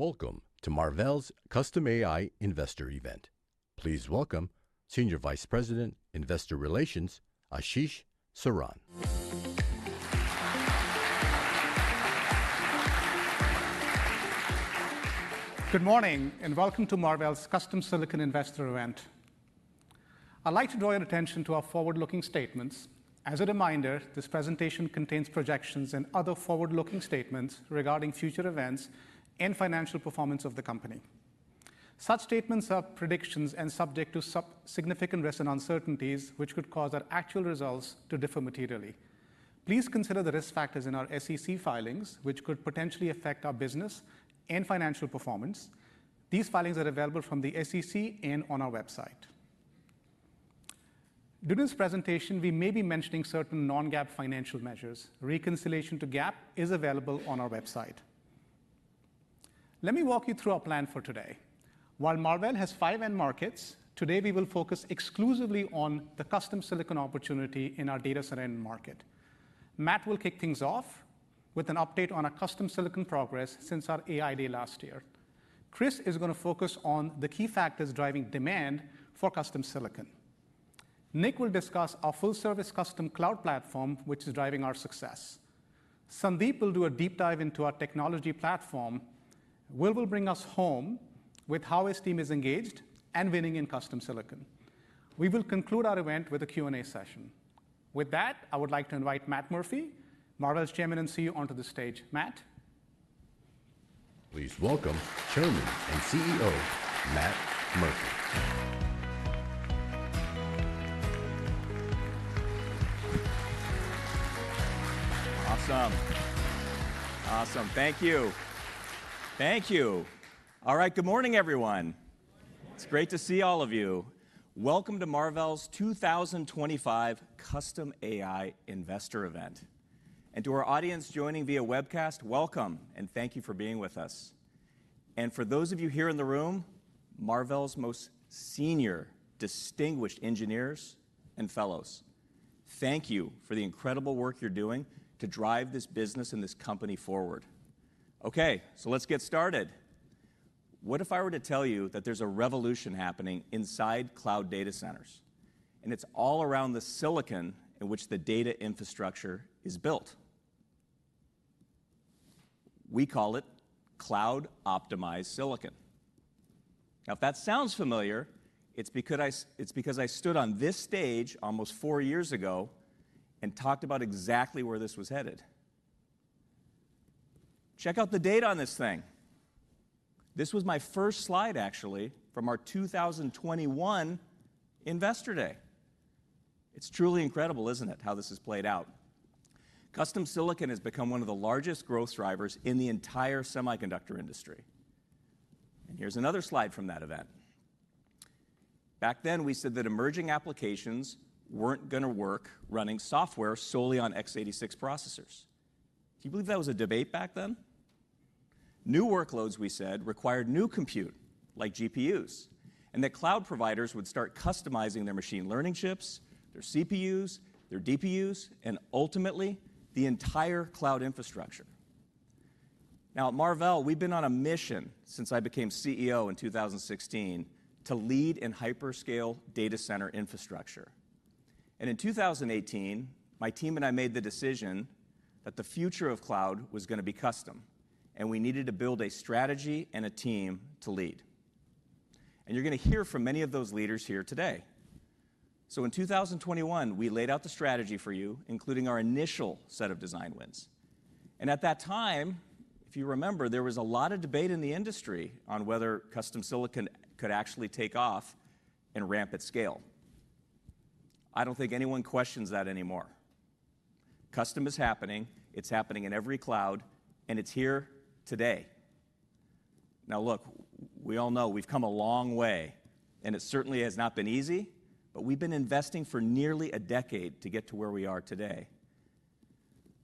Welcome to Marvell's Custom AI Investor Event. Please welcome Senior Vice President, Investor Relations, Ashish Saran. Good morning and welcome to Marvell's custom silicon investor event. I'd like to draw your attention to our forward-looking statements. As a reminder, this presentation contains projections and other forward-looking statements regarding future events and financial performance of the company. Such statements are predictions and subject to significant risks and uncertainties, which could cause our actual results to differ materially. Please consider the risk factors in our SEC filings, which could potentially affect our business and financial performance. These filings are available from the SEC and on our website. During this presentation, we may be mentioning certain non-GAAP financial measures. Reconciliation to GAAP is available on our website. Let me walk you through our plan for today. While Marvell has five end markets, today, we will focus exclusively on the custom silicon opportunity in our data center end market. Matt will kick things off with an update on our custom silicon progress since our AI Day last year. Chris is going to focus on the key factors driving demand for custom silicon. Nick will discuss our full-service custom cloud platform, which is driving our success. Sandeep will do a deep dive into our technology platform. Will will bring us home with how his team is engaged and winning in custom silicon. We will conclude our event with a Q&A session. With that, I would like to invite Matt Murphy, Marvell's Chairman and CEO, onto the stage. Matt? Please welcome Chairman and CEO Matt Murphy. Awesome. Thank you. Thank you. All right, good morning, everyone. It's great to see all of you. Welcome to Marvell's 2025 Custom AI Investor Event. And to our audience joining via webcast, welcome and thank you for being with us. For those of you here in the room, Marvell's most senior distinguished engineers and fellows, thank you for the incredible work you're doing to drive this business and this company forward. Okay, so let's get started. What if I were to tell you that there's a revolution happening inside cloud data centers? And it's all around the silicon in which the data infrastructure is built. We call it cloud-optimized silicon. If that sounds familiar, it's because I stood on this stage almost four years ago and talked about exactly where this was headed. Check out the data on this thing. This was my first slide, actually, from our 2021 Investor Day. It is truly incredible, is it not, how this has played out? Custom silicon has become one of the largest growth drivers in the entire semiconductor industry. Here is another slide from that event. Back then, we said that emerging applications were not going to work running software solely on x86 processors. Do you believe that was a debate back then? New workloads, we said, required new compute like GPUs, and that cloud providers would start customizing their machine learning chips, their CPUs, their DPUs, and ultimately, the entire cloud infrastructure. Now, at Marvell, we have been on a mission since I became CEO in 2016 to lead in hyperscale data center infrastructure. In 2018, my team and I made the decision that the future of cloud was going to be custom, and we needed to build a strategy and a team to lead. You're going to hear from many of those leaders here today. In 2021, we laid out the strategy for you, including our initial set of design wins. At that time, if you remember, there was a lot of debate in the industry on whether custom silicon could actually take off and ramp at scale. I don't think anyone questions that anymore. Custom is happening. It's happening in every cloud, and it's here today. Now, look, we all know we've come a long way, and it certainly has not been easy, but we've been investing for nearly a decade to get to where we are today.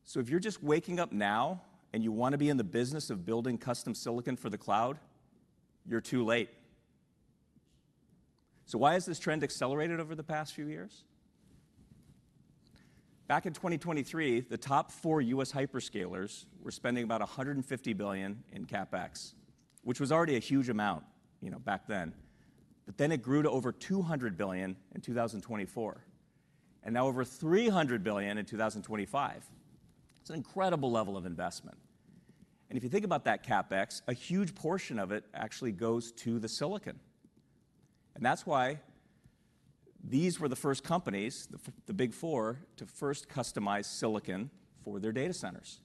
So, if you're just waking up now and you want to be in the business of building custom silicon for the cloud, you're too late. So, why has this trend accelerated over the past few years? Back in 2023, the top four U.S. hyperscalers were spending about $150 billion in CapEx, which was already a huge amount back then. Then, it grew to over $200 billion in 2024, and now over $300 billion in 2025. It's an incredible level of investment. If you think about that CapEx, a huge portion of it actually goes to the silicon. That's why, these were the first companies, the big four, to first customize silicon for their data centers.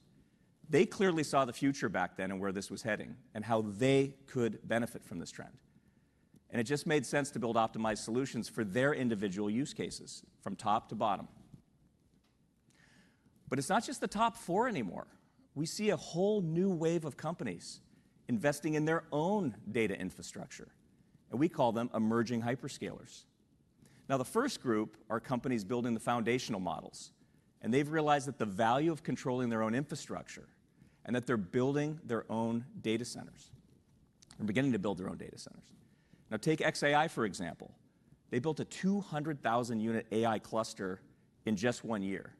They clearly saw the future back then and where this was heading and how they could benefit from this trend. It just made sense to build optimized solutions for their individual use cases from top to bottom. It's not just the top four anymore. We see a whole new wave of companies investing in their own data infrastructure, and we call them emerging hyperscalers. Now, the first group are companies building the foundational models, and they've realized the value of controlling their own infrastructure and that they're building their own data centers and beginning to build their own data centers. Take xAI, for example. They built a 200,000-unit AI cluster in just one year,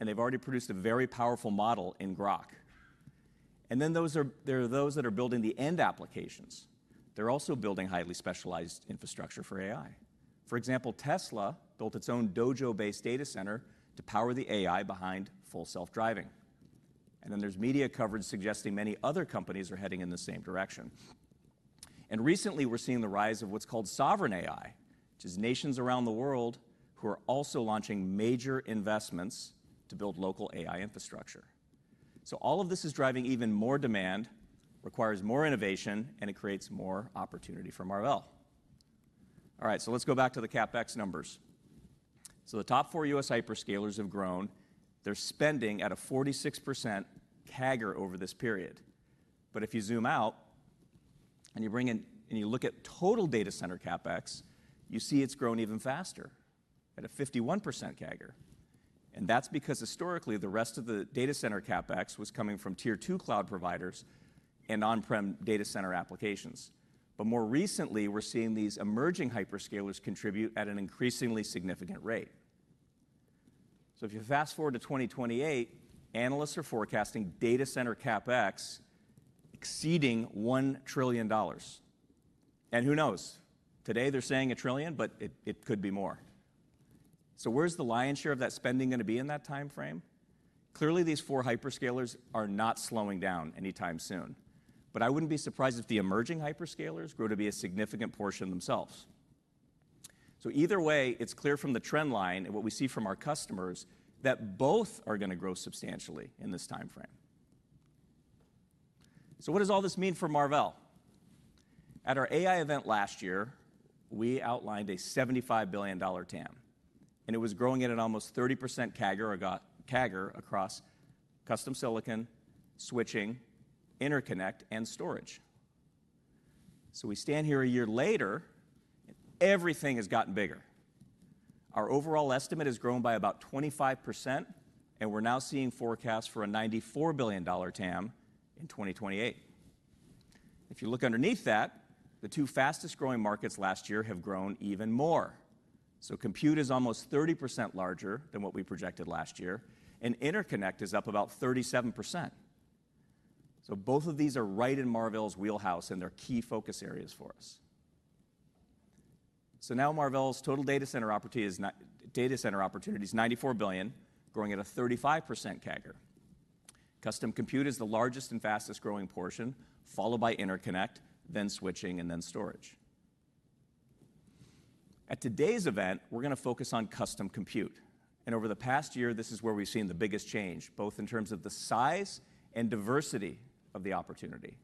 and they've already produced a very powerful model in Grok. Then, there are those that are building the end applications. They're also building highly specialized infrastructure for AI. For example, Tesla built its own Dojo-based data center to power the AI behind full self-driving. And then there is media coverage suggesting many other companies are heading in the same direction. Recently, we are seeing the rise of what is called sovereign AI, which is nations around the world who are also launching major investments to build local AI infrastructure. All of this is driving even more demand, requires more innovation, and it creates more opportunity for Marvell. All right, let us go back to the CapEx numbers. The top four U.S. hyperscalers have grown. They are spending at a 46% CAGR over this period. But if you zoom out and you bring in, and you look at total data center CapEx, you see it has grown even faster at a 51% CAGR. That is because historically, the rest of the data center CapEx was coming from Tier 2 cloud providers and on-prem data center applications. More recently, we're seeing these emerging hyperscalers contribute at an increasingly significant rate. If you fast forward to 2028, analysts are forecasting data center CapEx exceeding $1 trillion. And who knows? Today, they're saying $1 trillion, but it could be more. So, where's the lion's share of that spending going to be in that time frame? Clearly, these four hyperscalers are not slowing down anytime soon, but I wouldn't be surprised if the emerging hyperscalers grow to be a significant portion themselves. Either way, it's clear from the trend line and what we see from our customers that both are going to grow substantially in this time frame. So, what does all this mean for Marvell? At our AI Event last year, we outlined a $75 billion TAM, and it was growing at an almost 30% CAGR across custom silicon, switching, interconnect, and storage. We stand here a year later, and everything has gotten bigger. Our overall estimate has grown by about 25%, and we're now seeing forecasts for a $94 billion TAM in 2028. If you look underneath that, the two fastest growing markets last year have grown even more. Compute is almost 30% larger than what we projected last year, and interconnect is up about 37%. Both of these are right in Marvell's wheelhouse and their key focus areas for us. So now, Marvell's total data center opportunity is $94 billion, growing at a 35% CAGR. Custom compute is the largest and fastest growing portion, followed by interconnect, then switching, and then storage. At today's event, we're going to focus on custom compute. Over the past year, this is where we've seen the biggest change, both in terms of the size and diversity of the opportunity.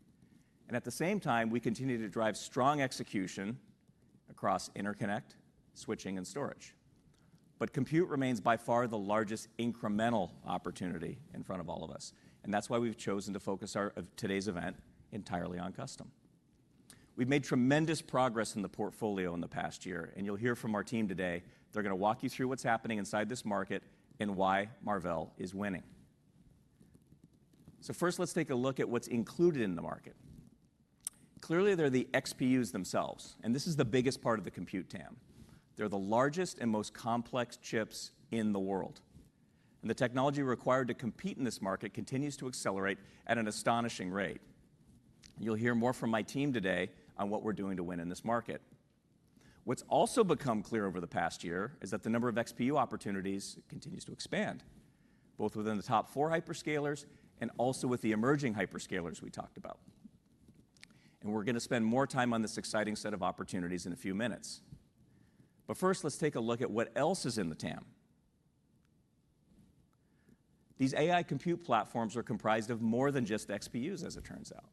At the same time, we continue to drive strong execution across interconnect, switching, and storage. But compute remains by far the largest incremental opportunity in front of all of us. That is why we have chosen to focus our today's event entirely on custom. We have made tremendous progress in the portfolio in the past year, and you will hear from our team today. They are going to walk you through what is happening inside this market and why Marvell is winning. First, let us take a look at what is included in the market. Clearly, there are the XPUs themselves, and this is the biggest part of the compute TAM. They are the largest and most complex chips in the world. The technology required to compete in this market continues to accelerate at an astonishing rate. You will hear more from my team today on what we are doing to win in this market. What's also become clear over the past year is that the number of XPU opportunities continues to expand, both within the top four hyperscalers and also with the emerging hyperscalers we talked about. We're going to spend more time on this exciting set of opportunities in a few minutes. First, let's take a look at what else is in the TAM. These AI compute platforms are comprised of more than just XPUs, as it turns out.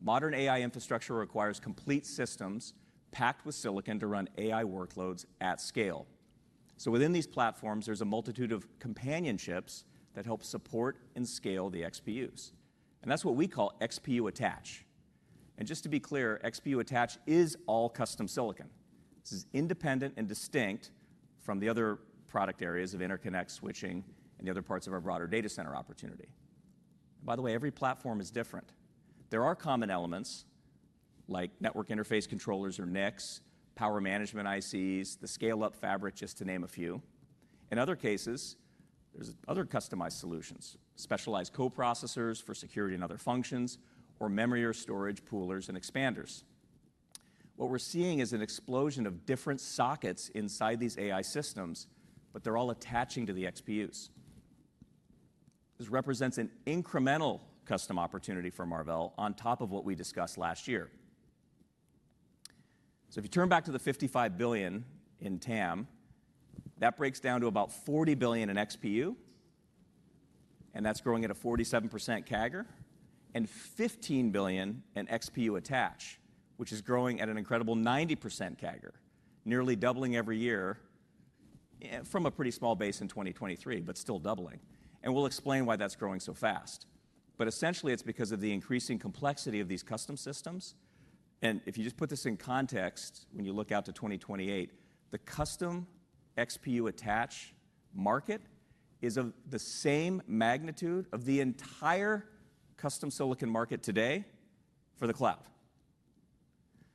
Modern AI infrastructure requires complete systems packed with silicon to run AI workloads at scale. Within these platforms, there's a multitude of companion chips that help support and scale the XPUs. That's what we call XPU attach. And just to be clear, XPU attach is all custom silicon. This is independent and distinct from the other product areas of interconnect, switching, and the other parts of our broader data center opportunity. By the way, every platform is different. There are common elements like network interface controllers or NICs, power management ICs, the scale-up fabric, just to name a few. In other cases, there's other customized solutions, specialized co-processors for security and other functions, or memory or storage poolers and expanders. What we're seeing is an explosion of different sockets inside these AI systems, but they're all attaching to the XPUs. This represents an incremental custom opportunity for Marvell on top of what we discussed last year. If you turn back to the $55 billion in TAM, that breaks down to about $40 billion in XPU, and that's growing at a 47% CAGR, and $15 billion in XPU attach, which is growing at an incredible 90% CAGR, nearly doubling every year from a pretty small base in 2023, but still doubling. We will explain why that's growing so fast. But essentially, it's because of the increasing complexity of these custom systems. If you just put this in context, when you look out to 2028, the custom XPU attach market is of the same magnitude of the entire custom silicon market today for the cloud.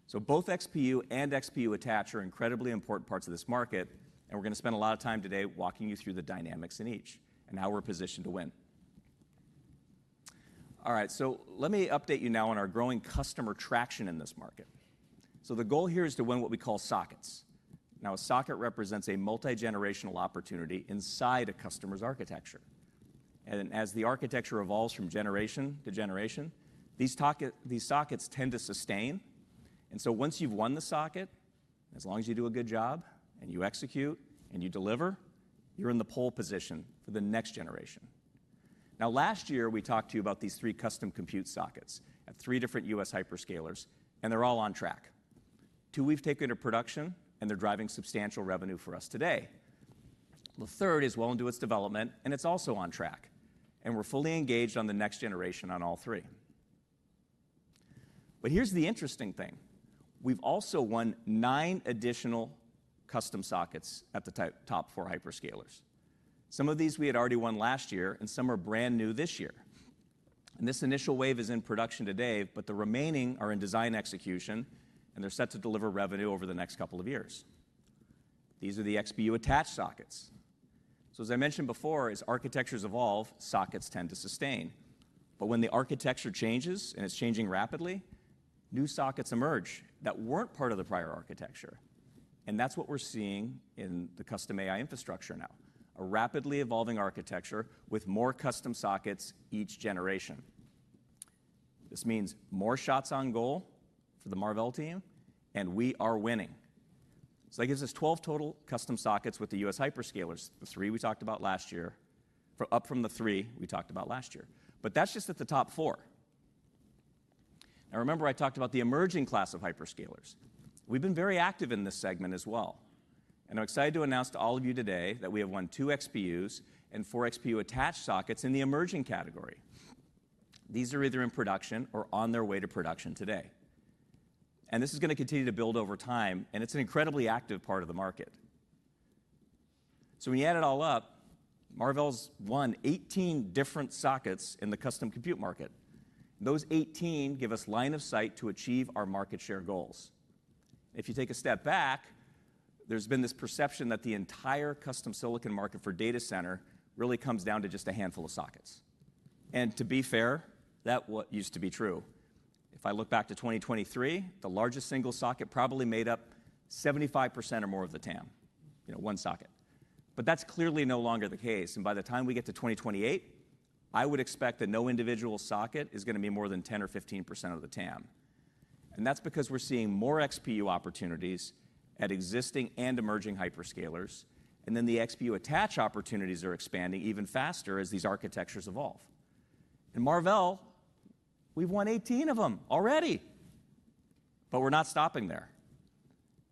So, both XPU and XPU attach are incredibly important parts of this market, and we're going to spend a lot of time today walking you through the dynamics in each and how we're positioned to win. All right, so let me update you now on our growing customer traction in this market. The goal here is to win what we call sockets. A socket represents a multi-generational opportunity inside a customer's architecture. As the architecture evolves from generation to generation, these sockets tend to sustain. Once you've won the socket, as long as you do a good job and you execute and you deliver, you're in the pole position for the next generation. Last year, we talked to you about these three custom compute sockets at three different U.S. hyperscalers, and they're all on track. Two, we've taken to production, and they're driving substantial revenue for us today. The third is well into its development, and it's also on track. And we're fully engaged on the next generation on all three. But here's the interesting thing. We have also won nine additional custom sockets at the top four hyperscalers. Some of these we had already won last year, and some are brand new this year. This initial wave is in production today, but the remaining are in design execution, and they are set to deliver revenue over the next couple of years. These are the XPU attach sockets. As I mentioned before, as architectures evolve, sockets tend to sustain. But when the architecture changes and it is changing rapidly, new sockets emerge that were not part of the prior architecture. And that is what we are seeing in the custom AI infrastructure now, a rapidly evolving architecture with more custom sockets each generation. This means more shots on goal for the Marvell team, and we are winning. That gives us 12 total custom sockets with the U.S. hyperscalers, the three we talked about last year, up from the three we talked about last year. But that is just at the top four. Now, remember I talked about the emerging class of hyperscalers. We have been very active in this segment as well. I am excited to announce to all of you today that we have won two XPUs and four XPU attach sockets in the emerging category. These are either in production or on their way to production today. This is going to continue to build over time, and it is an incredibly active part of the market. When you add it all up, Marvell's won 18 different sockets in the custom compute market. Those 18 give us line of sight to achieve our market share goals. If you take a step back, there's been this perception that the entire custom silicon market for data center really comes down to just a handful of sockets. And to be fair, that used to be true. If I look back to 2023, the largest single socket probably made up 75% or more of the TAM, one socket. But that's clearly no longer the case. By the time we get to 2028, I would expect that no individual socket is going to be more than 10% or 15% of the TAM. That's because we're seeing more XPU opportunities at existing and emerging hyperscalers. And then, the XPU attach opportunities are expanding even faster as these architectures evolve. At Marvell, we've won 18 of them already. But we're not stopping there.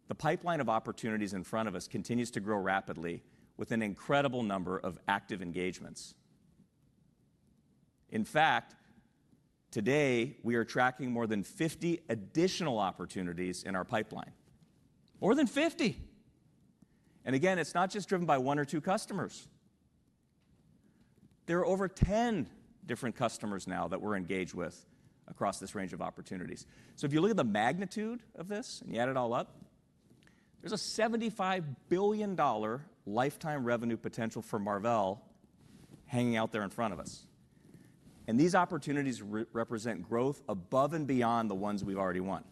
The pipeline of opportunities in front of us continues to grow rapidly with an incredible number of active engagements. In fact, today, we are tracking more than 50 additional opportunities in our pipeline. More than 50. And again, it is not just driven by one or two customers. There are over 10 different customers now that we are engaged with across this range of opportunities. If you look at the magnitude of this and you add it all up, there is a $75 billion lifetime revenue potential for Marvell hanging out there in front of us. These opportunities represent growth above and beyond the ones we have already won.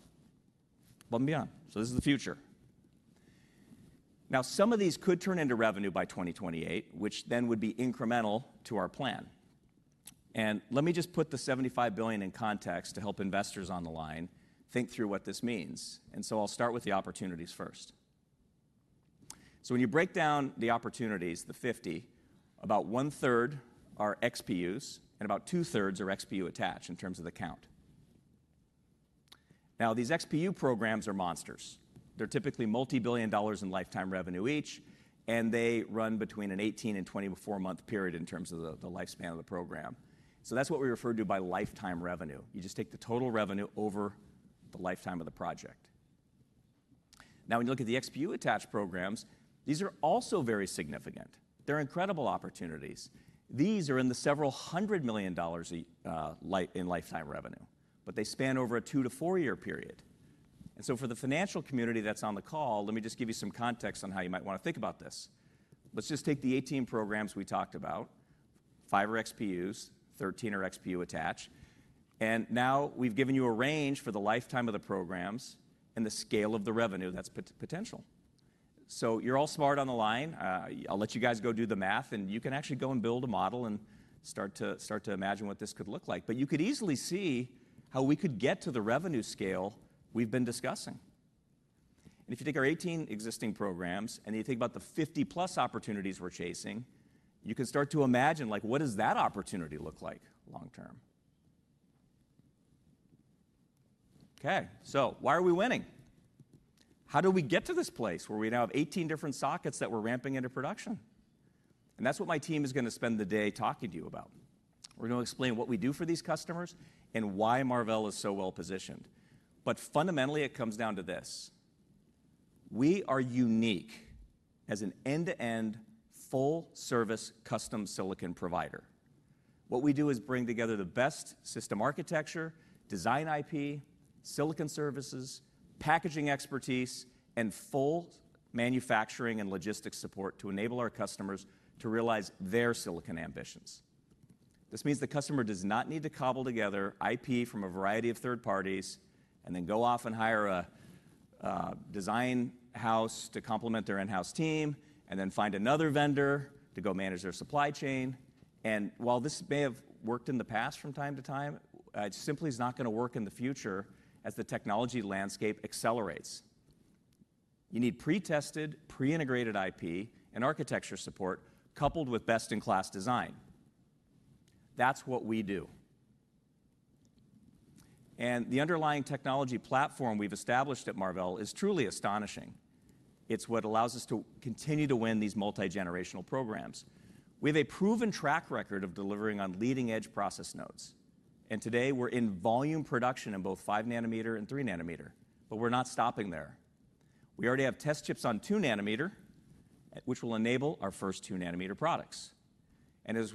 Above and beyond. This is the future. Now, some of these could turn into revenue by 2028, which then would be incremental to our plan. Let me just put the $75 billion in context to help investors on the line think through what this means. I'll start with the opportunities first. When you break down the opportunities, the 50, about 1/3 are XPUs and about 2/3 are XPU attach in terms of the count. Now, these XPU programs are monsters. They're typically multi-billion dollars in lifetime revenue each, and they run between an 18-24 month period in terms of the lifespan of the program. That's what we refer to by lifetime revenue. You just take the total revenue over the lifetime of the project. Now, when you look at the XPU attach programs, these are also very significant. They're incredible opportunities. These are in the several hundred million dollars in lifetime revenue, but they span over a two- to four-year period. For the financial community that is on the call, let me just give you some context on how you might want to think about this. Let's just take the 18 programs we talked about, five are XPUs, 13 are XPU attach. And now, we have given you a range for the lifetime of the programs and the scale of the revenue that is potential. You are all smart on the line. I will let you guys go do the math, and you can actually go and build a model and start to imagine what this could look like. But you could easily see how we could get to the revenue scale we have been discussing. If you take our 18 existing programs and you think about the 50+ opportunities we are chasing, you can start to imagine what that opportunity looks like long-term. Okay, so why are we winning? How do we get to this place where we now have 18 different sockets that we're ramping into production? That is what my team is going to spend the day talking to you about. We're going to explain what we do for these customers and why Marvell is so well-positioned. But fundamentally, it comes down to this. We are unique as an end-to-end full-service custom silicon provider. What we do is bring together the best system architecture, design IP, silicon services, packaging expertise, and full manufacturing and logistics support to enable our customers to realize their silicon ambitions. This means the customer does not need to cobble together IP from a variety of third parties and then go off and hire a design house to complement their in-house team and then find another vendor to go manage their supply chain. While this may have worked in the past from time to time, it simply is not going to work in the future as the technology landscape accelerates. You need pre-tested, pre-integrated IP and architecture support coupled with best-in-class design. That is what we do. The underlying technology platform we have established at Marvell is truly astonishing. It is what allows us to continue to win these multi-generational programs. We have a proven track record of delivering on leading-edge process nodes. Today, we are in volume production in both 5 nm and 3 nm. But we are not stopping there. We already have test chips on 2 nm, which will enable our first 2-nm products.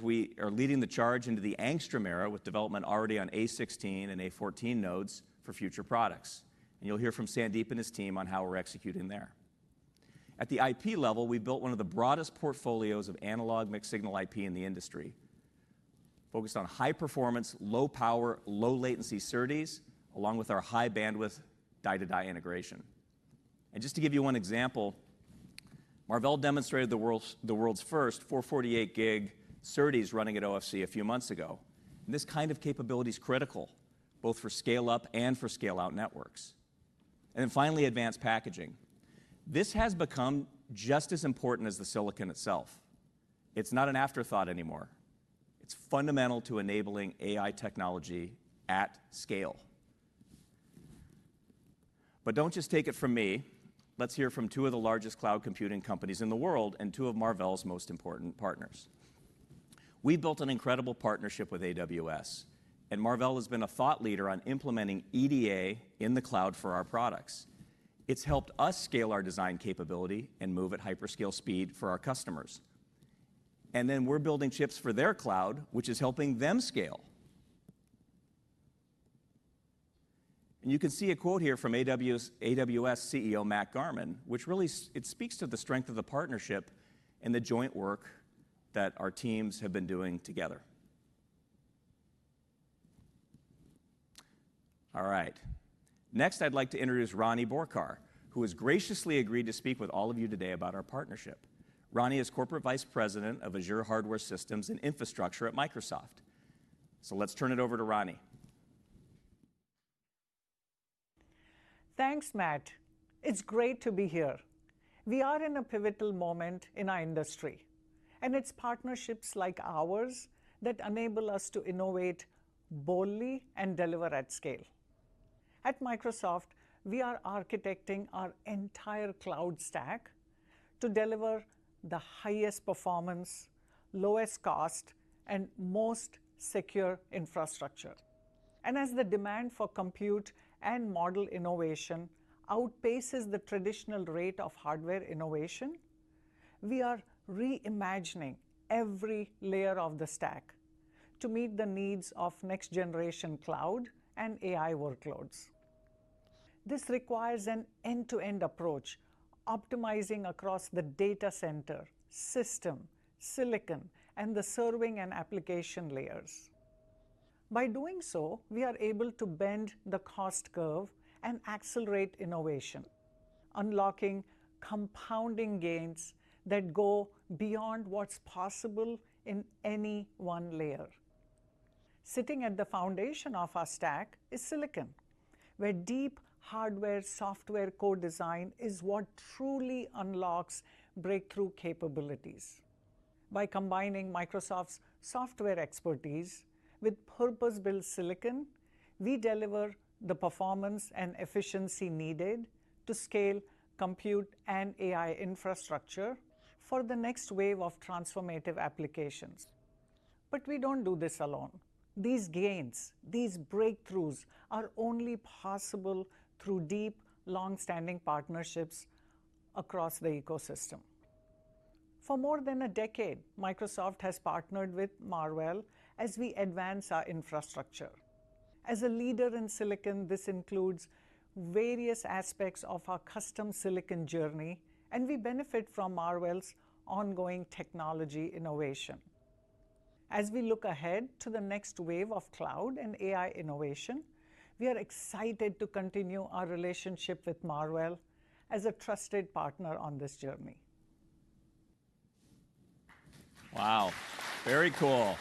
We are leading the charge into the Angstrom era with development already on A16 and A14 nodes for future products. You will hear from Sandeep and his team on how we are executing there. At the IP level, we built one of the broadest portfolios of analog mixed signal IP in the industry, focused on high-performance, low-power, low-latency SerDes, along with our high-bandwidth die-to-die integration. Just to give you one example, Marvell demonstrated the world's first 448 Gbps SerDes running at OFC a few months ago. This kind of capability is critical both for scale-up and for scale-out networks. Finally, advanced packaging. This has become just as important as the silicon itself. It is not an afterthought anymore. It is fundamental to enabling AI technology at scale. But do not just take it from me. Let's hear from two of the largest cloud computing companies in the world and two of Marvell's most important partners. We built an incredible partnership with AWS, and Marvell has been a thought leader on implementing EDA in the cloud for our products. It's helped us scale our design capability and move at hyperscale speed for our customers. And then, we're building chips for their cloud, which is helping them scale. You can see a quote here from AWS CEO Matt Garman, which really speaks to the strength of the partnership and the joint work that our teams have been doing together. All right. Next, I'd like to introduce Rani Borkar, who has graciously agreed to speak with all of you today about our partnership. Rani is Corporate Vice President of Azure Hardware Systems and Infrastructure at Microsoft. Let's turn it over to Rani. Thanks, Matt. It's great to be here. We are in a pivotal moment in our industry, and it's partnerships like ours that enable us to innovate boldly and deliver at scale. At Microsoft, we are architecting our entire cloud stack to deliver the highest performance, lowest cost, and most secure infrastructure. And as the demand for compute and model innovation outpaces the traditional rate of hardware innovation, we are reimagining every layer of the stack to meet the needs of next-generation cloud and AI workloads. This requires an end-to-end approach, optimizing across the data center, system, silicon, and the serving and application layers. By doing so, we are able to bend the cost curve and accelerate innovation, unlocking compounding gains that go beyond what's possible in any one layer. Sitting at the foundation of our stack is silicon, where deep hardware-software co-design is what truly unlocks breakthrough capabilities. By combining Microsoft's software expertise with purpose-built silicon, we deliver the performance and efficiency needed to scale compute and AI infrastructure for the next wave of transformative applications. But we do not do this alone. These gains, these breakthroughs are only possible through deep, long-standing partnerships across the ecosystem. For more than a decade, Microsoft has partnered with Marvell as we advance our infrastructure. As a leader in silicon, this includes various aspects of our custom silicon journey, and we benefit from Marvell's ongoing technology innovation. As we look ahead to the next wave of cloud and AI innovation, we are excited to continue our relationship with Marvell as a trusted partner on this journey. Wow. Very cool.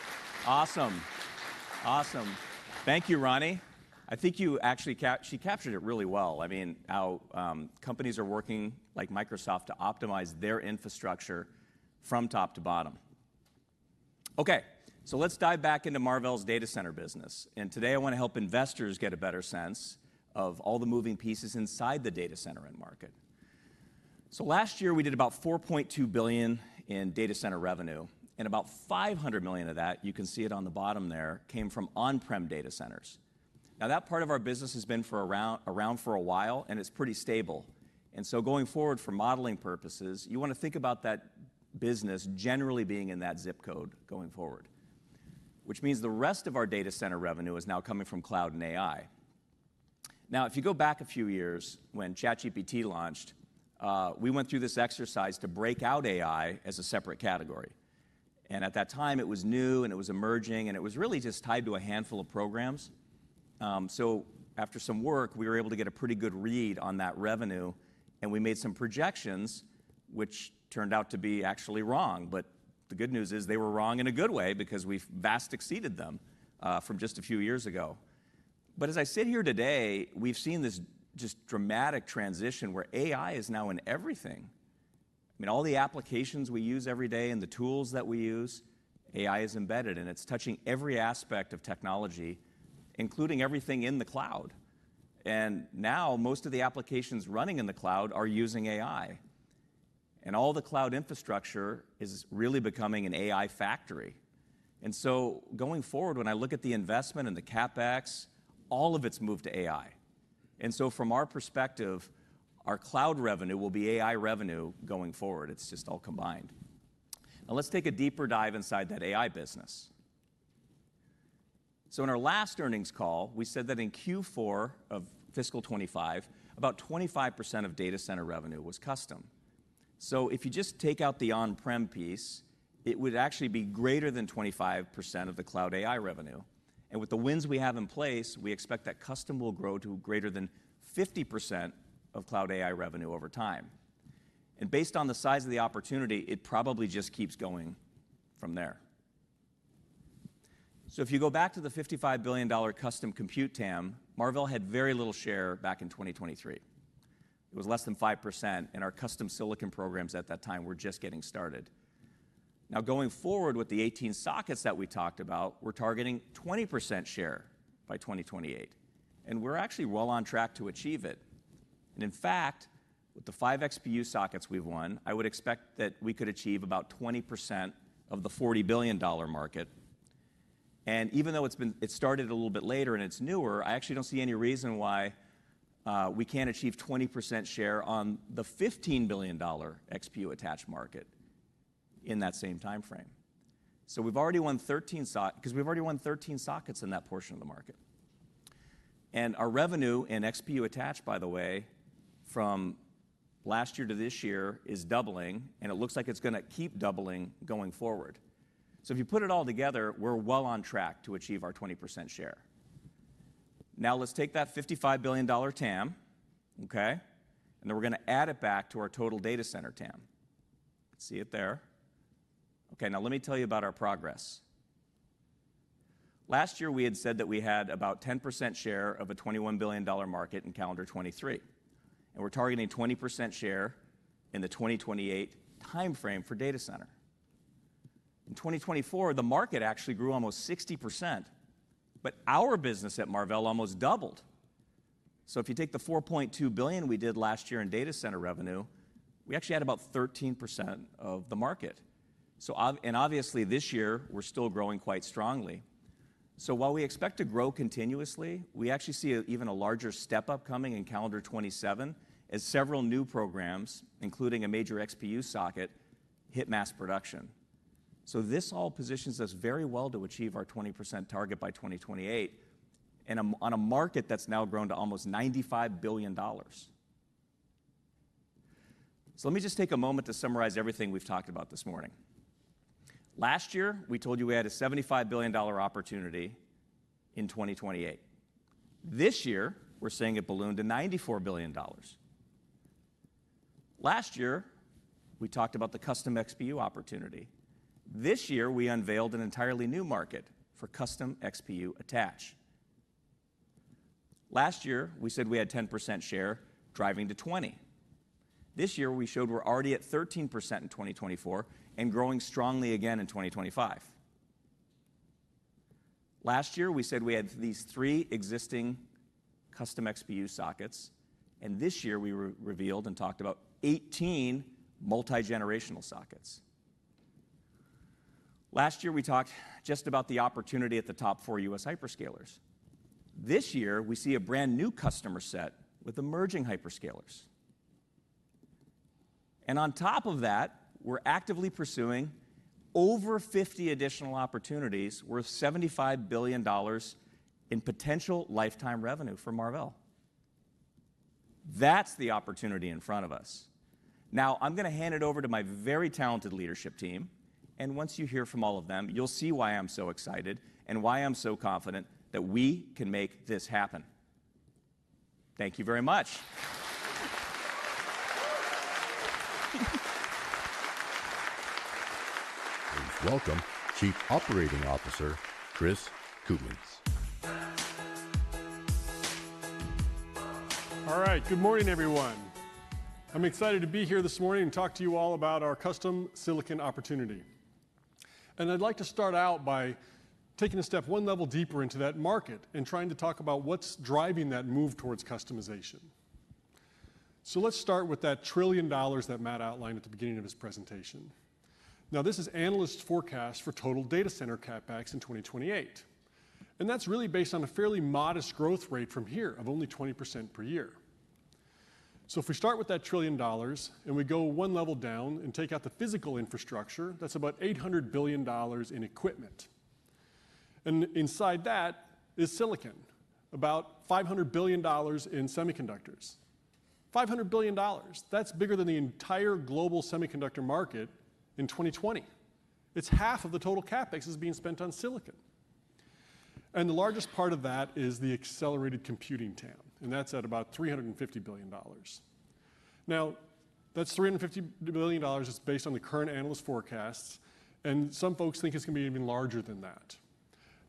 Awesome. Awesome. Thank you, Rani. I think you actually captured it really well, I mean, how companies are working like Microsoft to optimize their infrastructure from top to bottom. Okay, let's dive back into Marvell's data center business. Today, I want to help investors get a better sense of all the moving pieces inside the data center end market. Last year, we did about $4.2 billion in data center revenue, and about $500 million of that, you can see it on the bottom there, came from on-prem data centers. That part of our business has been around for a while, and it's pretty stable. Going forward, for modeling purposes, you want to think about that business generally being in that zip code going forward, which means the rest of our data center revenue is now coming from cloud and AI. Now, if you go back a few years when ChatGPT launched, we went through this exercise to break out AI as a separate category. At that time, it was new, and it was emerging, and it was really just tied to a handful of programs. After some work, we were able to get a pretty good read on that revenue, and we made some projections, which turned out to be actually wrong. But the good news is they were wrong in a good way because we have vastly exceeded them from just a few years ago. As I sit here today, we have seen this just dramatic transition where AI is now in everything. I mean, all the applications we use every day and the tools that we use, AI is embedded, and it is touching every aspect of technology, including everything in the cloud. And now, most of the applications running in the cloud are using AI. All the cloud infrastructure is really becoming an AI factory. So, going forward, when I look at the investment and the CapEx, all of it has moved to AI. From our perspective, our cloud revenue will be AI revenue going forward. It is just all combined. Now, let's take a deeper dive inside that AI business. In our last earnings call, we said that in Q4 of fiscal 2025, about 25% of data center revenue was custom. If you just take out the on-prem piece, it would actually be greater than 25% of the cloud AI revenue. With the wins we have in place, we expect that custom will grow to greater than 50% of cloud AI revenue over time. Based on the size of the opportunity, it probably just keeps going from there. If you go back to the $55 billion custom compute TAM, Marvell had very little share back in 2023. It was less than 5%, and our custom silicon programs at that time were just getting started. Now, going forward with the 18 sockets that we talked about, we're targeting a 20% share by 2028. And we're actually well on track to achieve it. In fact, with the five XPU sockets we've won, I would expect that we could achieve about 20% of the $40 billion market. And even though it started a little bit later and it's newer, I actually don't see any reason why we can't achieve a 20% share on the $15 billion XPU attach market in that same timeframe. We've already won 13 sockets in that portion of the market. Our revenue in XPU attach, by the way, from last year to this year is doubling, and it looks like it's going to keep doubling going forward. If you put it all together, we're well on track to achieve our 20% share. Now, let's take that $55 billion TAM, okay? Then we're going to add it back to our total data center TAM. See it there? Okay, now let me tell you about our progress. Last year, we had said that we had about a 10% share of a $21 billion market in calendar 2023. We're targeting a 20% share in the 2028 timeframe for data center. In 2024, the market actually grew almost 60%, but our business at Marvell almost doubled. If you take the $4.2 billion we did last year in data center revenue, we actually had about 13% of the market. Obviously, this year, we're still growing quite strongly. While we expect to grow continuously, we actually see even a larger step up coming in calendar 2027 as several new programs, including a major XPU socket, hit mass production. This all positions us very well to achieve our 20% target by 2028 on a market that's now grown to almost $95 billion. Let me just take a moment to summarize everything we've talked about this morning. Last year, we told you we had a $75 billion opportunity in 2028. This year, we're saying it ballooned to $94 billion. Last year, we talked about the custom XPU opportunity. This year, we unveiled an entirely new market for custom XPU attach. Last year, we said we had a 10% share driving to 20%. This year, we showed we're already at 13% in 2024 and growing strongly again in 2025. Last year, we said we had these three existing custom XPU sockets, and this year, we revealed and talked about 18 multi-generational sockets. Last year, we talked just about the opportunity at the top four U.S. hyperscalers. This year, we see a brand new customer set with emerging hyperscalers. On top of that, we're actively pursuing over 50 additional opportunities worth $75 billion in potential lifetime revenue for Marvell. That's the opportunity in front of us. Now, I'm going to hand it over to my very talented leadership team, and once you hear from all of them, you'll see why I'm so excited and why I'm so confident that we can make this happen. Thank you very much. Please welcome Chief Operating Officer Chris Koopmans. All right, good morning, everyone. I'm excited to be here this morning and talk to you all about our custom silicon opportunity. I'd like to start out by taking a step one level deeper into that market and trying to talk about what's driving that move towards customization. Let's start with that trillion dollars that Matt outlined at the beginning of his presentation. Now, this is analysts' forecast for total data center CapEx in 2028, and that's really based on a fairly modest growth rate from here of only 20% per year. If we start with that trillion dollars and we go one level down and take out the physical infrastructure, that's about $800 billion in equipment. Inside that is silicon, about $500 billion in semiconductors. $500 billion, that's bigger than the entire global semiconductor market in 2020. It's half of the total CapEx that's being spent on silicon. And the largest part of that is the accelerated computing TAM, and that's at about $350 billion. Now, that $350 billion is based on the current analyst forecasts, and some folks think it's going to be even larger than that.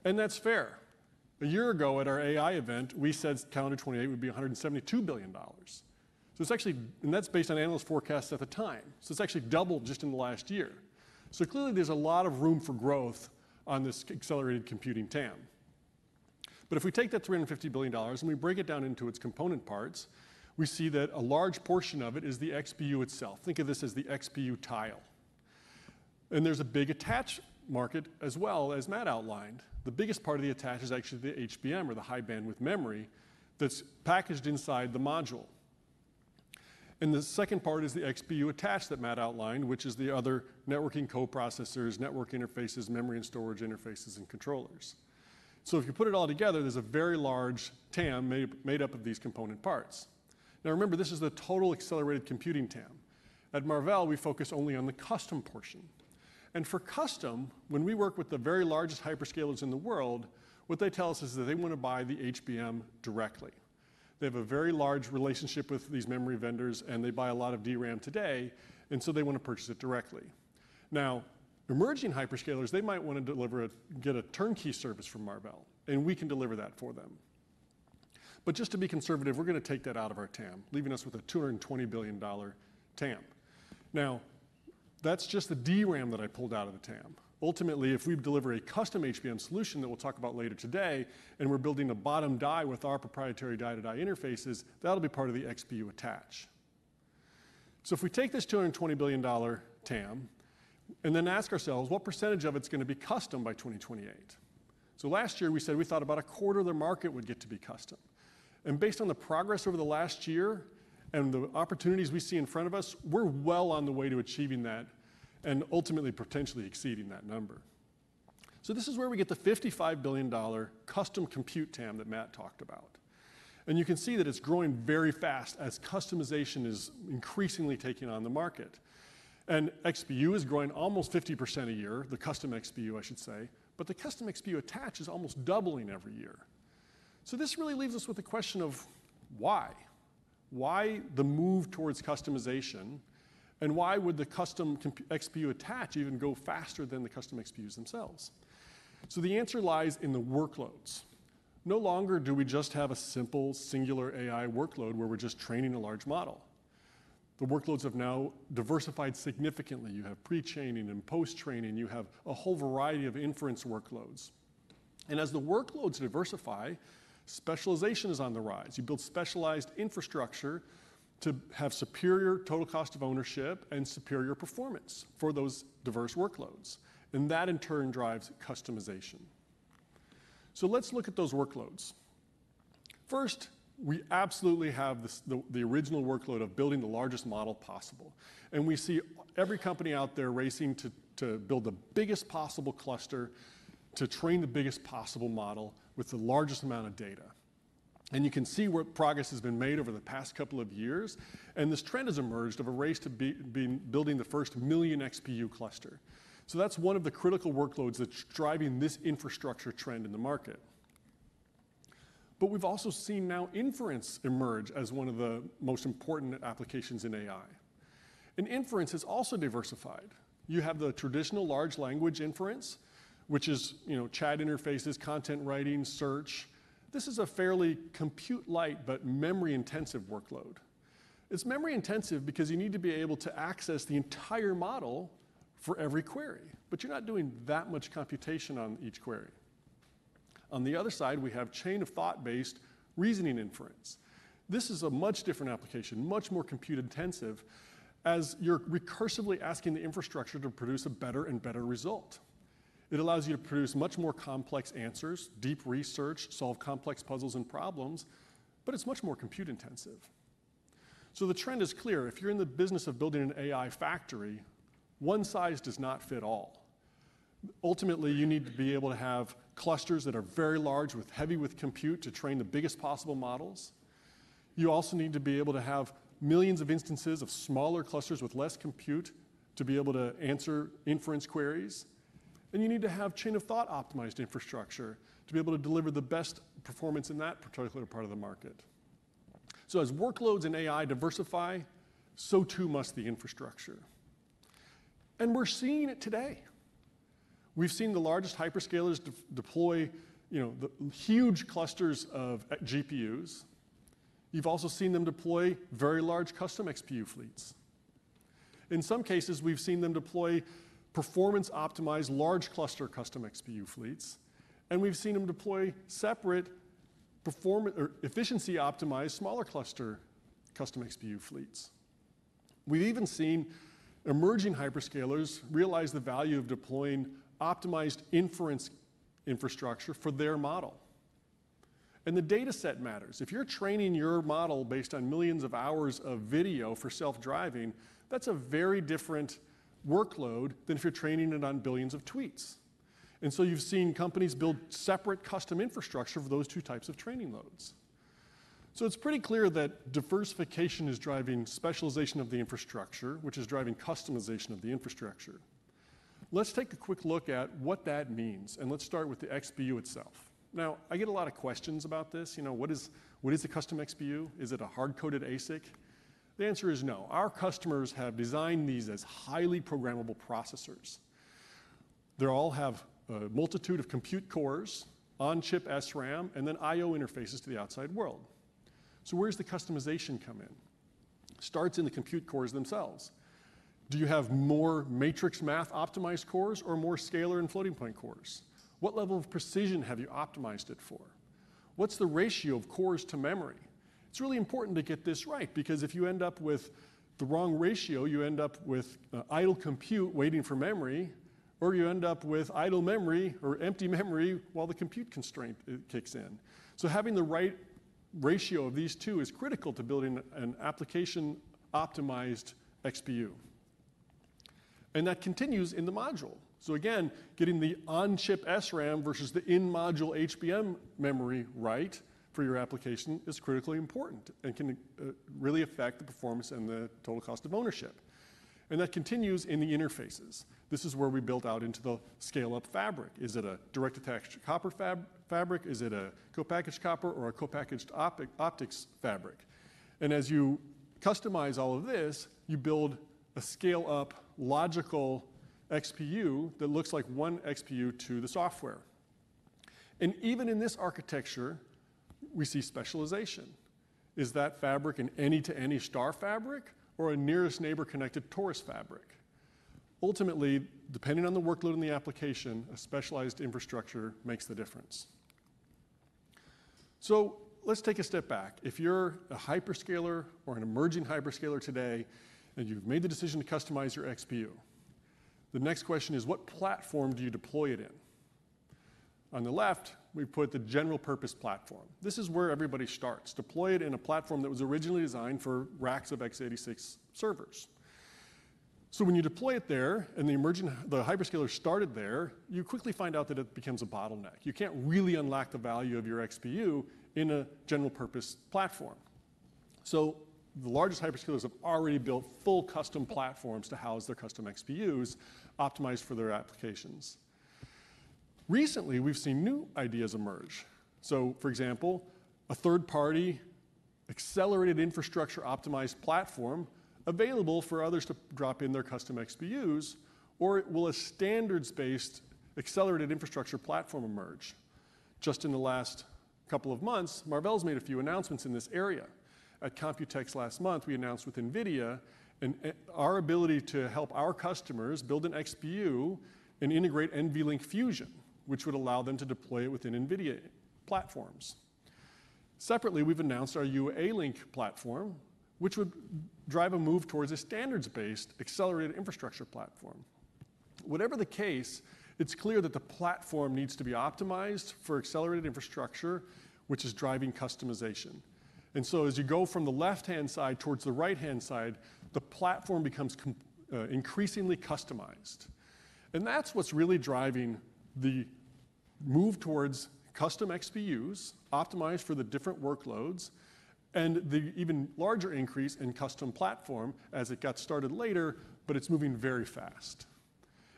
And that's fair. A year ago, at our AI Event, we said calendar 2028 would be $172 billion. That's based on analyst forecasts at the time. It's actually doubled just in the last year. So, clearly, there's a lot of room for growth on this accelerated computing TAM. If we take that $350 billion and we break it down into its component parts, we see that a large portion of it is the XPU itself. Think of this as the XPU tile. There's a big attach market as well, as Matt outlined. The biggest part of the attach is actually the HBM, or the high bandwidth memory, that's packaged inside the module. The second part is the XPU attach that Matt outlined, which is the other networking co-processors, network interfaces, memory and storage interfaces, and controllers. If you put it all together, there's a very large TAM made up of these component parts. Now, remember, this is the total accelerated computing TAM. At Marvell, we focus only on the custom portion. For custom, when we work with the very largest hyperscalers in the world, what they tell us is that they want to buy the HBM directly. They have a very large relationship with these memory vendors, and they buy a lot of DRAM today, and so they want to purchase it directly. Now, emerging hyperscalers, they might want to get a turnkey service from Marvell, and we can deliver that for them. But just to be conservative, we're going to take that out of our TAM, leaving us with a $220 billion TAM. Now, that's just the DRAM that I pulled out of the TAM. Ultimately, if we deliver a custom HBM solution that we'll talk about later today, and we're building a bottom die with our proprietary die-to-die interfaces, that'll be part of the XPU attach. If we take this $220 billion TAM and then ask ourselves what percentage of it's going to be custom by 2028. So last year, we said we thought about 1/4 of the market would get to be custom. Based on the progress over the last year and the opportunities we see in front of us, we're well on the way to achieving that and ultimately potentially exceeding that number. So, this is where we get the $55 billion custom compute TAM that Matt talked about. You can see that it is growing very fast as customization is increasingly taking on the market. XPU is growing almost 50% a year, the custom XPU, I should say, but the custom XPU attach is almost doubling every year. This really leaves us with the question of why. Why the move towards customization, and why would the custom XPU attach even go faster than the custom XPUs themselves? The answer lies in the workloads. No longer do we just have a simple, singular AI workload where we're just training a large model. The workloads have now diversified significantly. You have pre-training and post-training. You have a whole variety of inference workloads. As the workloads diversify, specialization is on the rise. You build specialized infrastructure to have superior total cost of ownership and superior performance for those diverse workloads. That, in turn, drives customization. Let's look at those workloads. First, we absolutely have the original workload of building the largest model possible. We see every company out there racing to build the biggest possible cluster to train the biggest possible model with the largest amount of data. You can see where progress has been made over the past couple of years. This trend has emerged of a race to be building the first million XPU cluster. That's one of the critical workloads that's driving this infrastructure trend in the market. We have also seen now inference emerge as one of the most important applications in AI. And inference has also diversified. You have the traditional large language inference, which is chat interfaces, content writing, search. This is a fairly compute-light but memory-intensive workload. It is memory-intensive because you need to be able to access the entire model for every query, but you are not doing that much computation on each query. On the other side, we have chain-of-thought-based reasoning inference. This is a much different application, much more compute-intensive, as you are recursively asking the infrastructure to produce a better and better result. It allows you to produce much more complex answers, deep research, solve complex puzzles and problems, but it is much more compute intensive. The trend is clear. If you are in the business of building an AI factory, one size does not fit all. Ultimately, you need to be able to have clusters that are very large with heavy compute to train the biggest possible models. You also need to be able to have millions of instances of smaller clusters with less compute to be able to answer inference queries. And you need to have chain-of-thought-optimized infrastructure to be able to deliver the best performance in that particular part of the market. As workloads and AI diversify, so too must the infrastructure. And we are seeing it today. We have seen the largest hyperscalers deploy huge clusters of GPUs. You have also seen them deploy very large custom XPU fleets. In some cases, we have seen them deploy performance-optimized large cluster custom XPU fleets. And we have seen them deploy separate efficiency-optimized smaller cluster custom XPU fleets. We have even seen emerging hyperscalers realize the value of deploying optimized inference infrastructure for their model. And the dataset matters. If you're training your model based on millions of hours of video for self-driving, that's a very different workload than if you're training it on billions of tweets. And so, you have seen companies build separate custom infrastructure for those two types of training loads. It is pretty clear that diversification is driving specialization of the infrastructure, which is driving customization of the infrastructure. Let's take a quick look at what that means, and let's start with the XPU itself. Now, I get a lot of questions about this. What is the custom XPU? Is it a hard-coded ASIC? The answer is no. Our customers have designed these as highly programmable processors. They all have a multitude of compute cores, on-chip SRAM, and then I/O interfaces to the outside world. So, where does the customization come in? It starts in the compute cores themselves. Do you have more matrix math optimized cores or more scalar and floating point cores? What level of precision have you optimized it for? What's the ratio of cores to memory? It's really important to get this right because if you end up with the wrong ratio, you end up with idle compute waiting for memory, or you end up with idle memory or empty memory while the compute constraint kicks in. Having the right ratio of these two is critical to building an application-optimized XPU. That continues in the module. Again, getting the on-chip SRAM versus the in-module HBM memory right for your application is critically important and can really affect the performance and the total cost of ownership. That continues in the interfaces. This is where we build out into the scale-up fabric. Is it a direct-attached copper fabric? Is it a co-packaged copper or a co-packaged optics fabric? As you customize all of this, you build a scale-up logical XPU that looks like one XPU to the software. And even in this architecture, we see specialization. Is that fabric an any-to-any star fabric or a nearest neighbor connected Torus fabric? Ultimately, depending on the workload and the application, a specialized infrastructure makes the difference. Let's take a step back. If you're a hyperscaler or an emerging hyperscaler today and you've made the decision to customize your XPU, the next question is, what platform do you deploy it in? On the left, we put the general-purpose platform. This is where everybody starts. Deploy it in a platform that was originally designed for racks of x86 servers. When you deploy it there and the hyperscaler started there, you quickly find out that it becomes a bottleneck. You can't really unlock the value of your XPU in a general-purpose platform. The largest hyperscalers have already built full custom platforms to house their custom XPUs optimized for their applications. Recently, we've seen new ideas emerge. For example, a third-party accelerated infrastructure optimized platform available for others to drop in their custom XPUs or will a standards-based accelerated infrastructure platform emerge. Just in the last couple of months, Marvell has made a few announcements in this area. At COMPUTEX last month, we announced with NVIDIA our ability to help our customers build an XPU and integrate NVLink Fusion, which would allow them to deploy it within NVIDIA platforms. Separately, we've announced our UALink platform, which would drive a move towards a standards-based accelerated infrastructure platform. Whatever the case, it's clear that the platform needs to be optimized for accelerated infrastructure, which is driving customization. So, as you go from the left-hand side towards the right-hand side, the platform becomes increasingly customized. That is what is really driving the move towards custom XPUs optimized for the different workloads and the even larger increase in custom platform as it got started later, but it is moving very fast.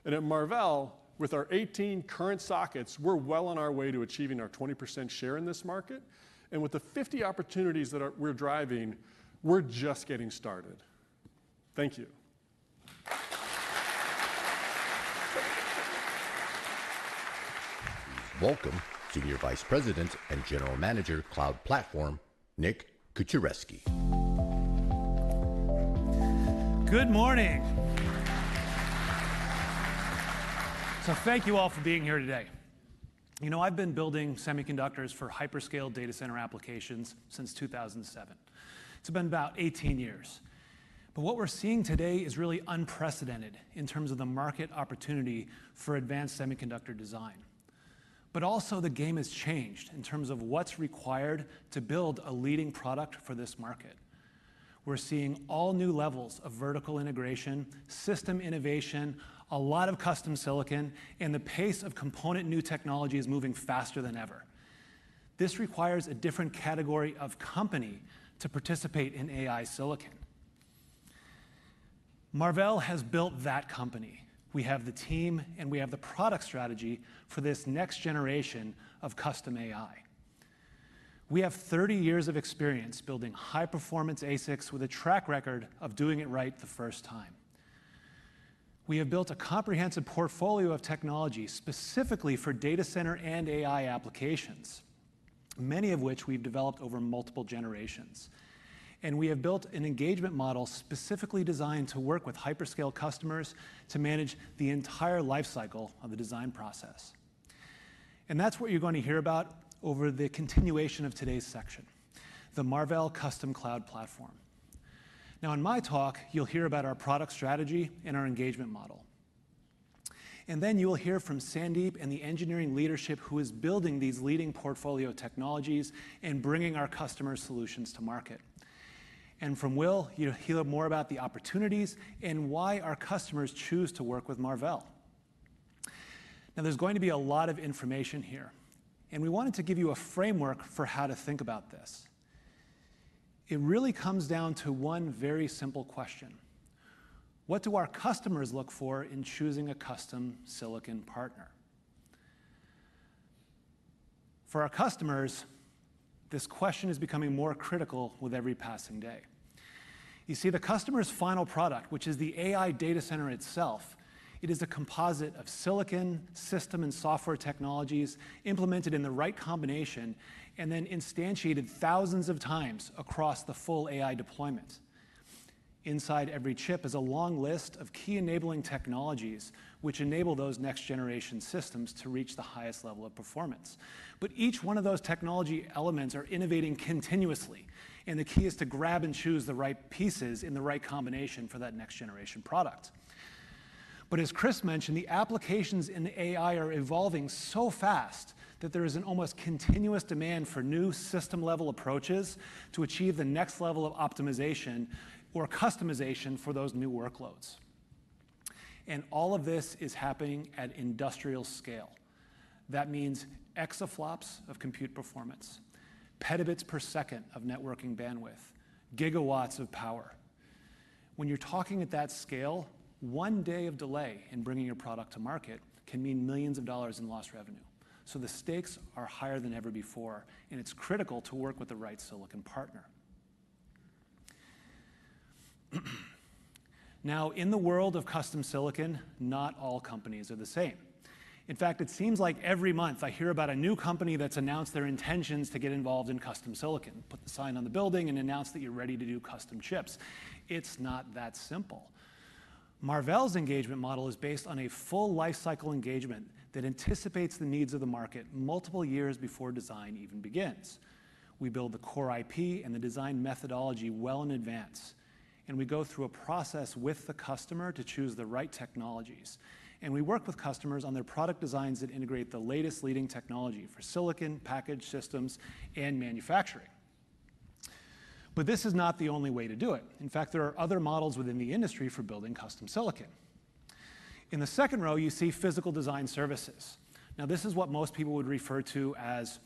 At Marvell, with our 18 current sockets, we are well on our way to achieving our 20% share in this market. And with the 50 opportunities that we are driving, we are just getting started. Thank you. Welcome, Senior Vice President and General Manager, Cloud Platform, Nick Kucharewski. Good morning. Thank you all for being here today. You know I've been building semiconductors for hyperscale data center applications since 2007. It's been about 18 years. What we're seeing today is really unprecedented in terms of the market opportunity for advanced semiconductor design. Also, the game has changed in terms of what's required to build a leading product for this market. We're seeing all new levels of vertical integration, system innovation, a lot of custom silicon, and the pace of component new technology is moving faster than ever. This requires a different category of company to participate in AI silicon. Marvell has built that company. We have the team, and we have the product strategy for this next generation of custom AI. We have 30 years of experience building high-performance ASICs with a track record of doing it right the first time. We have built a comprehensive portfolio of technology specifically for data center and AI applications, many of which we've developed over multiple generations. We have built an engagement model specifically designed to work with hyperscale customers to manage the entire lifecycle of the design process. That is what you're going to hear about over the continuation of today's section, the Marvell custom cloud platform. In my talk, you'll hear about our product strategy and our engagement model. Then, you will hear from Sandeep and the engineering leadership who is building these leading portfolio technologies and bringing our customer solutions to market. And from Will, you'll hear more about the opportunities and why our customers choose to work with Marvell. There is going to be a lot of information here. We wanted to give you a framework for how to think about this. It really comes down to one very simple question. What do our customers look for in choosing a custom silicon partner? For our customers, this question is becoming more critical with every passing day. You see, the customer's final product, which is the AI data center itself, is a composite of silicon system and software technologies implemented in the right combination and then instantiated thousands of times across the full AI deployment. Inside every chip is a long list of key enabling technologies which enable those next-generation systems to reach the highest level of performance. But each one of those technology elements is innovating continuously, and the key is to grab and choose the right pieces in the right combination for that next-generation product. As Chris mentioned, the applications in AI are evolving so fast that there is an almost continuous demand for new system-level approaches to achieve the next level of optimization or customization for those new workloads. And all of this is happening at industrial scale. That means exaflops of compute performance, petabits per second of networking bandwidth, gigawatts of power. When you're talking at that scale, one day of delay in bringing your product to market can mean millions of dollars in lost revenue. So, the stakes are higher than ever before, and it's critical to work with the right silicon partner. Now, in the world of custom silicon, not all companies are the same. In fact, it seems like every month I hear about a new company that's announced their intentions to get involved in custom silicon, put the sign on the building, and announce that you're ready to do custom chips. It's not that simple. Marvell's engagement model is based on a full lifecycle engagement that anticipates the needs of the market multiple years before design even begins. We build the core IP and the design methodology well in advance, and we go through a process with the customer to choose the right technologies. We work with customers on their product designs that integrate the latest leading technology for silicon package systems and manufacturing. But this is not the only way to do it. In fact, there are other models within the industry for building custom silicon. In the second row, you see physical design services. Now, this is what most people would refer to as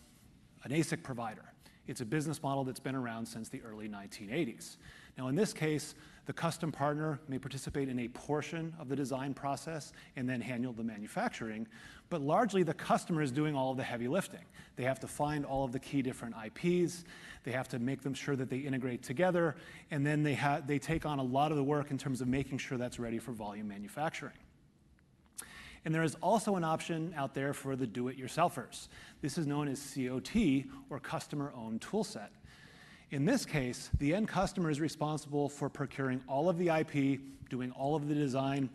an ASIC provider. It's a business model that's been around since the early 1980s. In this case, the custom partner may participate in a portion of the design process and then handle the manufacturing. But largely, the customer is doing all of the heavy lifting. They have to find all of the key different IPs. They have to make sure that they integrate together. Then, they take on a lot of the work in terms of making sure that's ready for volume manufacturing. There is also an option out there for the do-it-yourselfers. This is known as COT or customer-owned toolset. In this case, the end customer is responsible for procuring all of the IP, doing all of the design,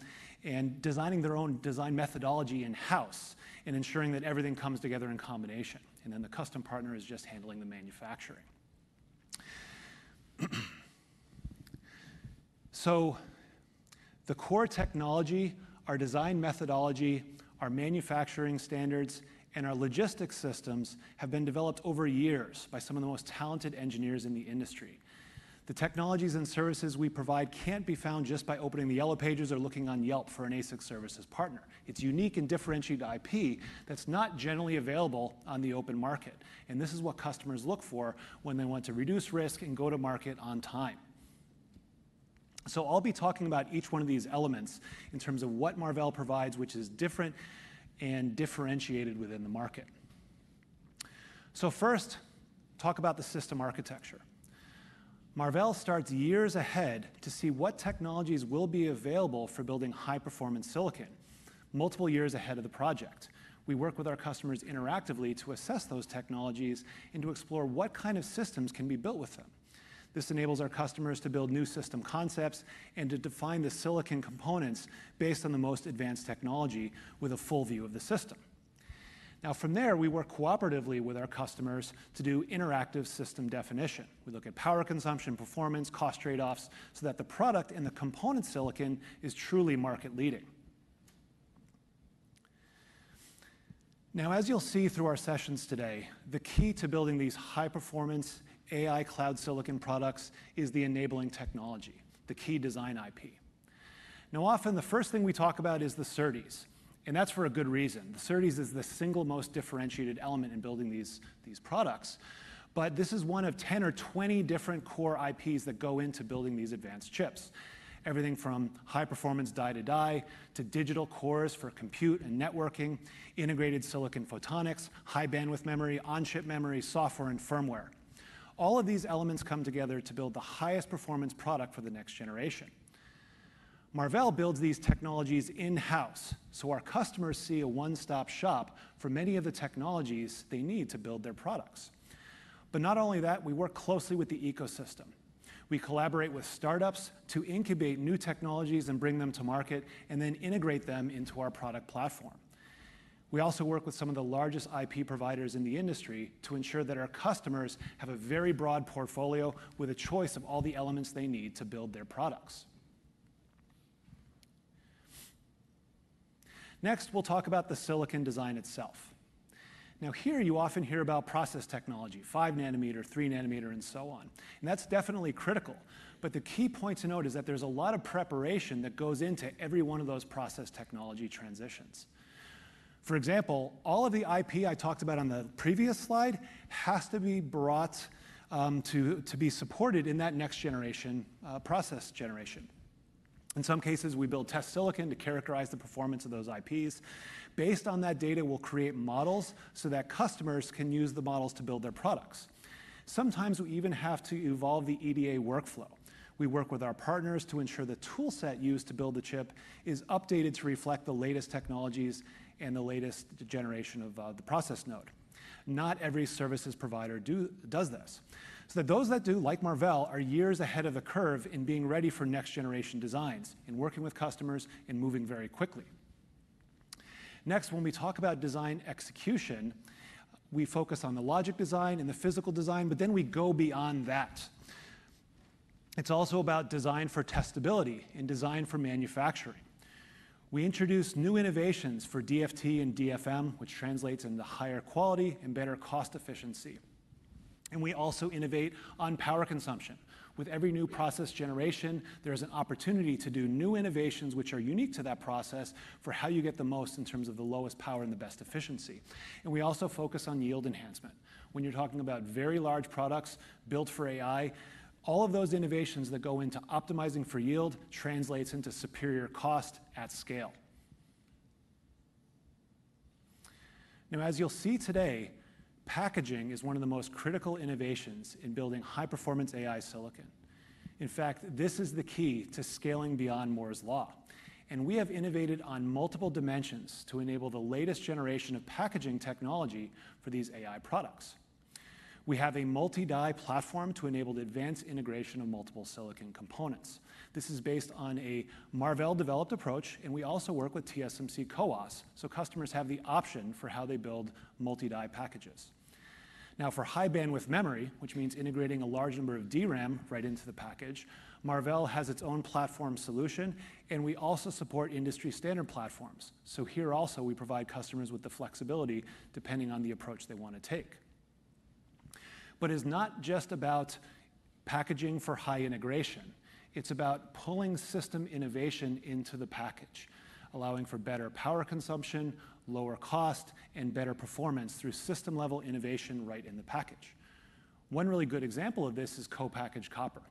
and designing their own design methodology in-house and ensuring that everything comes together in combination. The custom partner is just handling the manufacturing. The core technology, our design methodology, our manufacturing standards, and our logistics systems have been developed over years by some of the most talented engineers in the industry. The technologies and services we provide cannot be found just by opening the Yellow Pages or looking on Yelp for an ASIC services partner. It is unique and differentiated IP that is not generally available on the open market. And this is what customers look for when they want to reduce risk and go to market on time. I will be talking about each one of these elements in terms of what Marvell provides, which is different and differentiated within the market. First, talk about the system architecture. Marvell starts years ahead to see what technologies will be available for building high-performance silicon multiple years ahead of the project. We work with our customers interactively to assess those technologies and to explore what kind of systems can be built with them. This enables our customers to build new system concepts and to define the silicon components based on the most advanced technology with a full view of the system. Now, from there, we work cooperatively with our customers to do interactive system definition. We look at power consumption, performance, cost trade-offs so that the product and the component silicon is truly market-leading. Now, as you'll see through our sessions today, the key to building these high-performance AI cloud silicon products is the enabling technology, the key design IP. Now, often, the first thing we talk about is the SerDes. And that's for a good reason. The SerDes is the single most differentiated element in building these products. But this is one of 10 or 20 different core IPs that go into building these advanced chips, everything from high-performance die-to-die to digital cores for compute and networking, integrated silicon photonics, high-bandwidth memory, on-chip memory, software, and firmware. All of these elements come together to build the highest-performance product for the next generation. Marvell builds these technologies in-house so our customers see a one-stop shop for many of the technologies they need to build their products. Not only that, we work closely with the ecosystem. We collaborate with startups to incubate new technologies and bring them to market and then integrate them into our product platform. We also work with some of the largest IP providers in the industry to ensure that our customers have a very broad portfolio with a choice of all the elements they need to build their products. Next, we'll talk about the silicon design itself. Now, here, you often hear about process technology, 5 nm, 3 nm, and so on. That's definitely critical, but the key point to note is that there's a lot of preparation that goes into every one of those process technology transitions. For example, all of the IP I talked about on the previous slide has to be brought to be supported in that next generation process generation. In some cases, we build test silicon to characterize the performance of those IPs. Based on that data, we'll create models so that customers can use the models to build their products. Sometimes, we even have to evolve the EDA workflow. We work with our partners to ensure the toolset used to build the chip is updated to reflect the latest technologies and the latest generation of the process node. Not every services provider does this. Those that do, like Marvell, are years ahead of the curve in being ready for next-generation designs and working with customers and moving very quickly. Next, when we talk about design execution, we focus on the logic design and the physical design, but then we go beyond that. It is also about design for testability and design for manufacturing. We introduce new innovations for DFT and DFM, which translates into higher quality and better cost efficiency. We also innovate on power consumption. With every new process generation, there is an opportunity to do new innovations which are unique to that process for how you get the most in terms of the lowest power and the best efficiency. We also focus on yield enhancement. When you're talking about very large products built for AI, all of those innovations that go into optimizing for yield translate into superior cost at scale. As you'll see today, packaging is one of the most critical innovations in building high-performance AI silicon. In fact, this is the key to scaling beyond Moore's Law. We have innovated on multiple dimensions to enable the latest generation of packaging technology for these AI products. We have a multi-die platform to enable the advanced integration of multiple silicon components. This is based on a Marvell-developed approach. We also work with TSMC CoWoS so customers have the option for how they build multi-die packages. Now, for high-bandwidth memory, which means integrating a large number of DRAM right into the package, Marvell has its own platform solution, and we also support industry-standard platforms. So, here, also, we provide customers with the flexibility depending on the approach they want to take. But it is not just about packaging for high integration. It is about pulling system innovation into the package, allowing for better power consumption, lower cost, and better performance through system-level innovation right in the package. One really good example of this is co-packaged copper.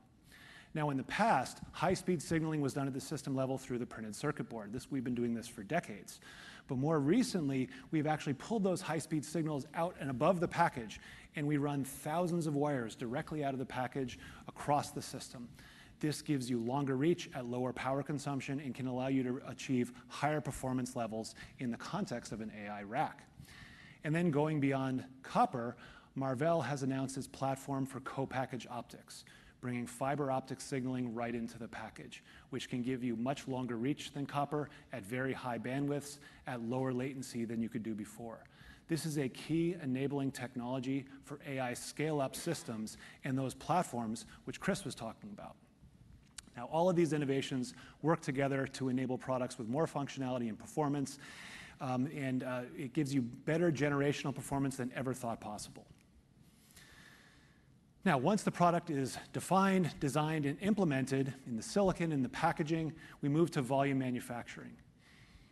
In the past, high-speed signaling was done at the system level through the printed circuit board. We have been doing this for decades. More recently, we have actually pulled those high-speed signals out and above the package, and we run thousands of wires directly out of the package across the system. This gives you longer reach at lower power consumption and can allow you to achieve higher performance levels in the context of an AI rack. Then, going beyond copper, Marvell has announced its platform for co-packaged optics, bringing fiber optic signaling right into the package, which can give you much longer reach than copper at very high bandwidths at lower latency than you could do before. This is a key enabling technology for AI scale-up systems and those platforms which Chris was talking about. All of these innovations work together to enable products with more functionality and performance, and it gives you better generational performance than ever thought possible. Once the product is defined, designed, and implemented in the silicon and the packaging, we move to volume manufacturing.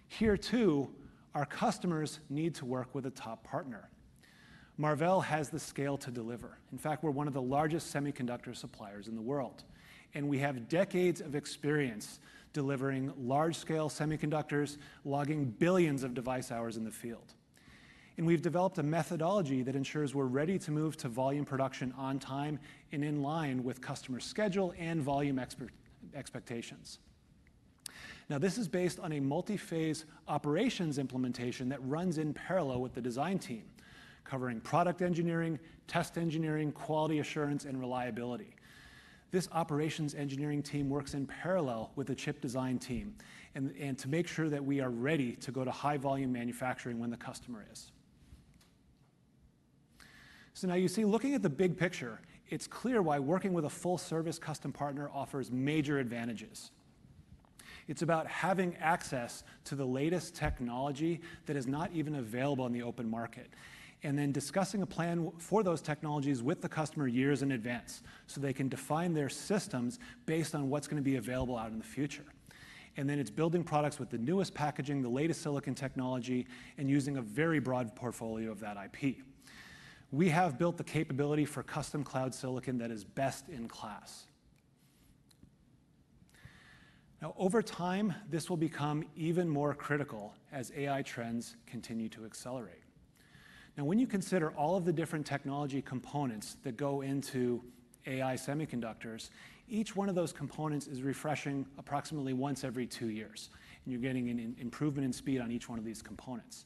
Here, too, our customers need to work with a top partner. Marvell has the scale to deliver. In fact, we're one of the largest semiconductor suppliers in the world. We have decades of experience delivering large-scale semiconductors, logging billions of device hours in the field. We have developed a methodology that ensures we are ready to move to volume production on time and in line with customer schedule and volume expectations. This is based on a multi-phase operations implementation that runs in parallel with the design team, covering product engineering, test engineering, quality assurance, and reliability. This operations engineering team works in parallel with the chip design team to make sure that we are ready to go to high-volume manufacturing when the customer is. Now, you see, looking at the big picture, it is clear why working with a full-service custom partner offers major advantages. It's about having access to the latest technology that is not even available on the open market and then discussing a plan for those technologies with the customer years in advance so they can define their systems based on what's going to be available out in the future. And then, it is building products with the newest packaging, the latest silicon technology, and using a very broad portfolio of that IP. We have built the capability for custom cloud silicon that is best in class. Over time, this will become even more critical as AI trends continue to accelerate. When you consider all of the different technology components that go into AI semiconductors, each one of those components is refreshing approximately once every two years. You are getting an improvement in speed on each one of these components.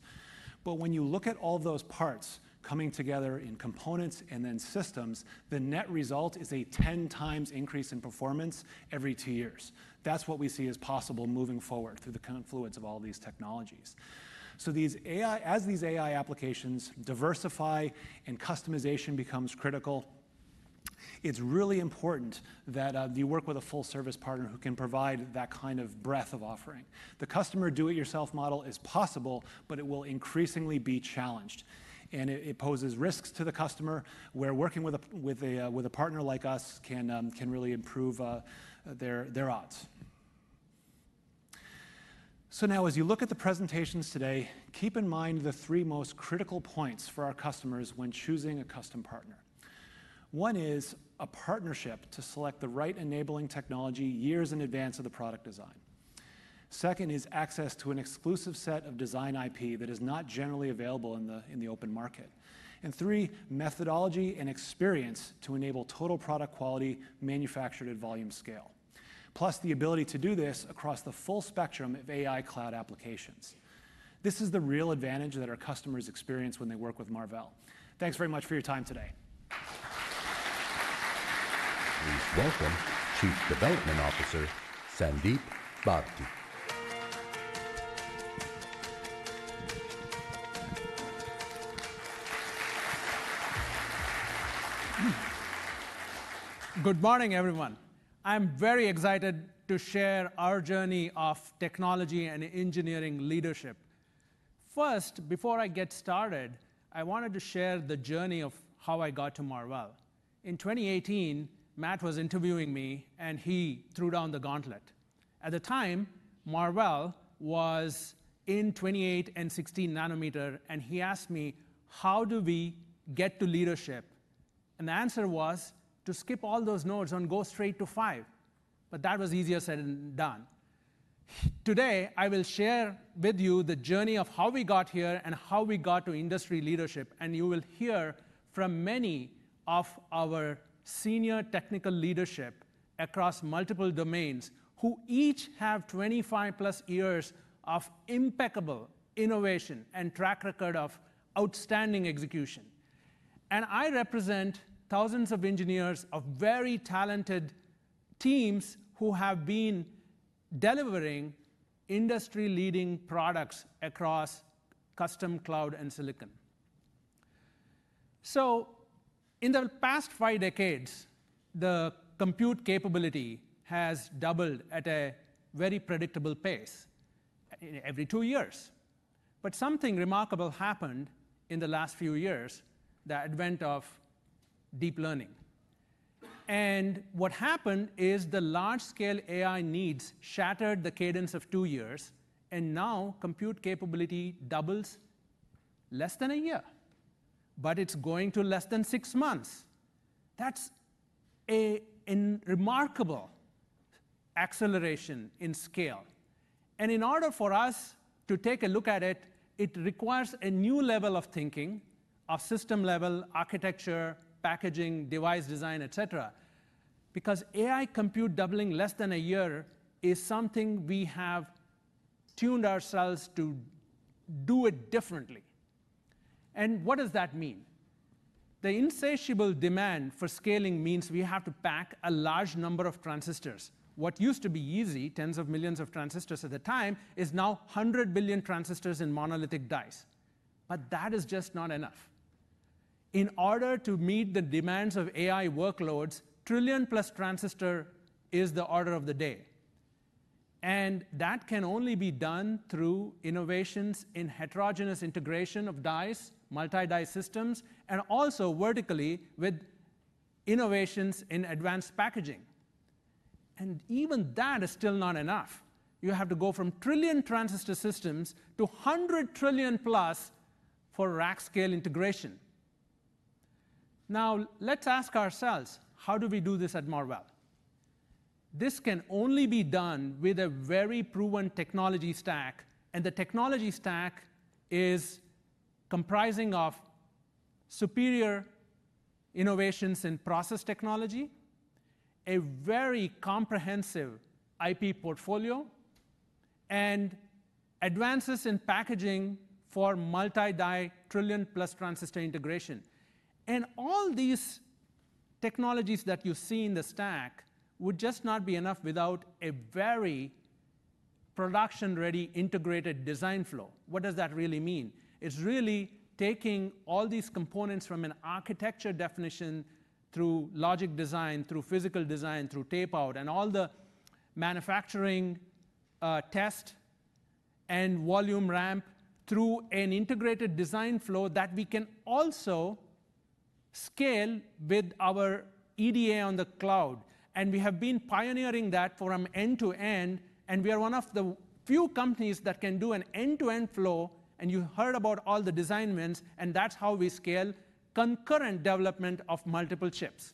When you look at all of those parts coming together in components and then systems, the net result is a 10-times increase in performance every two years. That's what we see as possible moving forward through the confluence of all these technologies. As these AI applications diversify and customization becomes critical, it's really important that you work with a full-service partner who can provide that kind of breadth of offering. The customer do-it-yourself model is possible, but it will increasingly be challenged. It poses risks to the customer where working with a partner like us can really improve their odds. Now, as you look at the presentations today, keep in mind the three most critical points for our customers when choosing a custom partner. One is a partnership to select the right enabling technology years in advance of the product design. Second is access to an exclusive set of design IP that is not generally available in the open market. And three, methodology and experience to enable total product quality manufactured at volume scale, plus the ability to do this across the full spectrum of AI cloud applications. This is the real advantage that our customers experience when they work with Marvell. Thanks very much for your time today. Please welcome Chief Development Officer Sandeep Bharathi. Good morning, everyone. I'm very excited to share our journey of technology and engineering leadership. First, before I get started, I wanted to share the journey of how I got to Marvell. In 2018, Matt was interviewing me, and he threw down the gauntlet. At the time, Marvell was in 28 nm and 16 nm, and he asked me, how do we get to leadership? The answer was to skip all those nodes and go straight to five. But that was easier said than done. Today, I will share with you the journey of how we got here and how we got to industry leadership, and you will hear from many of our senior technical leadership across multiple domains who each have 25+ years of impeccable innovation and track record of outstanding execution. I represent thousands of engineers of very talented teams who have been delivering industry-leading products across custom cloud and silicon. In the past five decades, the compute capability has doubled at a very predictable pace, every two years. But something remarkable happened in the last few years, the advent of deep learning. And what happened is the large-scale AI needs shattered the cadence of two years and now, compute capability doubles in less than a year. It is going to less than six months. That is a remarkable acceleration in scale. In order for us to take a look at it, it requires a new level of thinking, of system-level architecture, packaging, device design, et cetera, because AI compute doubling less than a year is something we have tuned ourselves to do it differently. What does that mean? The insatiable demand for scaling means we have to pack a large number of transistors. What used to be easy, tens of millions of transistors at the time, is now 100 billion transistors in monolithic dice. But that is just not enough. In order to meet the demands of AI workloads, trillion-plus transistors is the order of the day, and that can only be done through innovations in heterogeneous integration of dice, multi-die systems, and also vertically with innovations in advanced packaging. And even that is still not enough. You have to go from trillion transistor systems to 100 trillion+ for rack scale integration. Now, let's ask ourselves, how do we do this at Marvell? This can only be done with a very proven technology stack, and the technology stack is comprising of superior innovations in process technology, a very comprehensive IP portfolio, and advances in packaging for multi-die trillion-plus transistor integration. And all these technologies that you see in the stack would just not be enough without a very production-ready integrated design flow. What does that really mean? It's really taking all these components from an architecture definition through logic design, through physical design, through tape-out, and all the manufacturing test and volume ramp through an integrated design flow that we can also scale with our EDA on the cloud. We have been pioneering that from end to end. We are one of the few companies that can do an end-to-end flow. You heard about all the design wins. That is how we scale concurrent development of multiple chips.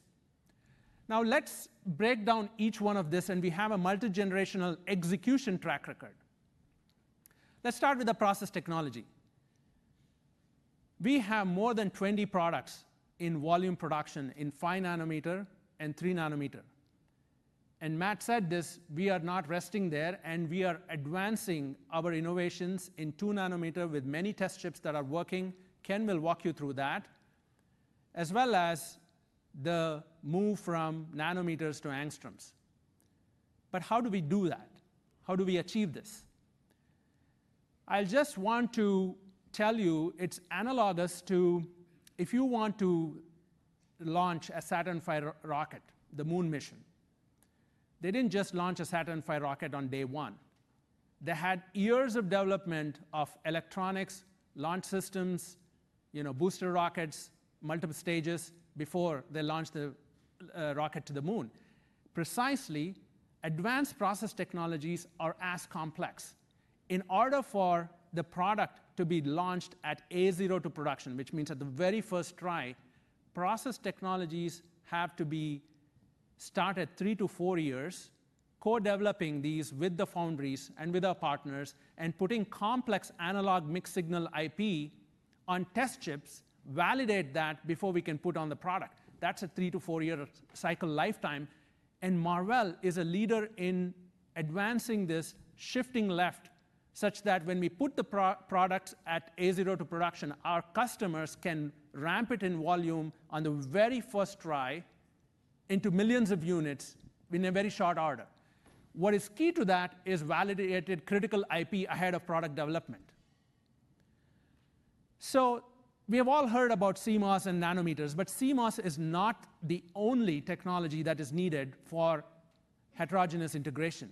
Now, let's break down each one of these. We have a multi-generational execution track record. Let's start with the process technology. We have more than 20 products in volume production in 5 nm and 3 nm. Matt said this, we are not resting there. We are advancing our innovations in 2 nm with many test chips that are working. Ken will walk you through that, as well as the move from nanometers to angstroms. How do we do that? How do we achieve this? I just want to tell you it is analogous to if you want to launch a Saturn V rocket, the Moon mission. They didn't just launch a Saturn V rocket on day one. They had years of development of electronics, launch systems, booster rockets, multiple stages before they launched the rocket to the Moon. Precisely, advanced process technologies are as complex. In order for the product to be launched at A0 to production, which means at the very first try, process technologies have to be started three to four years, co-developing these with the foundries and with our partners, and putting complex analog mixed signal IP on test chips, validate that before we can put on the product. That's a three- to four-year cycle lifetime. Marvell is a leader in advancing this, shifting left, such that when we put the product at A0 to production, our customers can ramp it in volume on the very first try into millions of units in a very short order. What is key to that is validated critical IP ahead of product development. We have all heard about CMOS and nanometers. But CMOS is not the only technology that is needed for heterogeneous integration.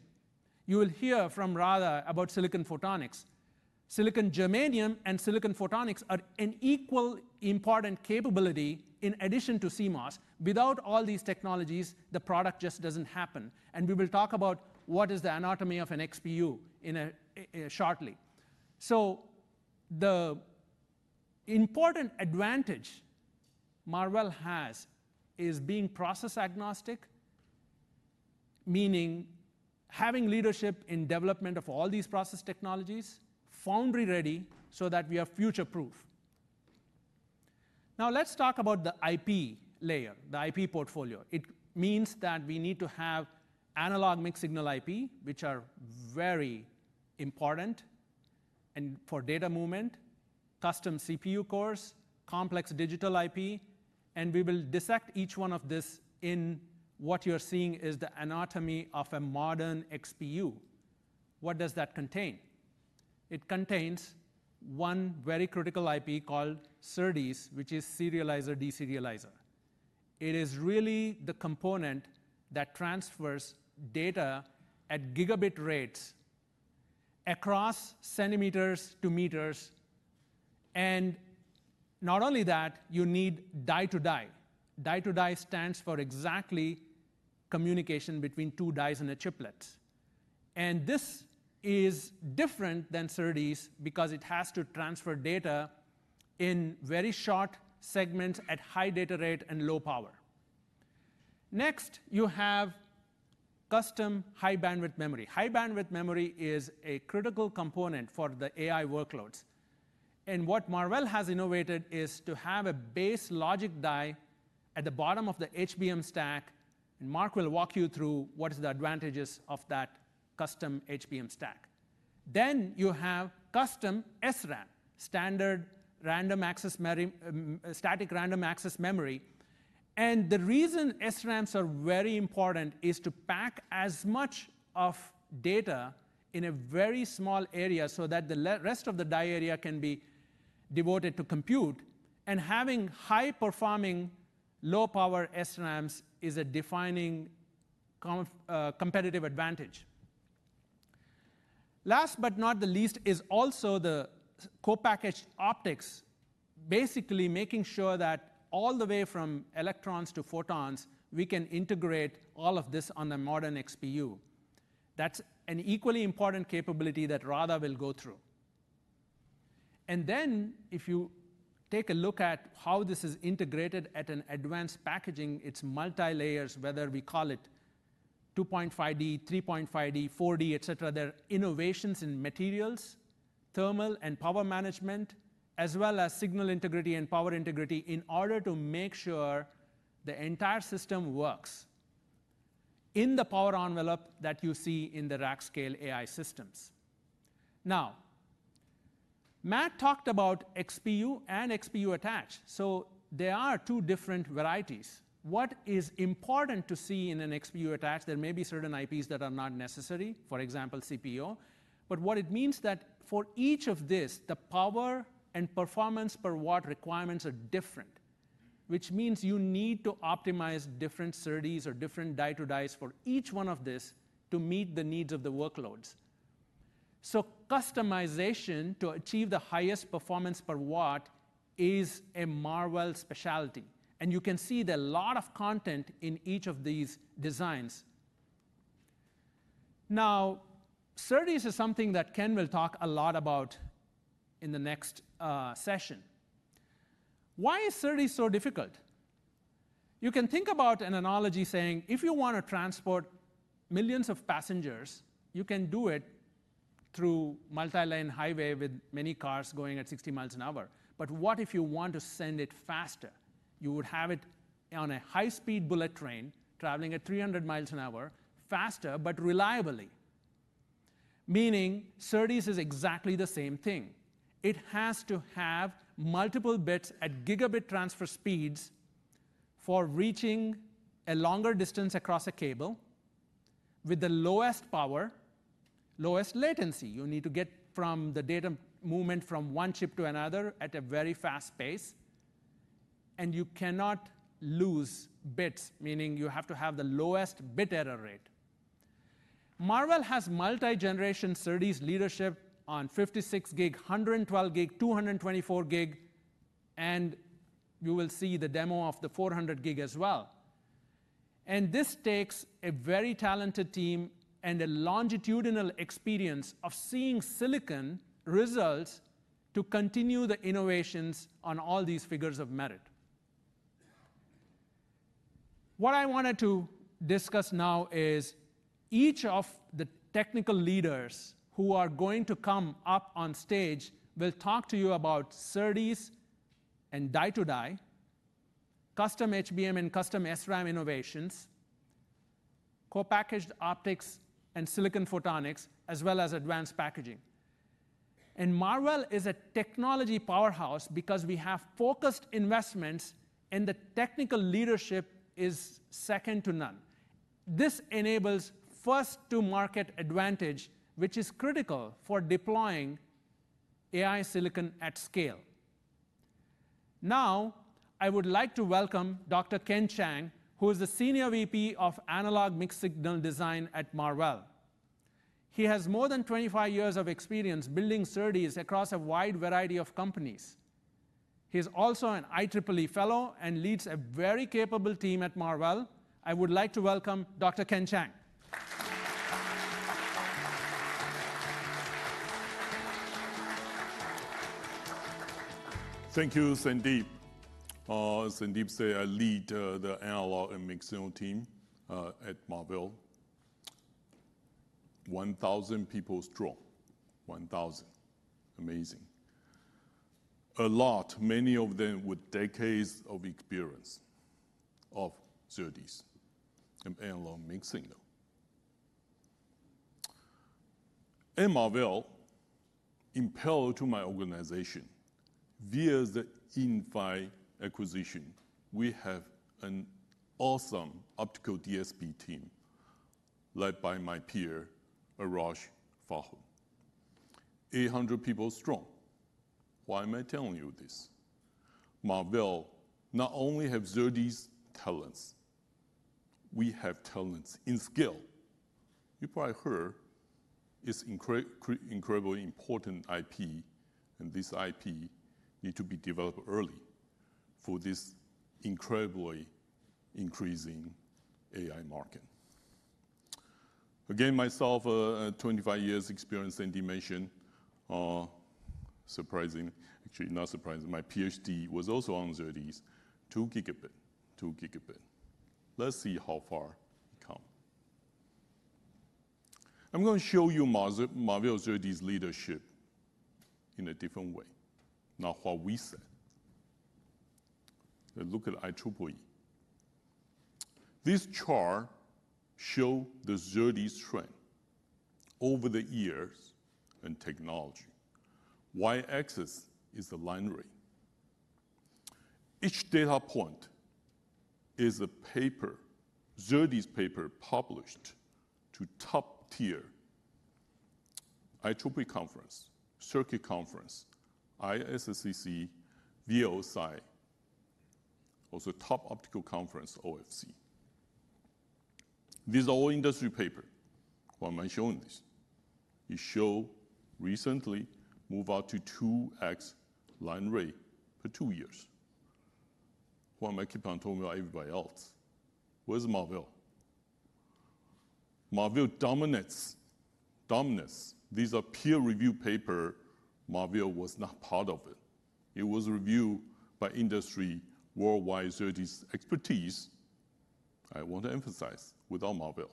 You will hear from Radha about silicon photonics. Silicon germanium and silicon photonics are an equal important capability in addition to CMOS. Without all these technologies, the product just does not happen. We will talk about what is the anatomy of an XPU shortly. The important advantage Marvell has is being process agnostic, meaning having leadership in development of all these process technologies, foundry-ready so that we are future-proof. Now, let's talk about the IP layer, the IP portfolio. It means that we need to have analog mixed signal IP, which are very important for data movement, custom CPU cores, complex digital IP. We will dissect each one of this in what you're seeing is the anatomy of a modern XPU. What does that contain? It contains one very critical IP called SerDes, which is serializer/deserializer. It is really the component that transfers data at gigabit rates across centimeters to meters. Not only that, you need die-to-die. Die-to-die stands for exactly communication between two dies and a chiplet. This is different than SerDes because it has to transfer data in very short segments at high data rate and low power. Next, you have custom high bandwidth memory. High bandwidth memory is a critical component for the AI workloads. What Marvell has innovated is to have a base logic die at the bottom of the HBM stack. Mark will walk you through what are the advantages of that custom HBM stack. Then, you have custom SRAM, standard random-access memory, static random-access memory. The reason SRAMs are very important is to pack as much of data in a very small area so that the rest of the die area can be devoted to compute. Having high-performing, low-power SRAMs is a defining competitive advantage. Last but not the least is also the co-packaged optics, basically making sure that all the way from electrons to photons, we can integrate all of this on the modern XPU. That is an equally important capability that Radha will go through. Then, if you take a look at how this is integrated at an advanced packaging, its multi-layers, whether we call it 2.5D, 3.5D, 4D, et cetera, there are innovations in materials, thermal and power management, as well as signal integrity and power integrity in order to make sure the entire system works in the power envelope that you see in the rack scale AI systems. Now, Matt talked about XPU and XPU attach. There are two different varieties. What is important to see in an XPU attach? There may be certain IPs that are not necessary, for example, CPO, but what it means is that for each of these, the power and performance per watt requirements are different, which means you need to optimize different SerDes or different die-to-dies for each one of these to meet the needs of the workloads. Customization to achieve the highest performance per watt is a Marvell specialty. You can see there is a lot of content in each of these designs. Now, SerDes is something that Ken will talk a lot about in the next session. Why is SerDes so difficult? You can think about an analogy saying if you want to transport millions of passengers, you can do it through a multi-lane highway with many cars going at 60 mi an hour. But what if you want to send it faster? You would have it on a high-speed bullet train traveling at 300 mph, faster but reliably. Meaning, SerDes is exactly the same thing. It has to have multiple bits at gigabit transfer speeds for reaching a longer distance across a cable with the lowest power, lowest latency. You need to get from the data movement from one chip to another at a very fast pace, and you cannot lose bits, meaning, you have to have the lowest bit error rate. Marvell has multi-generation SerDes leadership on 56 Gbps, 112 Gbps, 224 Gbps, and you will see the demo of the 400 Gbps as well. This takes a very talented team and a longitudinal experience of seeing silicon results to continue the innovations on all these figures of merit. What I wanted to discuss now is each of the technical leaders who are going to come up on stage will talk to you about SerDes and die-to-die, custom HBM and custom SRAM innovations, co-packaged optics and silicon photonics, as well as advanced packaging. Marvell is a technology powerhouse because we have focused investments, and the technical leadership is second to none. This enables first-to-market advantage, which is critical for deploying AI silicon at scale. Now, I would like to welcome Dr. Ken Chang, who is the Senior VP of Analog Mixed Signal Design at Marvell. He has more than 25 years of experience building SerDes across a wide variety of companies. He's also an IEEE Fellow and leads a very capable team at Marvell. I would like to welcome Dr. Ken Chang. Thank you, Sandeep. As Sandeep say, I lead the analog and mixed signal team at Marvell. 1,000 people strong, 1,000. Amazing. A lot, many of them with decades of experience of SerDes and analog mixed signal. At Marvell, in parallel to my organization, via the Inphi acquisition, we have an awesome optical DSP team led by my peer, Arash Farhood. 800 people strong. Why am I telling you this? Marvell not only has SerDes talents, we have talents in scale. You probably heard its incredibly important IP, and this IP needs to be developed early for this incredibly increasing AI market. Again, myself, 25 years experience, Sandeep mentioned, surprising, actually not surprising. My PhD was also on SerDes, 2 Gbps, 2 Gbps. Let's see how far we come. I'm going to show you Marvell SerDes leadership in a different way, not what we said. Look at IEEE. This chart shows the SerDes trend over the years and technology. Y-axis is the line rate. Each data point is a paper, SerDes paper published to top-tier IEEE conference, Circuit Conference, ISSCC, VLSI, also top optical conference, OFC. These are all industry papers. Why am I showing this? It showed recently move out to 2x line rate for two years. Why am I keep on talking about everybody else? Where's Marvell? Marvell dominates. These are peer-reviewed papers. Marvell was not part of it. It was reviewed by industry worldwide SerDes expertise. I want to emphasize without Marvell,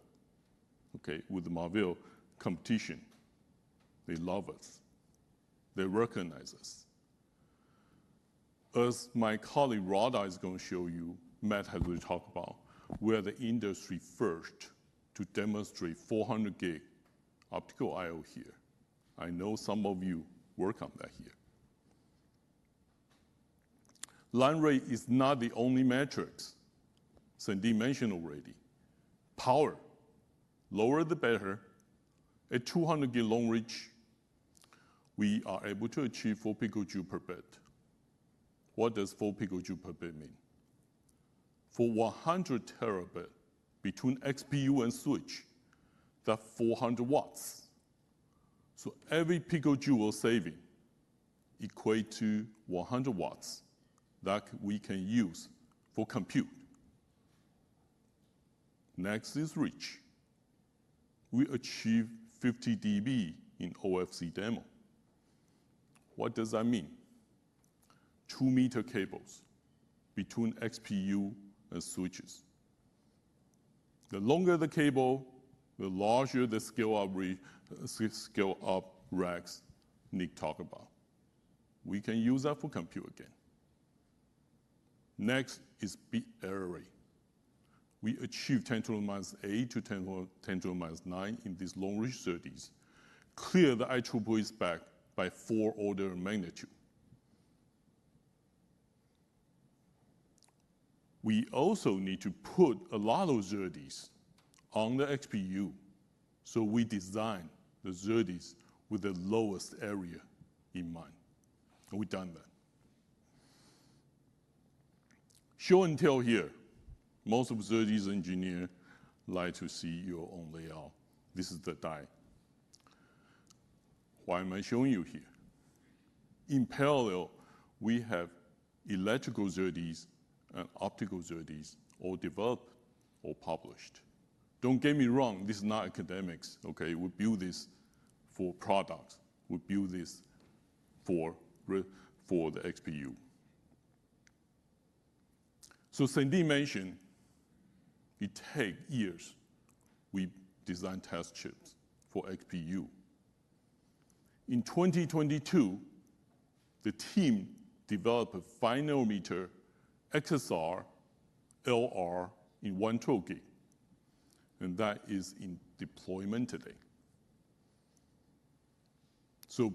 okay, with the Marvell competition. They love us. They recognize us. As my colleague Radha is going to show you, Matt has already talked about, we are the industry first to demonstrate 400 Gbps optical I/O here. I know some of you work on that here. Line rate is not the only metric. Sandeep mentioned already. Power, lower the better. At 200 Gbps long reach, we are able to achieve 4 pJ/bit. What does 4 pJ/bit mean? For 100 Tb between XPU and switch, that's 400 W. So, every picojoule we're saving equates to 100 W that we can use for compute. Next is reach. We achieve 50 dB in OFC demo. What does that mean? 2-m cables between XPU and switches. The longer the cable, the larger the scale-up racks Nick talked about. We can use that for compute again. Next is bit error rate. We achieve 10⁻⁸ to 10⁻⁹ in these long-reach SerDes. Clear the IEEE spec by four orders of magnitude. We also need to put a lot of SerDes on the XPU, so we design the SerDes with the lowest area in mind. We have done that. Show and tell here. Most of SerDes engineers like to see your own layout. This is the die. Why am I showing you here? In parallel, we have electrical SerDes and optical SerDes all developed or published. Do not get me wrong, this is not academics. We build this for products. We build this for the XPU. Sandeep mentioned it takes years. We design test chips for XPU. In 2022, the team developed a 5-nm XSR LR in 112 Gbps. That is in deployment today.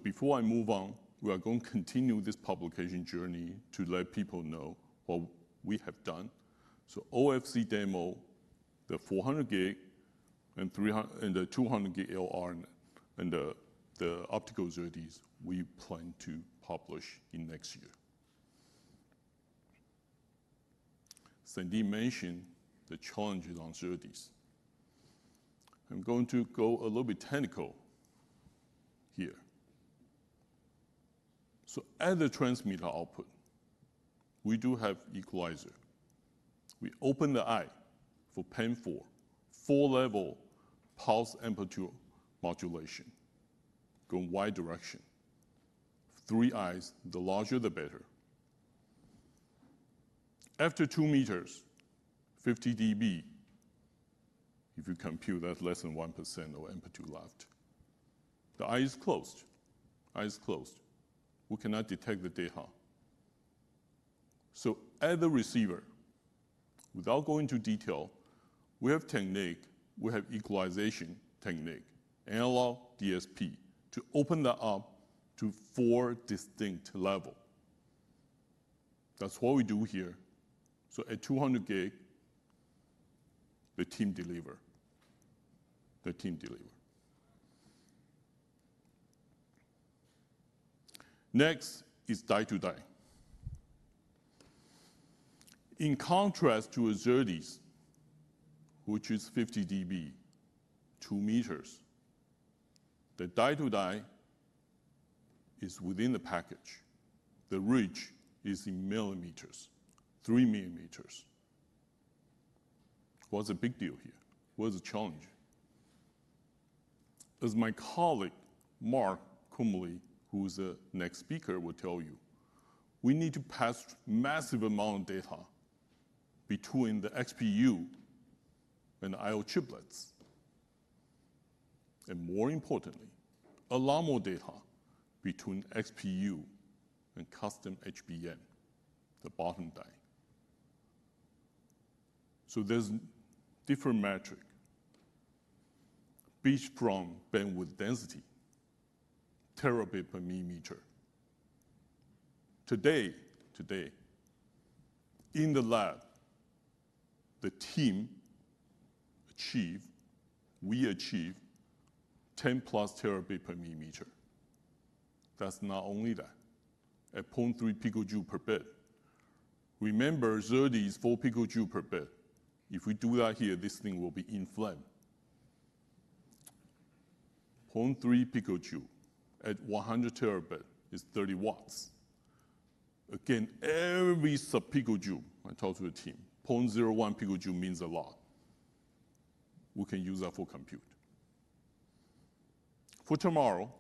Before I move on, we are going to continue this publication journey to let people know what we have done. So, OFC demo, the 400 Gbps and the 200 Gbps LR and the optical SerDes we plan to publish in next year. Sandeep mentioned the challenges on SerDes. I am going to go a little bit technical here. As a transmitter output, we do have equalizer. We open the eye for PAM4, four-level pulse amplitude modulation, going wide direction. Three eyes, the larger, the better. After 2 m, 50 dB, if you compute, that's less than 1% of amplitude left. The eye is closed. Eye is closed. We cannot detect the data. As a receiver, without going into detail, we have technique. We have equalization technique, analog DSP, to open that up to four distinct levels. That's what we do here. At 200 Gbps, the team deliver. The team deliver. Next is die-to-die. In contrast to a SerDes, which is 50 dB, 2 m, the die-to-die is within the package. The reach is in millimeters, 3 mm. What's the big deal here? What's the challenge? As my colleague Mark Kuemerle, who's the next speaker, will tell you, we need to pass a massive amount of data between the XPU and the I/O chiplets. More importantly, a lot more data between XPU and custom HBM, the bottom die. So, there is a different metric. Beachfront bandwidth density, terabit per millimeter. Today, in the lab, the team achieves, we achieve 10+ Tb/mm. Not only that. At 0.3 pJ/bit. Remember, SerDes is 4 pJ/bit. If we do that here, this thing will be in flame. 0.3 pJ at 100 Tb is 30 W. Again, every subpicojoule, I talked to the team, 0.01 pJ means a lot. We can use that for compute. For tomorrow,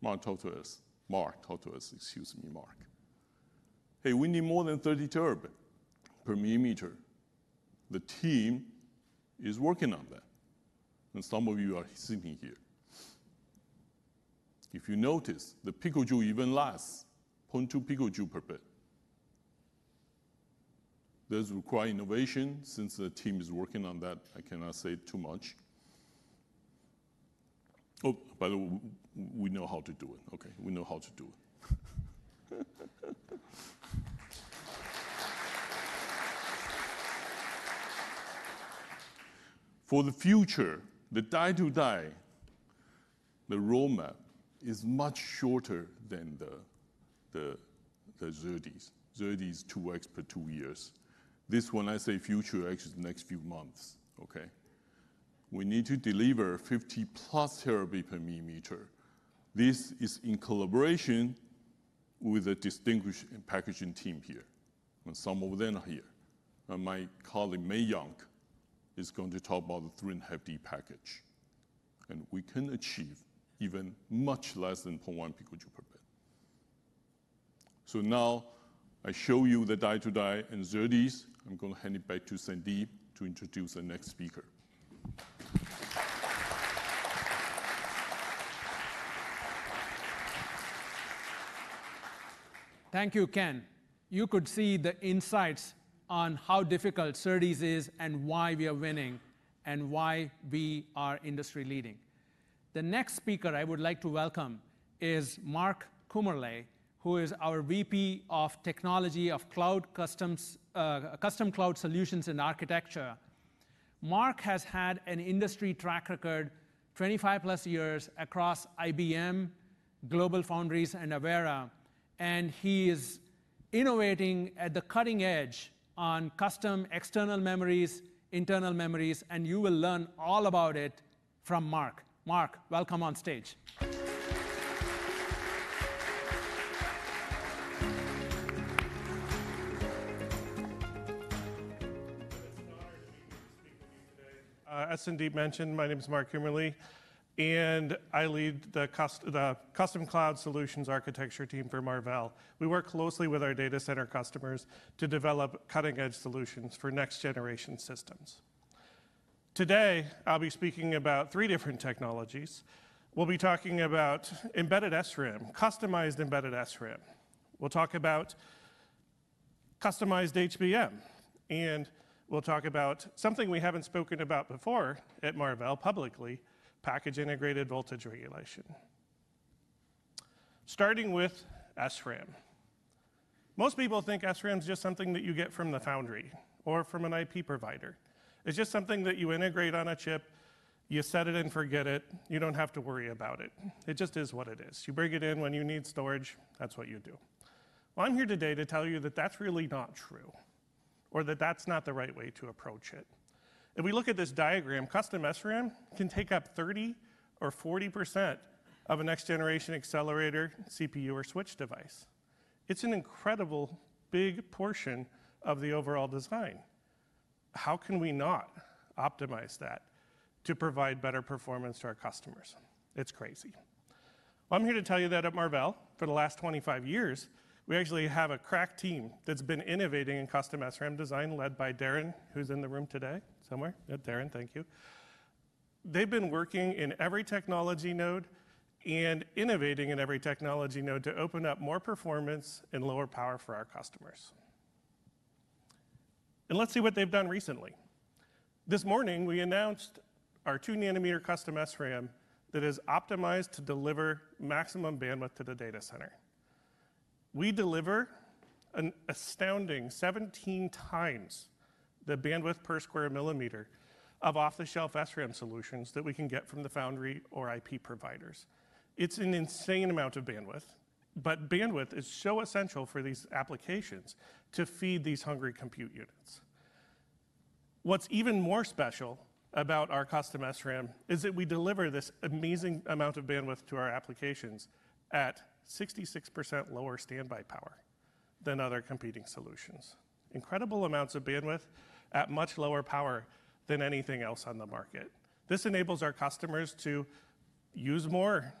Mark talked to us, Mark talked to us, excuse me, Mark, hey, we need more than 30 Tb/mm. The team is working on that. And some of you are sitting here. If you notice, the picojoules, even less, 0.2 pJ/bit. Does require innovation. Since the team is working on that, I cannot say too much. Oh, by the way, we know how to do it. Okay, we know how to do it. For the future, the die-to-die, the roadmap is much shorter than the SerDes. SerDes is 2x per two years. This one, I say future, actually the next few months. We need to deliver 50+ Tb/mm. This is in collaboration with a distinguished packaging team here. And some of them are here. My colleague Mayank is going to talk about the 3.5D package. And we can achieve even much less than 0.1 pJ/bit. Now, I show you the die-to-die and SerDes. I'm going to hand it back to Sandeep to introduce the next speaker. Thank you, Ken. You could see the insights on how difficult SerDes is and why we are winning and why we are industry leading. The next speaker I would like to welcome is Mark Kuemerle, who is our VP of Technology, of Custom Cloud Solutions and Architecture. Mark has had an industry track record, 25+ years across IBM, GlobalFoundries, and Avera. He is innovating at the cutting edge on custom external memories, internal memories. You will learn all about it from Mark. Mark, welcome on stage. As Sandeep mentioned, my name is Mark Kuemerle, and I lead the Custom Cloud Solutions Architecture team for Marvell. We work closely with our data center customers to develop cutting-edge solutions for next-generation systems. Today, I'll be speaking about three different technologies. We'll be talking about embedded SRAM, customized embedded SRAM. We'll talk about customized HBM. And we'll talk about something we haven't spoken about before at Marvell publicly, Package Integrated Voltage Regulation. Starting with SRAM. Most people think SRAM is just something that you get from the foundry or from an IP provider. It's just something that you integrate on a chip. You set it and forget it. You don't have to worry about it. It just is what it is. You bring it in when you need storage. That's what you do. I'm here today to tell you that that's really not true or that that's not the right way to approach it. If we look at this diagram, custom SRAM can take up 30% or 40% of a next-generation accelerator, CPU, or switch device. It's an incredible big portion of the overall design. How can we not optimize that to provide better performance to our customers? It's crazy. I'm here to tell you that at Marvell, for the last 25 years, we actually have a crack team that's been innovating in custom SRAM design led by Darren, who's in the room today somewhere. Darren, thank you. They've been working in every technology node and innovating in every technology node to open up more performance and lower power for our customers. Let's see what they've done recently. This morning, we announced our 2-nm custom SRAM that is optimized to deliver maximum bandwidth to the data center. We deliver an astounding 17 times the bandwidth per square millimeter of off-the-shelf SRAM solutions that we can get from the foundry or IP providers. It's an insane amount of bandwidth. But bandwidth is so essential for these applications to feed these hungry compute units. What's even more special about our custom SRAM is that we deliver this amazing amount of bandwidth to our applications at 66% lower standby power than other competing solutions. Incredible amounts of bandwidth at much lower power than anything else on the market. This enables our customers to use more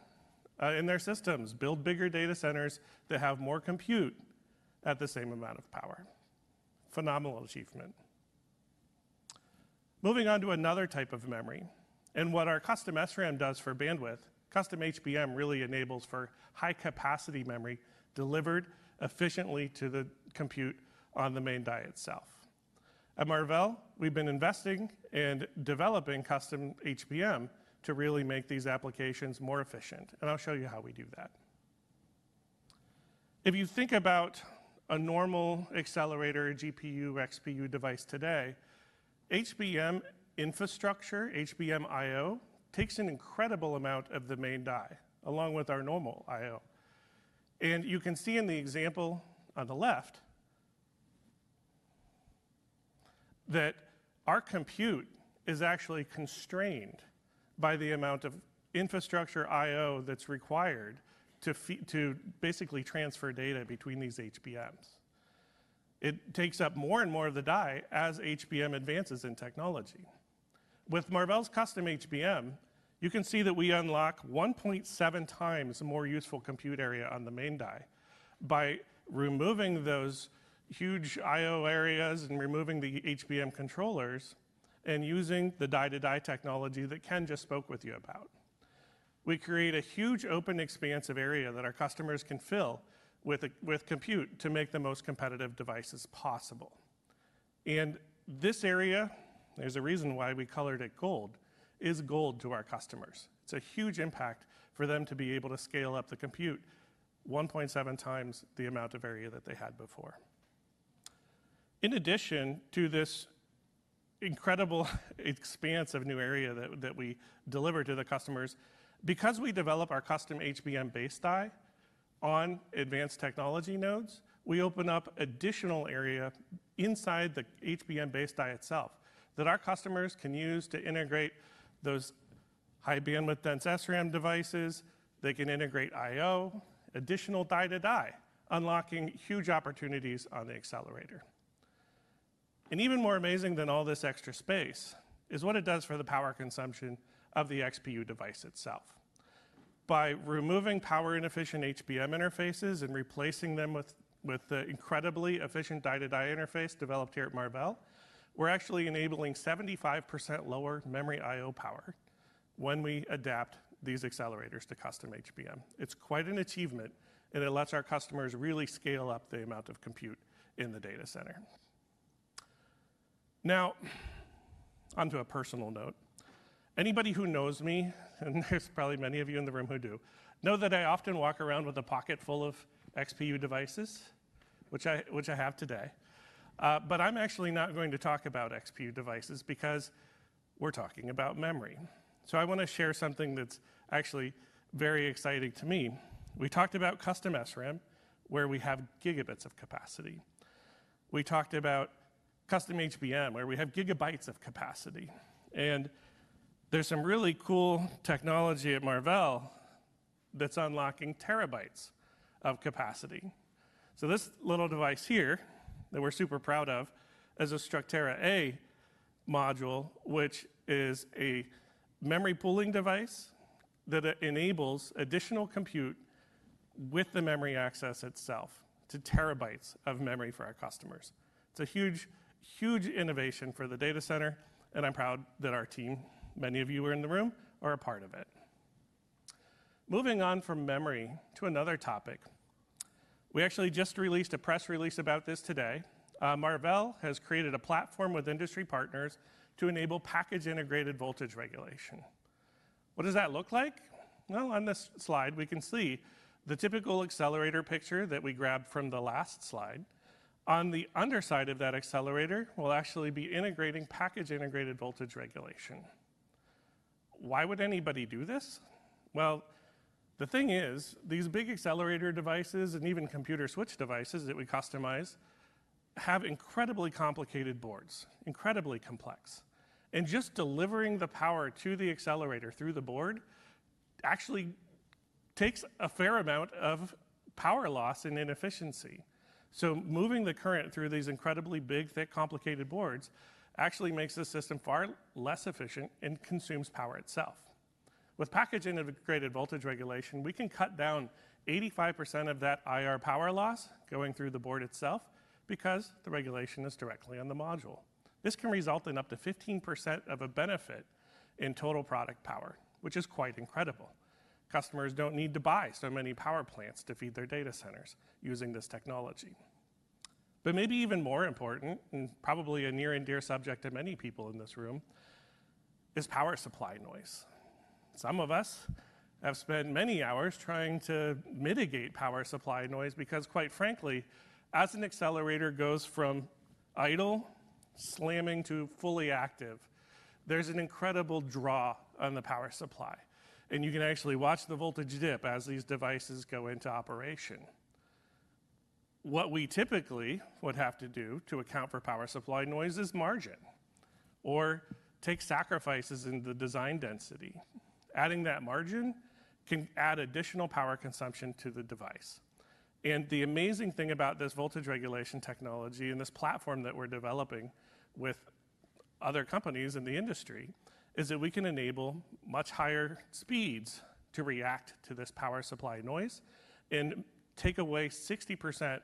in their systems, build bigger data centers that have more compute at the same amount of power. Phenomenal achievement. Moving on to another type of memory. What our custom SRAM does for bandwidth, custom HBM really enables for high-capacity memory delivered efficiently to the compute on the main die itself. At Marvell, we've been investing and developing custom HBM to really make these applications more efficient. I'll show you how we do that. If you think about a normal accelerator, GPU, or XPU device today, HBM infrastructure, HBM I/O, takes an incredible amount of the main die along with our normal I/O. You can see in the example on the left that our compute is actually constrained by the amount of infrastructure I/O that's required to basically transfer data between these HBMs. It takes up more and more of the die as HBM advances in technology. With Marvell's custom HBM, you can see that we unlock 1.7 times more useful compute area on the main die by removing those huge I/O areas and removing the HBM controllers and using the die-to-die technology that Ken just spoke with you about. We create a huge open expansive area that our customers can fill with compute to make the most competitive devices possible. And this area, there is a reason why we colored it gold, is gold to our customers. It is a huge impact for them to be able to scale up the compute 1.7 times the amount of area that they had before. In addition to this incredible expanse of new area that we deliver to the customers, because we develop our custom HBM base die on advanced technology nodes, we open up additional area inside the HBM base die itself that our customers can use to integrate those high-bandwidth dense SRAM devices. They can integrate I/O, additional die-to-die, unlocking huge opportunities on the accelerator. Even more amazing than all this extra space is what it does for the power consumption of the XPU device itself. By removing power-inefficient HBM interfaces and replacing them with the incredibly efficient die-to-die interface developed here at Marvell, we're actually enabling 75% lower memory I/O power when we adapt these accelerators to custom HBM. It's quite an achievement. It lets our customers really scale up the amount of compute in the data center. Now, onto a personal note. Anybody who knows me, and there's probably many of you in the room who do, know that I often walk around with a pocket full of XPU devices, which I have today. But I am actually not going to talk about XPU devices because we're talking about memory. I want to share something that's actually very exciting to me. We talked about custom SRAM, where we have gigabits of capacity. We talked about custom HBM, where we have gigabytes of capacity. And there is some really cool technology at Marvell that's unlocking terabytes of capacity. This little device here that we're super proud of is a Structera A module, which is a memory pooling device that enables additional compute with the memory access itself to terabytes of memory for our customers. It's a huge, huge innovation for the data center, and I'm proud that our team, many of you who are in the room, are a part of it. Moving on from memory to another topic, we actually just released a press release about this today. Marvell has created a platform with industry partners to enable Package Integrated Voltage Regulation. What does that look like? On this slide, we can see the typical accelerator picture that we grabbed from the last slide. On the underside of that accelerator, we'll actually be integrating Package Integrated Voltage Regulation. Why would anybody do this? The thing is, these big accelerator devices and even computer switch devices that we customize have incredibly complicated boards, incredibly complex. Just delivering the power to the accelerator through the board actually takes a fair amount of power loss and inefficiency. So, moving the current through these incredibly big, thick, complicated boards actually makes the system far less efficient and consumes power itself. With Package Integrated Voltage Regulation, we can cut down 85% of that IR power loss going through the board itself because the regulation is directly on the module. This can result in up to 15% of a benefit in total product power, which is quite incredible. Customers do not need to buy so many power plants to feed their data centers using this technology. But maybe even more important, and probably a near and dear subject to many people in this room, is power supply noise. Some of us have spent many hours trying to mitigate power supply noise because, quite frankly, as an accelerator goes from idle, slamming, to fully active, there is an incredible draw on the power supply. You can actually watch the voltage dip as these devices go into operation. What we typically would have to do to account for power supply noise is margin or take sacrifices in the design density. Adding that margin can add additional power consumption to the device. The amazing thing about this voltage regulation technology and this platform that we're developing with other companies in the industry is that we can enable much higher speeds to react to this power supply noise and take away 60%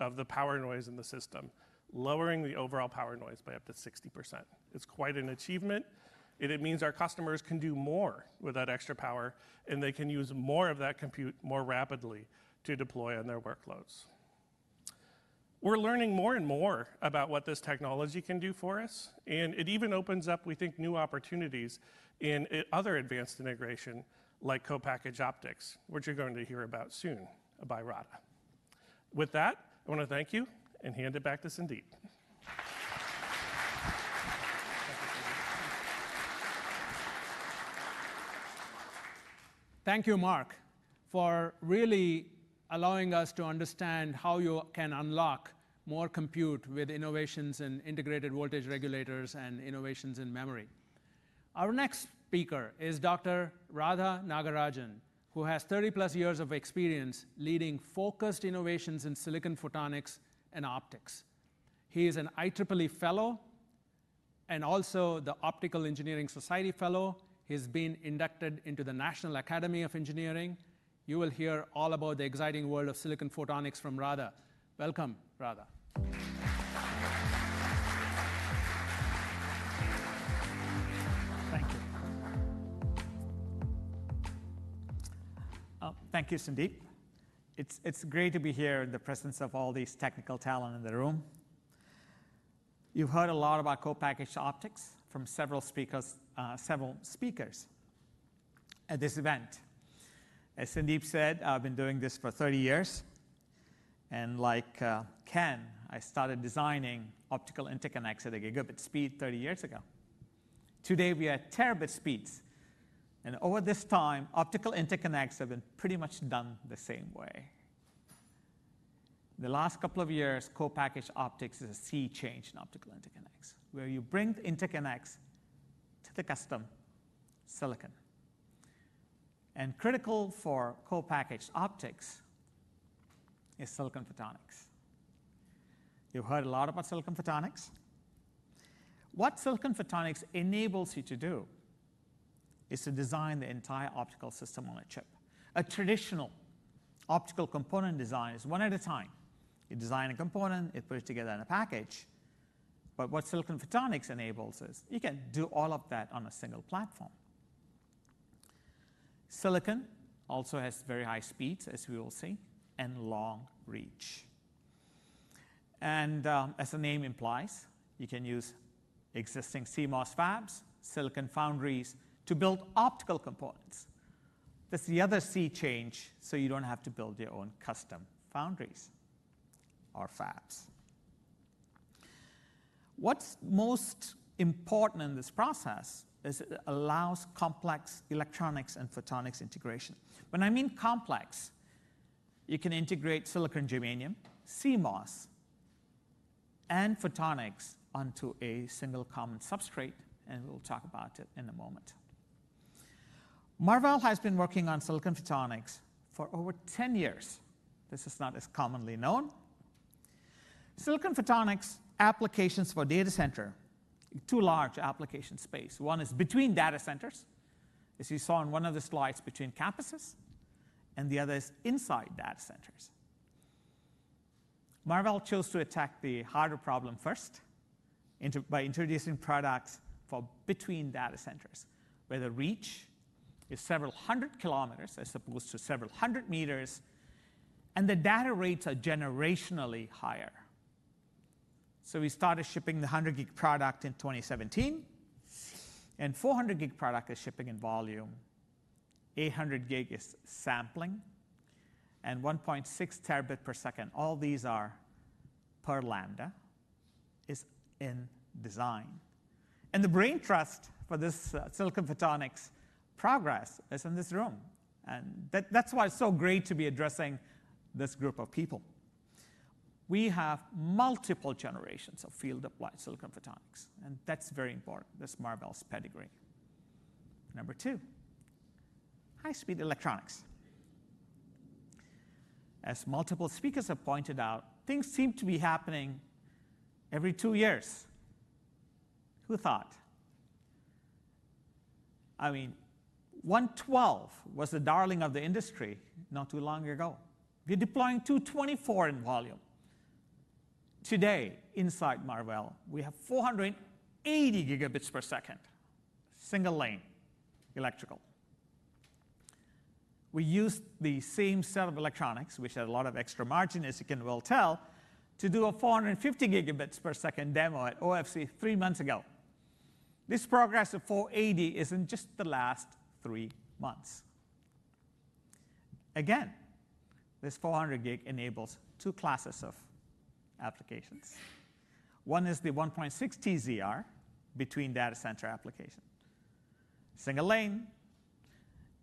of the power noise in the system, lowering the overall power noise by up to 60%. It's quite an achievement. It means our customers can do more with that extra power, and they can use more of that compute more rapidly to deploy on their workloads. We're learning more and more about what this technology can do for us. It even opens up, we think, new opportunities in other advanced integration like co-package optics, which you're going to hear about soon by Radha. With that, I want to thank you and hand it back to Sandeep. Thank you, Mark, for really allowing us to understand how you can unlock more compute with innovations in integrated voltage regulators and innovations in memory. Our next speaker is Dr. Radha Nagarajan, who has 30+ years of experience leading focused innovations in silicon photonics and optics. He is an IEEE Fellow and also the optical engineering society Fellow. He has been inducted into the National Academy of Engineering. You will hear all about the exciting world of silicon photonics from Radha. Welcome, Radha. Thank you. Thank you, Sandeep. It's great to be here in the presence of all this technical talent in the room. You've heard a lot about co-package optics from several speakers at this event. As Sandeep said, I've been doing this for 30 years. Like Ken, I started designing optical interconnects at a gigabit speed 30 years ago. Today, we are at terabit speeds. Over this time, optical interconnects have been pretty much done the same way. The last couple of years, co-package optics is a sea change in optical interconnects, where you bring interconnects to the custom silicon. Critical for co-package optics is silicon photonics. You've heard a lot about silicon photonics. What silicon photonics enables you to do is to design the entire optical system on a chip. A traditional optical component design is one at a time. You design a component. It puts it together in a package. What silicon photonics enables is you can do all of that on a single platform. Silicon also has very high speeds, as we will see, and long reach. As the name implies, you can use existing CMOS fabs, silicon foundries to build optical components. That is the other sea change, so you do not have to build your own custom foundries or fabs. What is most important in this process is it allows complex electronics and photonics integration. When I mean complex, you can integrate silicon germanium, CMOS, and photonics onto a single common substrate. We will talk about it in a moment. Marvell has been working on silicon photonics for over 10 years. This is not as commonly known. Silicon photonics applications for data center are two large application spaces. One is between data centers, as you saw in one of the slides, between campuses. The other is inside data centers. Marvell chose to attack the harder problem first by introducing products for between data centers, where the reach is several hundred kilometers as opposed to several hundred meters, and the data rates are generationally higher. We started shipping the 100 Gbps product in 2017. The 400 Gbps product is shipping in volume. 800 Gbps is sampling. 1.6 Tbps, all these are per lambda, is in design. The brain trust for this silicon photonics progress is in this room. That is why it is so great to be addressing this group of people. We have multiple generations of field-applied silicon photonics. That is very important. That is Marvell's pedigree. Number two, high-speed electronics. As multiple speakers have pointed out, things seem to be happening every two years. Who thought? I mean, 112 Gbps was the darling of the industry not too long ago. We're deploying 224 Gbps in volume. Today, inside Marvell, we have 480 Gbps, single lane electrical. We used the same set of electronics, which had a lot of extra margin, as you can well tell, to do a 450 Gbps demo at OFC three months ago. This progress of 480 Gbps isn't just the last three months. Again, this 400 Gbps enables two classes of applications. One is the 1.6 Tbps ZR between data center application, single lane,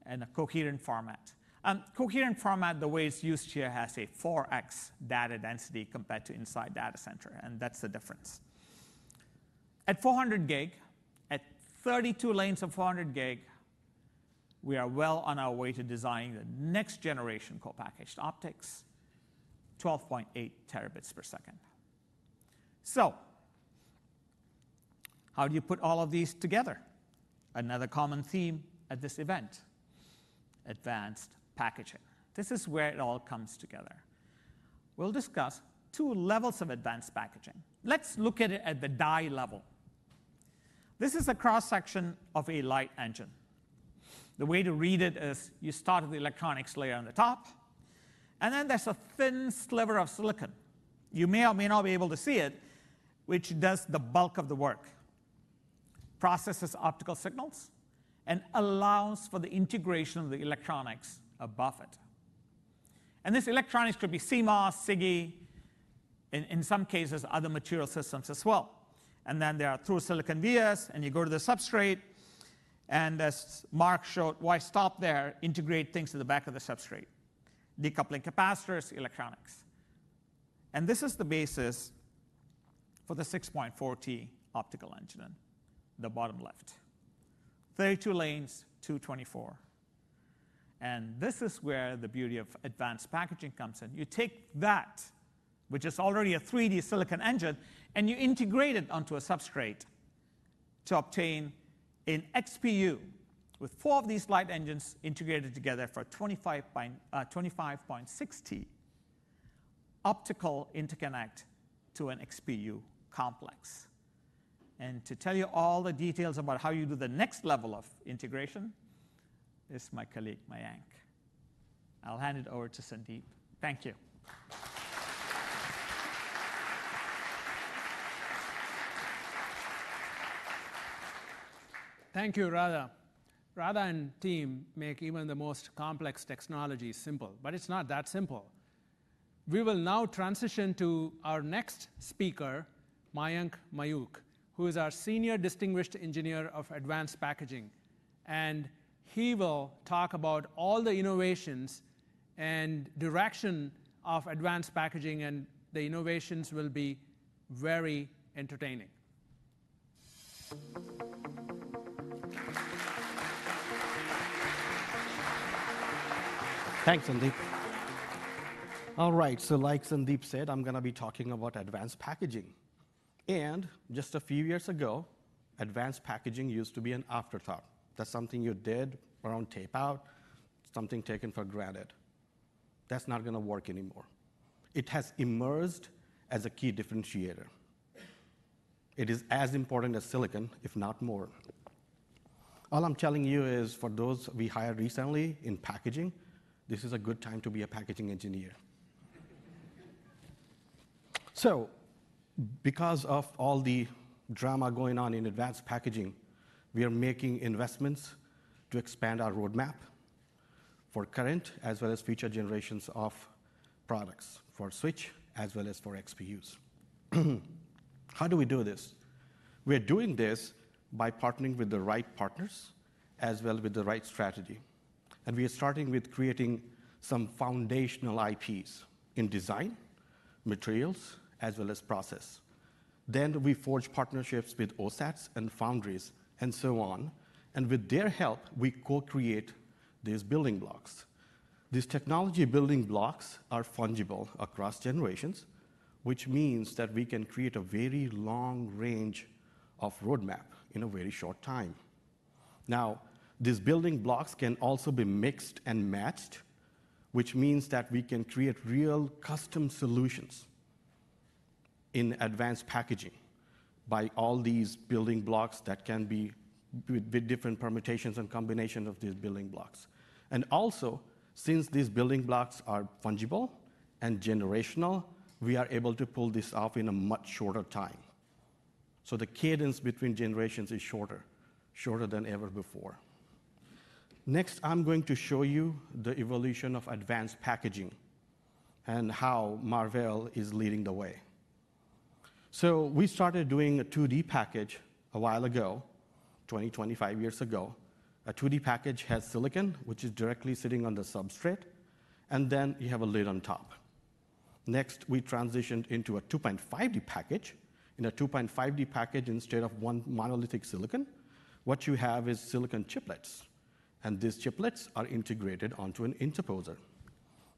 and a coherent format. Coherent format, the way it's used here, has a 4x data density compared to inside data center. And that's the difference. At 400 Gbps, at 32 lanes of 400 Gbps, we are well on our way to designing the next generation co-packaged optics, 12.8 Tbps. How do you put all of these together? Another common theme at this event, advanced packaging. This is where it all comes together. We'll discuss two levels of advanced packaging. Let's look at it at the die level. This is a cross-section of a light engine. The way to read it is you start at the electronics layer on the top. Then, there's a thin sliver of silicon. You may or may not be able to see it, which does the bulk of the work, processes optical signals, and allows for the integration of the electronics above it. These electronics could be CMOS, SiGe, and in some cases, other material systems as well. Then, there are through silicon vias, and you go to the substrate. As Mark showed, why stop there? Integrate things to the back of the substrate, decoupling capacitors, electronics. This is the basis for the 6.4 Tbps optical engine in the bottom left, 32 lanes, 224 Gbps. This is where the beauty of advanced packaging comes in. You take that, which is already a 3D silicon engine, and you integrate it onto a substrate to obtain an XPU with four of these light engines integrated together for 25.6 Tbps optical interconnect to an XPU complex. To tell you all the details about how you do the next level of integration, this is my colleague, Mayank. I'll hand it over to Sandeep. Thank you. Thank you, Radha. Radha and team make even the most complex technology simple. But it is not that simple. We will now transition to our next speaker, Mayank Mayukh, who is our Senior Distinguished Engineer of Advanced Packaging, and he will talk about all the innovations and direction of advanced packaging. The innovations will be very entertaining. Thanks, Sandeep. All right, so like Sandeep said, I'm going to be talking about advanced packaging. Just a few years ago, advanced packaging used to be an afterthought. That was something you did around tape out, something taken for granted. That is not going to work anymore. It has emerged as a key differentiator. It is as important as silicon, if not more. All I'm telling you is, for those we hired recently in packaging, this is a good time to be a packaging engineer. Because of all the drama going on in advanced packaging, we are making investments to expand our roadmap for current as well as future generations of products for switch as well as for XPUs. How do we do this? We are doing this by partnering with the right partners as well as with the right strategy. We are starting with creating some foundational IPs in design, materials, as well as process. Then, we forge partnerships with OSATs and foundries and so on. With their help, we co-create these building blocks. These technology building blocks are fungible across generations, which means that we can create a very long range of roadmap in a very short time. Now, these building blocks can also be mixed and matched, which means that we can create real custom solutions in advanced packaging by all these building blocks that can be with different permutations and combinations of these building blocks. Also, since these building blocks are fungible and generational, we are able to pull this off in a much shorter time. So, the cadence between generations is shorter, shorter than ever before. Next, I'm going to show you the evolution of advanced packaging and how Marvell is leading the way. We started doing a 2D package a while ago, 20, 25 years ago. A 2D package has silicon, which is directly sitting on the substrate, and then you have a lid on top. Next, we transitioned into a 2.5D package. In a 2.5D package, instead of one monolithic silicon, what you have is silicon chiplets. And these chiplets are integrated onto an interposer.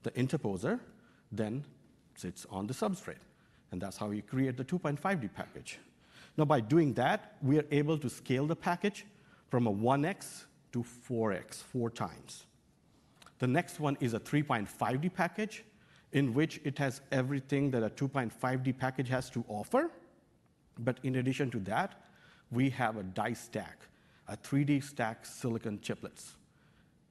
The interposer then sits on the substrate. And that is how we create the 2.5D package. By doing that, we are able to scale the package from a 1x to 4x, four times. The next one is a 3.5D package, in which it has everything that a 2.5D package has to offer, but in addition to that, we have a die stack, a 3D stack silicon chiplets.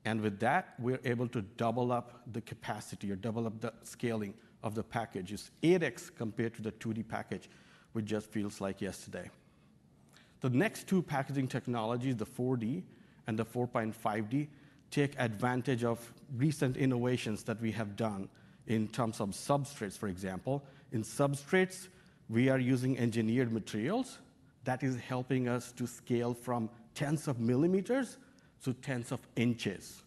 With that, we are able to double up the capacity or double up the scaling of the package. It is 8x compared to the 2D package, which just feels like yesterday. The next two packaging technologies, the 4D and the 4.5D, take advantage of recent innovations that we have done in terms of substrates. For example, in substrates, we are using engineered materials that are helping us to scale from tens of millimeters to tens of inches.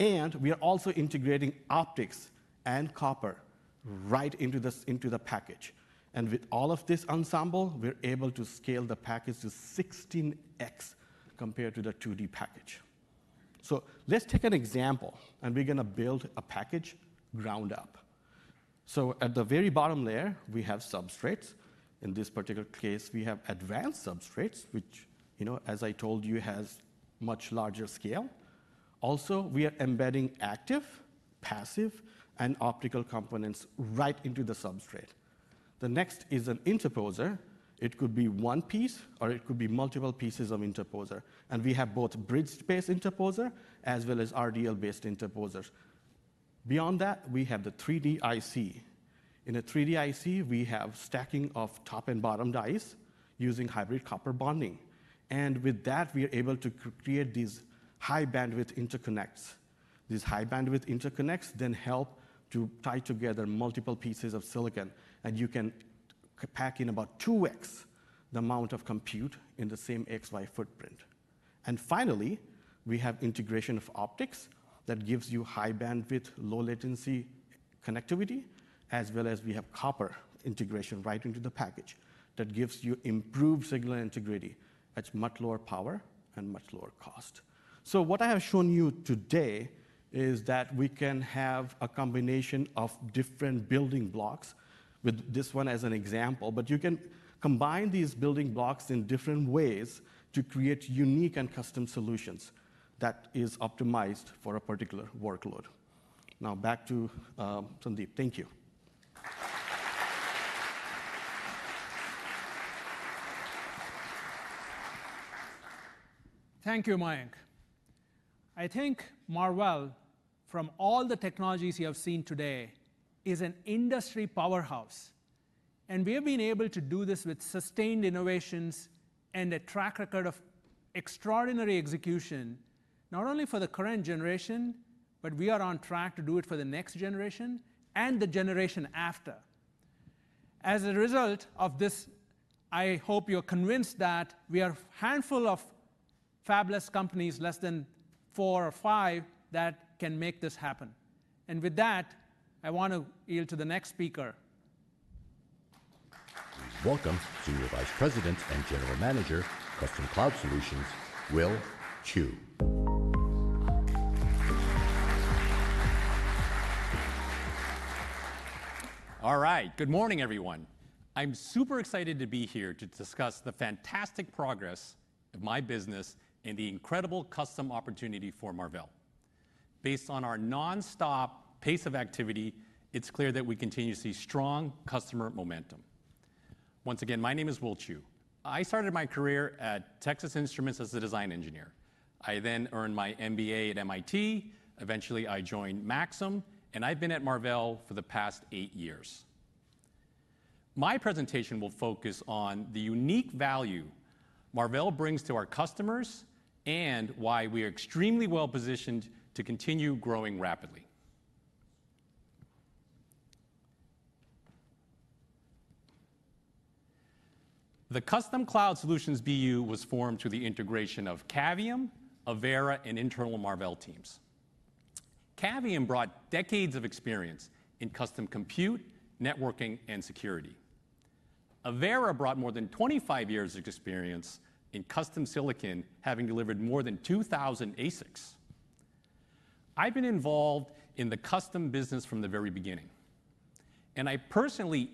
We are also integrating optics and copper right into the package. With all of this ensemble, we are able to scale the package to 16x compared to the 2D package. Let us take an example. We are going to build a package ground up. At the very bottom layer, we have substrates. In this particular case, we have advanced substrates, which, as I told you, has a much larger scale. Also, we are embedding active, passive, and optical components right into the substrate. The next is an interposer. It could be one piece, or it could be multiple pieces of interposer, and we have both bridge-based interposer as well as RDL-based interposers. Beyond that, we have the 3D IC. In a 3D IC, we have stacking of top and bottom dies using hybrid copper bonding. With that, we are able to create these high-bandwidth interconnects. These high-bandwidth interconnects then help to tie together multiple pieces of silicon, and you can pack in about 2x the amount of compute in the same XY footprint. Finally, we have integration of optics that gives you high-bandwidth, low-latency connectivity, as well as we have copper integration right into the package that gives you improved signal integrity at much lower power and much lower cost. What I have shown you today is that we can have a combination of different building blocks, with this one as an example. You can combine these building blocks in different ways to create unique and custom solutions that are optimized for a particular workload. Now, back to Sandeep. Thank you. Thank you, Mayank. I think Marvell, from all the technologies you have seen today, is an industry powerhouse. We have been able to do this with sustained innovations and a track record of extraordinary execution, not only for the current generation, but we are on track to do it for the next generation and the generation after. As a result of this, I hope you're convinced that we are a handful of fabless companies, less than four or five, that can make this happen. With that, I want to yield to the next speaker. Welcome to Vice President and General Manager, Custom Cloud Solutions, Will Chu. All right, good morning, everyone. I'm super excited to be here to discuss the fantastic progress of my business and the incredible custom opportunity for Marvell. Based on our nonstop pace of activity, it's clear that we continue to see strong customer momentum. Once again, my name is Will Chu. I started my career at Texas Instruments as a design engineer. I then earned my MBA at MIT. Eventually, I joined Maxim. And I've been at Marvell for the past eight years. My presentation will focus on the unique value Marvell brings to our customers and why we are extremely well-positioned to continue growing rapidly. The Custom Cloud Solutions BU was formed through the integration of Cavium, Avera, and internal Marvell teams. Cavium brought decades of experience in custom compute, networking, and security. Avera brought more than 25 years of experience in custom silicon, having delivered more than 2,000 ASICs. I've been involved in the custom business from the very beginning, and I personally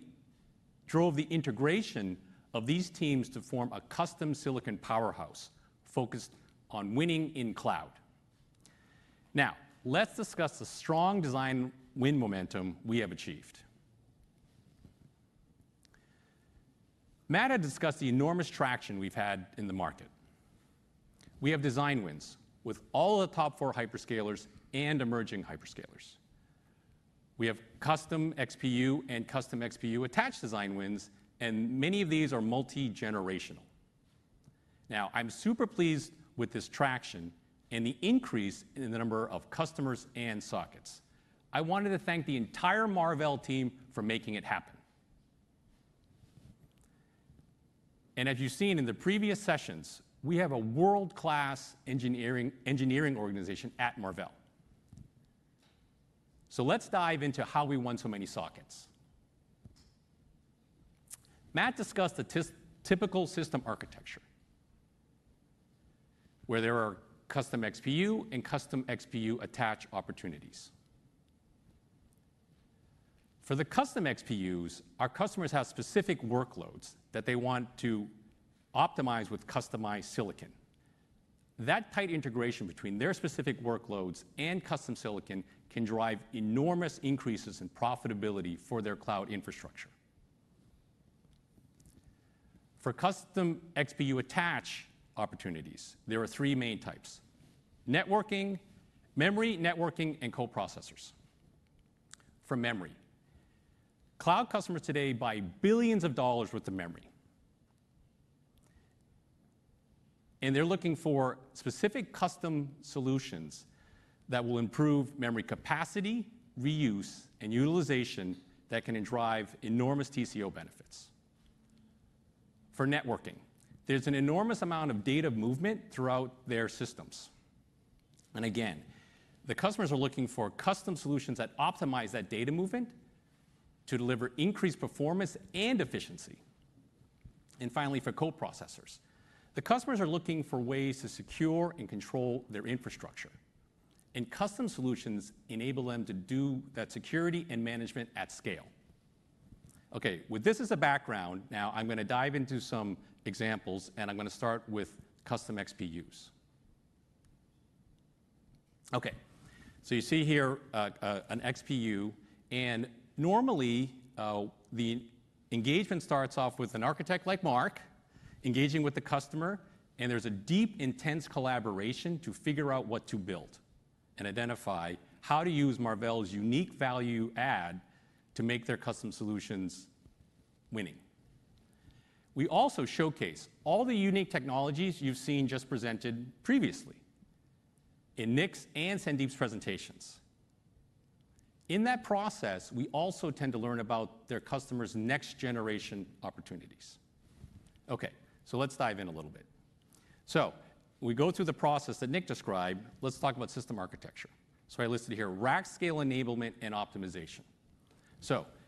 drove the integration of these teams to form a custom silicon powerhouse focused on winning in cloud. Now, let's discuss the strong design win momentum we have achieved. Matt had discussed the enormous traction we've had in the market. We have design wins with all of the top four hyperscalers and emerging hyperscalers. We have custom XPU and custom XPU attach design wins, and many of these are multi-generational. Now, I'm super pleased with this traction and the increase in the number of customers and sockets. I wanted to thank the entire Marvell team for making it happen. As you've seen in the previous sessions, we have a world-class engineering organization at Marvell. Let's dive into how we won so many sockets. Matt discussed the typical system architecture, where there are custom XPU and custom XPU attach opportunities. For the custom XPUs, our customers have specific workloads that they want to optimize with customized silicon. That tight integration between their specific workloads and custom silicon can drive enormous increases in profitability for their cloud infrastructure. For custom XPU attach opportunities, there are three main types: networking, memory networking, and co-processors. For memory, cloud customers today buy billions of dollars' worth of memory. They are looking for specific custom solutions that will improve memory capacity, reuse, and utilization that can drive enormous TCO benefits. For networking, there is an enormous amount of data movement throughout their systems. And again, the customers are looking for custom solutions that optimize that data movement to deliver increased performance and efficiency. Finally, for co-processors, the customers are looking for ways to secure and control their infrastructure, and custom solutions enable them to do that security and management at scale. Okay, with this as a background, now I'm going to dive into some examples, and I'm going to start with custom XPUs. Okay, so you see here an XPU, and normally, the engagement starts off with an architect like Mark engaging with the customer, and there's a deep, intense collaboration to figure out what to build and identify how to use Marvell's unique value add to make their custom solutions winning. We also showcase all the unique technologies you've seen just presented previously in Nick's and Sandeep's presentations. In that process, we also tend to learn about their customers' next-generation opportunities. Okay, so let's dive in a little bit. So, we go through the process that Nick described. Let's talk about system architecture. I listed here rack scale enablement and optimization.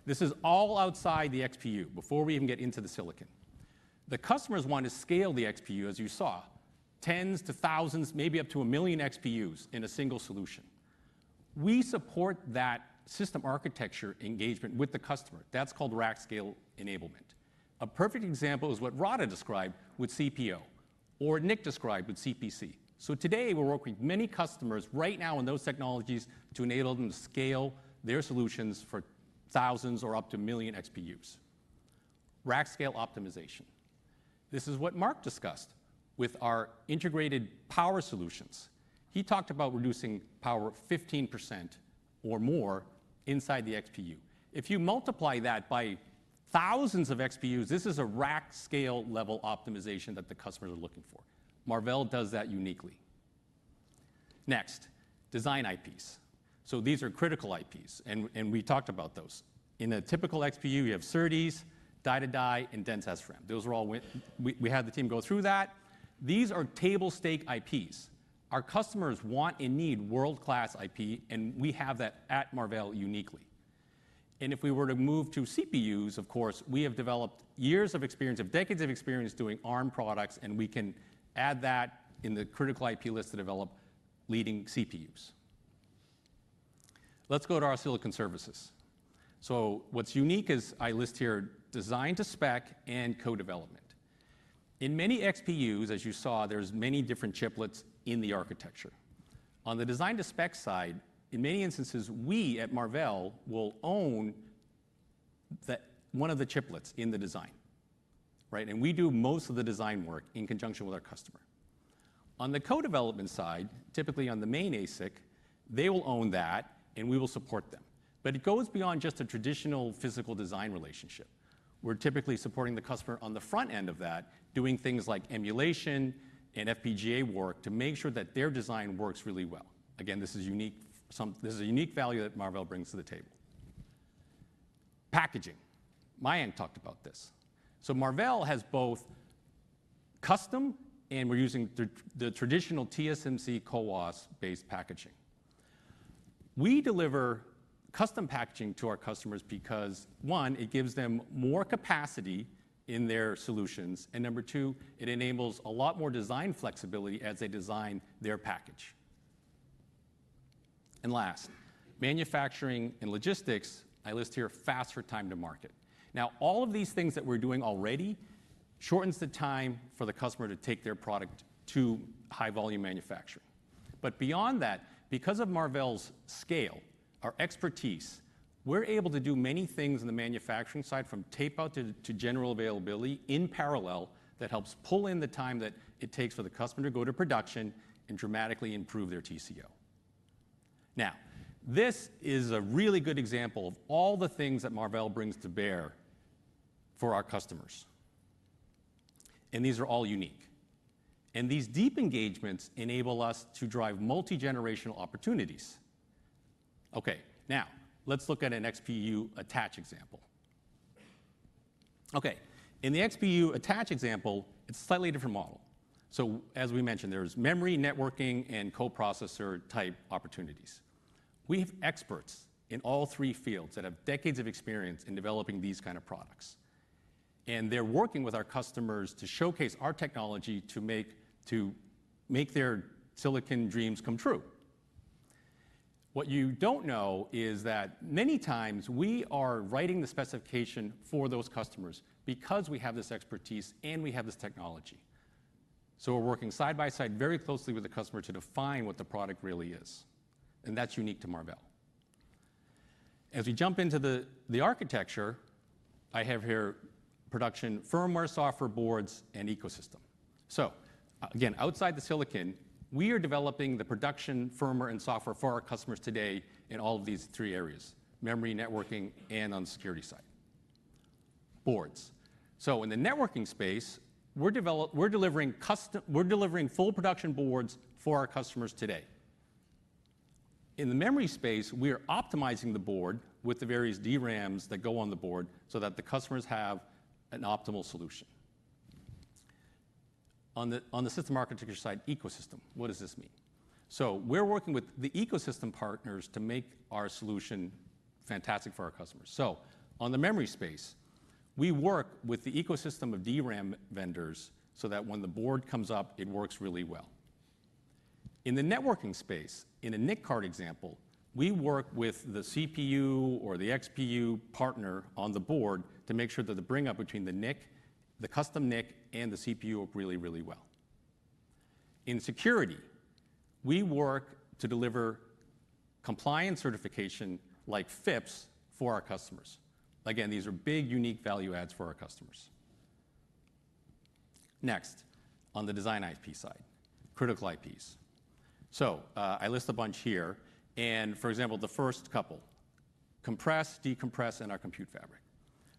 This is all outside the XPU before we even get into the silicon. The customers want to scale the XPU, as you saw, tens to thousands, maybe up to a million XPUs in a single solution. We support that system architecture engagement with the customer. That is called rack scale enablement. A perfect example is what Radha described with CPO, or Nick described with CPC. Today, we are working with many customers right now in those technologies to enable them to scale their solutions for thousands or up to a million XPUs. Rack scale optimization. This is what Mark discussed with our integrated power solutions. He talked about reducing power 15% or more inside the XPU. If you multiply that by thousands of XPUs, this is a rack scale level optimization that the customers are looking for. Marvell does that uniquely. Next, design IPs. These are critical IPs. We talked about those. In a typical XPU, you have SerDes, die-to-die, and dense SRAM. Those are all, we had the team go through that. These are table stake IPs. Our customers want and need world-class IP, and we have that at Marvell uniquely. If we were to move to CPUs, of course, we have developed years of experience, decades of experience, doing Arm products, and we can add that in the critical IP list to develop leading CPUs. Let's go to our silicon services. What's unique is I list here design to spec and co-development. In many XPUs, as you saw, there are many different chiplets in the architecture. On the design to spec side, in many instances, we at Marvell will own one of the chiplets in the design. We do most of the design work in conjunction with our customer. On the co-development side, typically on the main ASIC, they will own that, and we will support them. But it goes beyond just a traditional physical design relationship. We are typically supporting the customer on the front end of that, doing things like emulation and FPGA work to make sure that their design works really well. Again, this is unique value that Marvell brings to the table. Packaging. Mayank talked about this. Marvell has both custom and we are using the traditional TSMC CoWoS-based packaging. We deliver custom packaging to our customers because, one, it gives them more capacity in their solutions, and number two, it enables a lot more design flexibility as they design their package. Last, manufacturing and logistics, I list here faster time to market. All of these things that we are doing already shortens the time for the customer to take their product to high-volume manufacturing. Beyond that, because of Marvell's scale, our expertise, we're able to do many things on the manufacturing side, from tape-out to general availability in parallel that helps pull in the time that it takes for the customer to go to production and dramatically improve their TCO. This is a really good example of all the things that Marvell brings to bear for our customers. These are all unique. These deep engagements enable us to drive multi-generational opportunities. Okay, now, let's look at an XPU attach example. In the XPU attach example, it's a slightly different model. As we mentioned, there's memory, networking, and co-processor type opportunities. We have experts in all three fields that have decades of experience in developing these kinds of products, and they're working with our customers to showcase our technology to make their silicon dreams come true. What you do not know is that many times, we are writing the specification for those customers because we have this expertise and we have this technology. We are working side by side very closely with the customer to define what the product really is. And that is unique to Marvell. As we jump into the architecture, I have here production firmware, software boards, and ecosystem. Again, outside the silicon, we are developing the production firmware and software for our customers today in all of these three areas: memory, networking, and on the security side. Boards. In the networking space, we are delivering full production boards for our customers today. In the memory space, we are optimizing the board with the various DRAMs that go on the board so that the customers have an optimal solution. On the system architecture side, ecosystem. What does this mean? We're working with the ecosystem partners to make our solution fantastic for our customers. In the memory space, we work with the ecosystem of DRAM vendors so that when the board comes up, it works really well. In the networking space, in the NIC card example, we work with the CPU or the XPU partner on the board to make sure that the bring-up between the NIC, the custom NIC and the CPU work really, really well. In security, we work to deliver compliance certification like FIPS for our customers. Again, these are big, unique value adds for our customers. Next, on the design IP side, critical IPs. I list a bunch here. For example, the first couple: compress, decompress, and our compute fabric.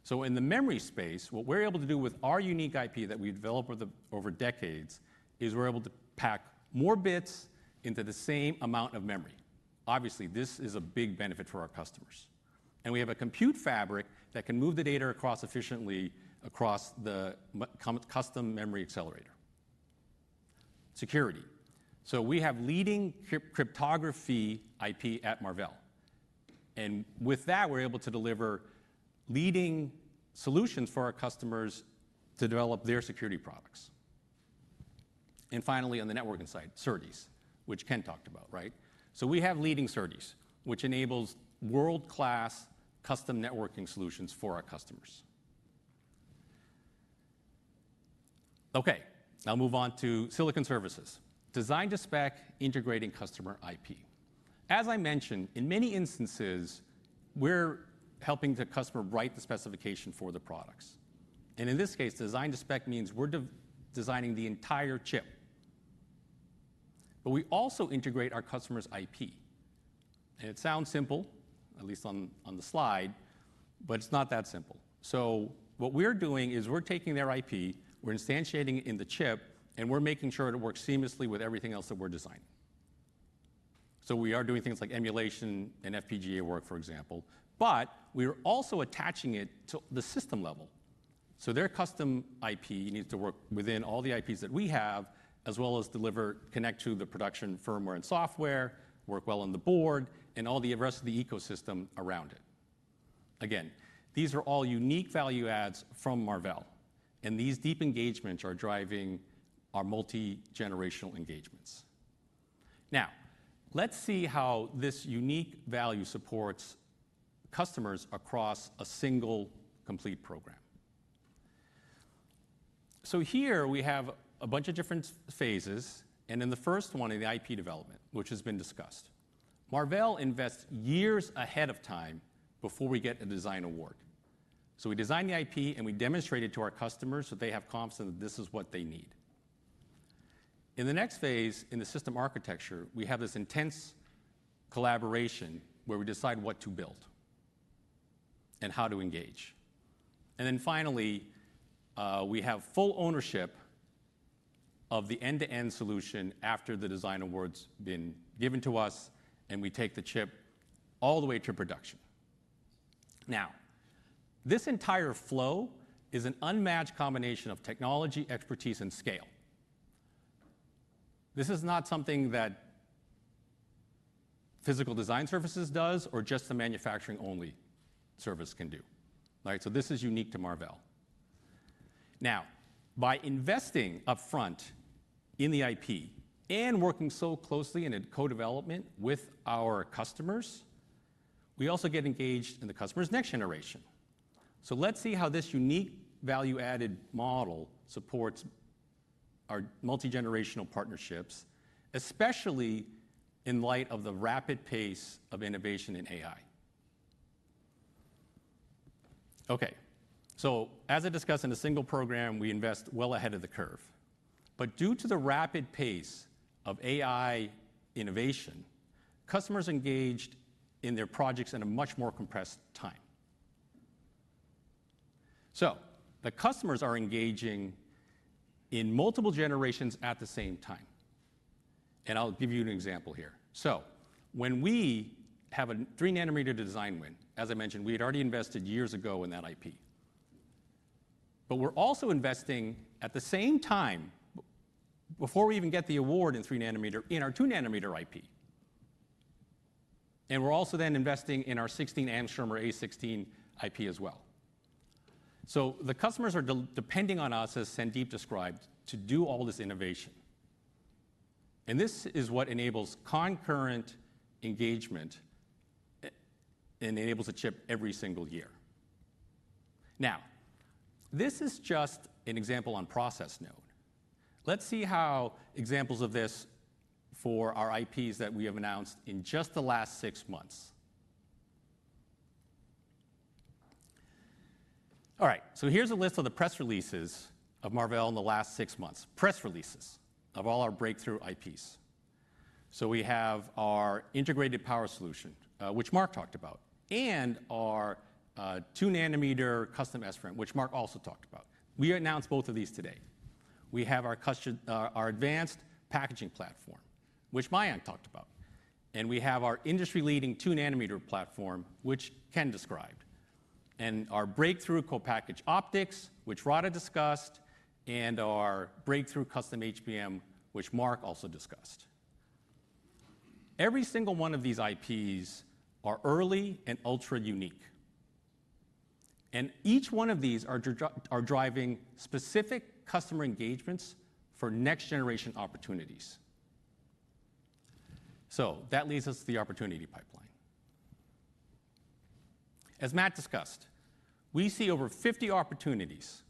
In the memory space, what we are able to do with our unique IP that we have developed over decades is we are able to pack more bits into the same amount of memory. Obviously, this is a big benefit for our customers. We have a compute fabric that can move the data efficiently across the custom memory accelerator. Security. We have leading cryptography IP at Marvell. With that, we are able to deliver leading solutions for our customers to develop their security products. Finally, on the networking side, SerDes, which Ken talked about, right? We have leading SerDes, which enables world-class custom networking solutions for our customers. Okay, I will move on to silicon services. Design to spec integrating customer IP. As I mentioned, in many instances, we are helping the customer write the specification for the products. In this case, design to spec means we're designing the entire chip. We also integrate our customer's IP. It sounds simple, at least on the slide, but it's not that simple. What we're doing is we're taking their IP, we're instantiating it in the chip, and we're making sure it works seamlessly with everything else that we're designing. We are doing things like emulation and FPGA work, for example. But we are also attaching it to the system level. So, their custom IP needs to work within all the IPs that we have, as well as deliver, connect to the production firmware and software, work well on the board, and all the rest of the ecosystem around it. Again, these are all unique value adds from Marvell, and these deep engagements are driving our multi-generational engagements. Now, let's see how this unique value supports customers across a single complete program. Here, we have a bunch of different phases. In the first one of the IP developments, which has been discussed, Marvell invests years ahead of time before we get a design award. We design the IP, and we demonstrate it to our customers, so they have confidence that this is what they need. In the next phase in the system architecture, we have this intense collaboration where we decide what to build and how to engage. Finally, we have full ownership of the end-to-end solution after the design award's been given to us, and we take the chip all the way to production. Now, this entire flow is an unmatched combination of technology, expertise, and scale. This is not something that physical design services does or just the manufacturing-only service can do. This is unique to Marvell. Now, by investing upfront in the IP and working so closely in co-development with our customers, we also get engaged in the customer's next generation. Let's see how this unique value-added model supports our multi-generational partnerships, especially in light of the rapid pace of innovation in AI. Okay, so as I discussed, in a single program, we invest well ahead of the curve. But due to the rapid pace of AI innovation, customers engaged in their projects in a much more compressed time. So, the customers are engaging in multiple generations at the same time, and I'll give you an example here. When we have a 3-nm design win, as I mentioned, we had already invested years ago in that IP. We're also investing at the same time before we even get the award in 3-nm in our 2-nm IP. We're also then investing in our 16-angstrom or A16 IP as well. So, the customers are depending on us, as Sandeep described, to do all this innovation. This is what enables concurrent engagement and enables a chip every single year. Now, this is just an example on process node. Let's see how examples of this for our IPs that we have announced in just the last six months. All right, here's a list of the press releases of Marvell in the last six months, press releases of all our breakthrough IPs. We have our integrated power solution, which Mark talked about, and our 2-nm custom SRAM, which Mark also talked about. We announced both of these today. We have our advanced packaging platform, which Mayank talked about. And we have our industry-leading 2-nm platform, which Ken described, and our breakthrough co-package optics, which Radha discussed, and our breakthrough custom HBM, which Mark also discussed. Every single one of these IPs are early and ultra unique. Each one of these are driving specific customer engagements for next-generation opportunities. That leads us to the opportunity pipeline. As Matt discussed, we see over 50 opportunities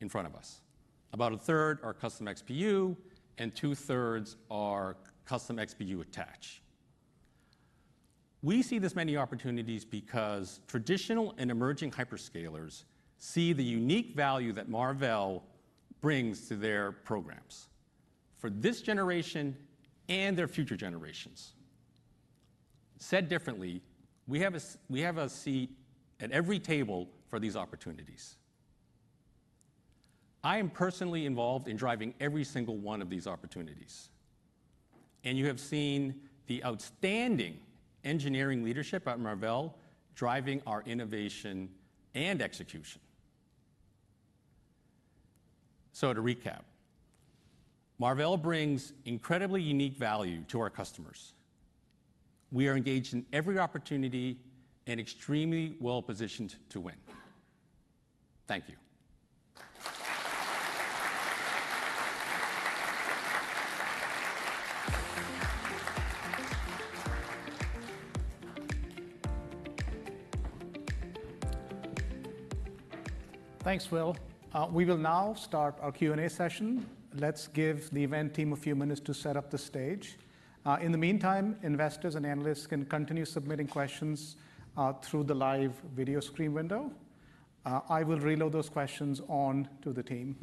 in front of us. About 1/3 are custom XPU, and 2/3 are custom XPU attach. We see this many opportunities because traditional and emerging hyperscalers see the unique value that Marvell brings to their programs for this generation and their future generations. Said differently, we have a seat at every table for these opportunities. I am personally involved in driving every single one of these opportunities. You have seen the outstanding engineering leadership at Marvell driving our innovation and execution. To recap, Marvell brings incredibly unique value to our customers. We are engaged in every opportunity and extremely well-positioned to win. Thank you. Thanks, Will. We will now start our Q&A session. Let's give the event team a few minutes to set up the stage. In the meantime, investors and analysts can continue submitting questions through the live video screen window. I will reload those questions onto the team.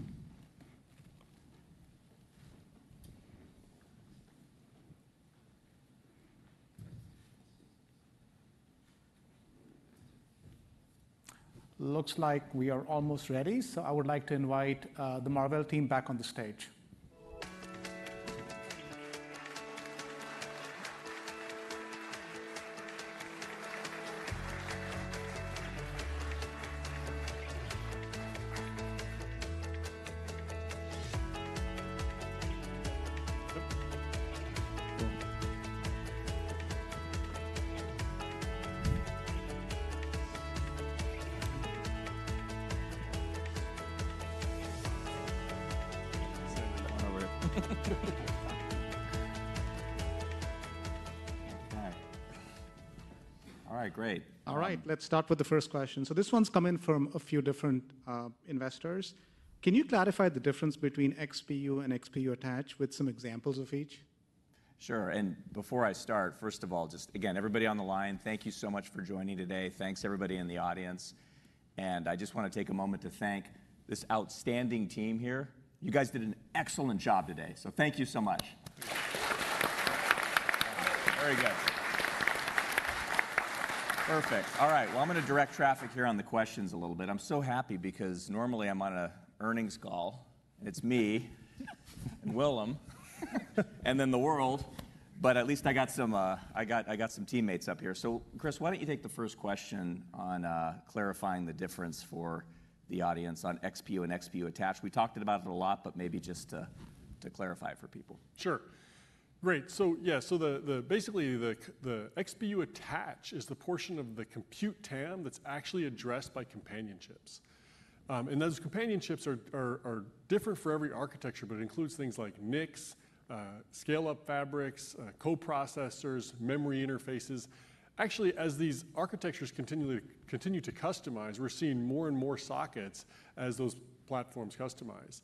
Looks like we are almost ready, so I would like to invite the Marvell team back on the stage. All right, great. All right, let's start with the first question. This one's come in from a few different investors. Can you clarify the difference between XPU and XPU attach with some examples of each? Sure. Before I start, first of all, just again, everybody on the line, thank you so much for joining today. Thanks, everybody in the audience. I just want to take a moment to thank this outstanding team here. You guys did an excellent job today, so thank you so much. Very good. Perfect. All right, I am going to direct traffic here on the questions a little bit. I am so happy because normally, I am on an earnings call, and it is me and Willem and then the world. But at least I got some teammates up here. Chris, why do you not take the first question on clarifying the difference for the audience on XPU and XPU attach? We talked about it a lot, but maybe just to clarify for people. Sure. Great. Yeah, so basically, the XPU attach is the portion of the compute TAM that's actually addressed by companion chips. And those companion chips are different for every architecture, but it includes things like NICs, scale-up fabrics, co-processors, memory interfaces. Actually, as these architectures continue to customize, we're seeing more and more sockets as those platforms customize.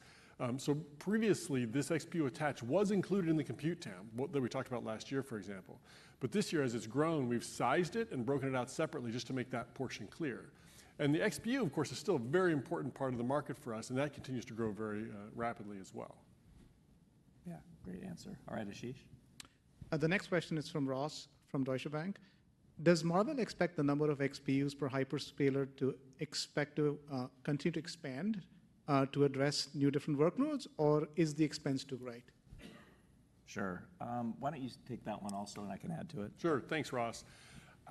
Previously, this XPU attach was included in the compute TAM that we talked about last year, for example. This year, as it's grown, we've sized it and broken it out separately just to make that portion clear. The XPU, of course, is still a very important part of the market for us. That continues to grow very rapidly as well. Yeah, great answer. All right, Ashish. The next question is from Ross from Deutsche Bank. Does Marvell expect the number of XPUs per hyperscaler to expect to continue to expand to address new different workloads? Or is the expense too great? Sure. Why do not you take that one also, and I can add to it? Sure. Thanks, Ross.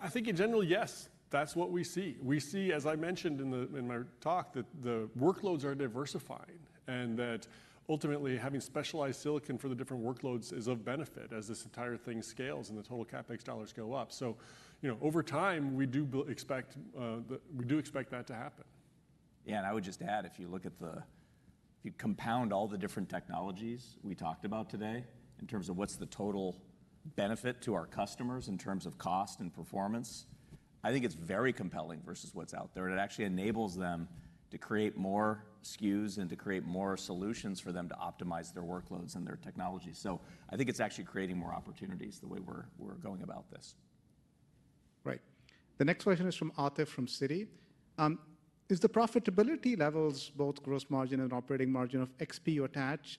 I think in general, yes, that is what we see. We see, as I mentioned in my talk, that the workloads are diversifying and that ultimately having specialized silicon for the different workloads is of benefit as this entire thing scales and the total CapEx dollars go up. Over time, we do expect that to happen. Yeah, and I would just add, if you look at the compound all the different technologies we talked about today in terms of what is the total benefit to our customers in terms of cost and performance, I think it is very compelling versus what is out there. It actually enables them to create more SKUs and to create more solutions for them to optimize their workloads and their technologies. I think it's actually creating more opportunities the way we're going about this. Right. The next question is from Atif from Citi. Is the profitability levels, both gross margin and operating margin of XPU attach,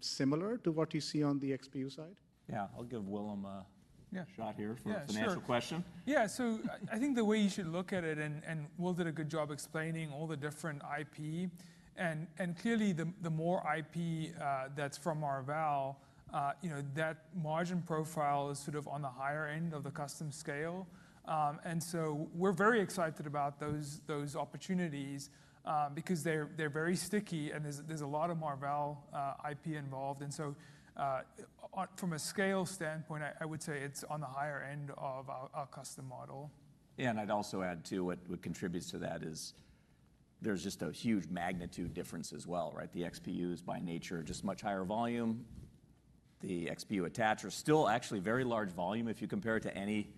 similar to what you see on the XPU side? Yeah, I'll give Willem a shot here for a financial question. Yeah, so, I think the way you should look at it, and Will did a good job explaining all the different IP. Clearly, the more IP that's from Marvell, that margin profile is sort of on the higher end of the custom scale. We are very excited about those opportunities because they're very sticky. There's a lot of Marvell IP involved. From a scale standpoint, I would say it's on the higher end of our custom model. Yeah, and I'd also add to what contributes to that is there's just a huge magnitude difference as well. The XPUs, by nature, are just much higher volume. The XPU attach are still actually very large volume if you compare it to any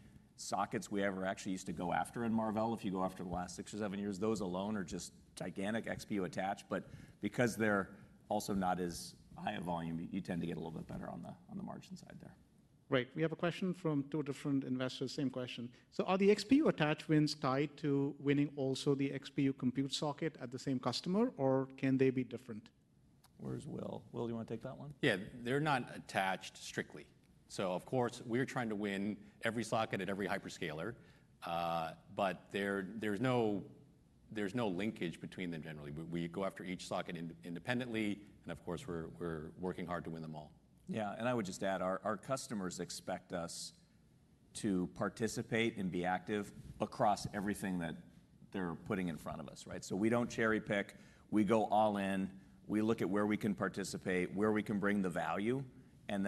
sockets we ever actually used to go after in Marvell. If you go after the last six or seven years, those alone are just gigantic XPU attach. But because they're also not as high a volume, you tend to get a little bit better on the margin side there. Right. We have a question from two different investors, same question. Are the XPU attach wins tied to winning also the XPU compute socket at the same customer? Or can they be different? Where's Will? Will, do you want to take that one? Yeah, they're not attached strictly. Of course, we're trying to win every socket at every hyperscaler. But there is no linkage between them generally. We go after each socket independently. Of course, we're working hard to win them all. Yeah. I would just add, our customers expect us to participate and be active across everything that they're putting in front of us, right? We don't cherry pick. We go all in. We look at where we can participate, where we can bring the value. And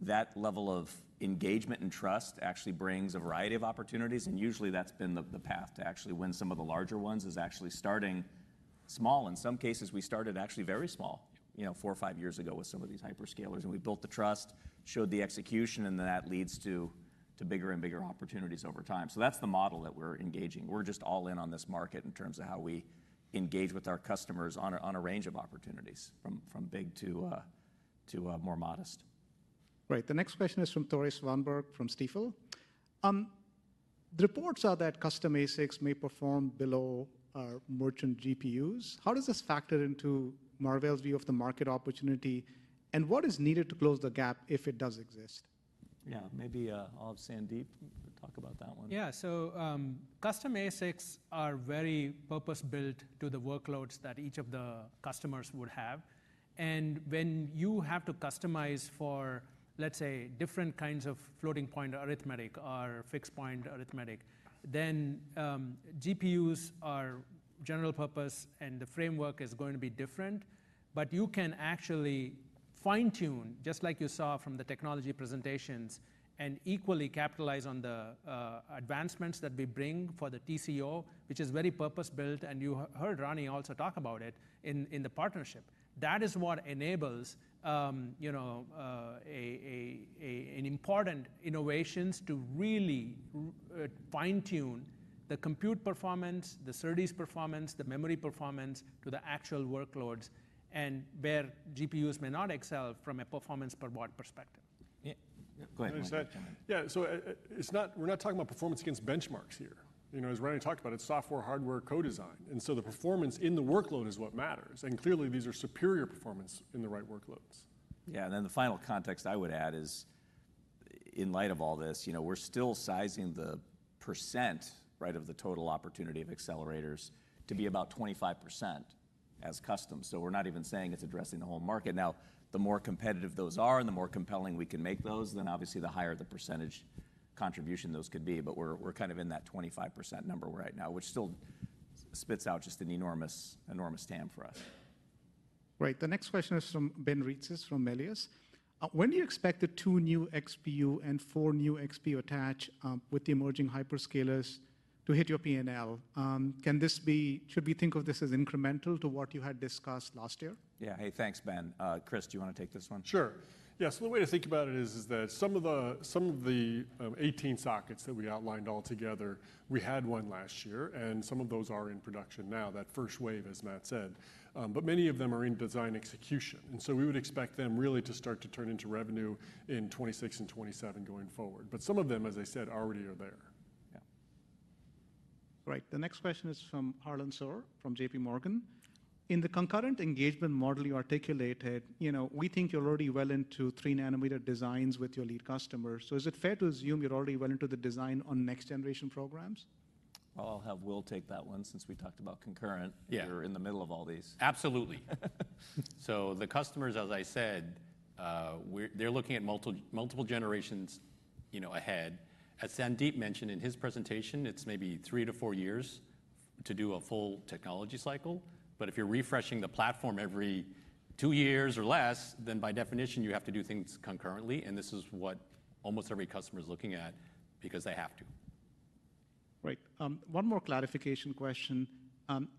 that ultimately, that level of engagement and trust actually brings a variety of opportunities. Usually, that's been the path to actually win some of the larger ones, actually starting small. In some cases, we started actually very small four or five years ago with some of these hyperscalers. We built the trust, showed the execution, and that leads to bigger and bigger opportunities over time. That is the model that we are engaging. We are just all in on this market in terms of how we engage with our customers on a range of opportunities from big to more modest. Right. The next question is from Tore Svanberg from Stifel. The reports are that custom ASICs may perform below merchant GPUs. How does this factor into Marvell's view of the market opportunity? And what is needed to close the gap if it does exist? Yeah, maybe I will have Sandeep talk about that one. Yeah, so custom ASICs are very purpose-built to the workloads that each of the customers would have. When you have to customize for, let's say, different kinds of floating-point arithmetic or fixed-point arithmetic, then GPUs are general purpose, and the framework is going to be different. But you can actually fine-tune, just like you saw from the technology presentations, and equally capitalize on the advancements that we bring for the TCO, which is very purpose-built. You heard Rani also talk about it in the partnership. That is what enables an important innovation to really fine-tune the compute performance, the service performance, the memory performance to the actual workloads, and where GPUs may not excel from a performance per watt perspective. Yeah. Go ahead. Yeah, we're not talking about performance against benchmarks here. As Rani talked about, it's software-hardware co-design. And so, the performance in the workload is what matters. Clearly, these are superior performance in the right workloads. Yeah, and then the final context I would add is, in light of all this, we're still sizing the percent of the total opportunity of accelerators to be about 25% as custom. So, we're not even saying it's addressing the whole market. Now, the more competitive those are and the more compelling we can make those, then obviously the higher the percentage contribution those could be. But we're kind of in that 25% number right now, which still spits out just an enormous TAM for us. Right. The next question is from Ben Reitzes from Melius. When do you expect the two new XPU and four new XPU attach with the emerging hyperscalers to hit your P&L? Should we think of this as incremental to what you had discussed last year? Yeah, hey, thanks, Ben. Chris, do you want to take this one? Sure. Yeah, so the way to think about it is that some of the 18 sockets that we outlined altogether, we had one last year, and some of those are in production now, that first wave, as Matt said. Many of them are in design execution. We would expect them really to start to turn into revenue in 2026 and 2027 going forward. Some of them, as I said, already are there. Yeah. Right. The next question is from Harlan Sur from JPMorgan. In the concurrent engagement model you articulated, we think you're already well into 3-nm designs with your lead customers. Is it fair to assume you're already well into the design on next-generation programs? I'll have Will take that one since we talked about concurrent. You're in the middle of all these. Absolutely. The customers, as I said, they're looking at multiple generations ahead. As Sandeep mentioned in his presentation, it's maybe three to four years to do a full technology cycle. But if you're refreshing the platform every two years or less, then by definition, you have to do things concurrently. This is what almost every customer is looking at because they have to. Right. One more clarification question.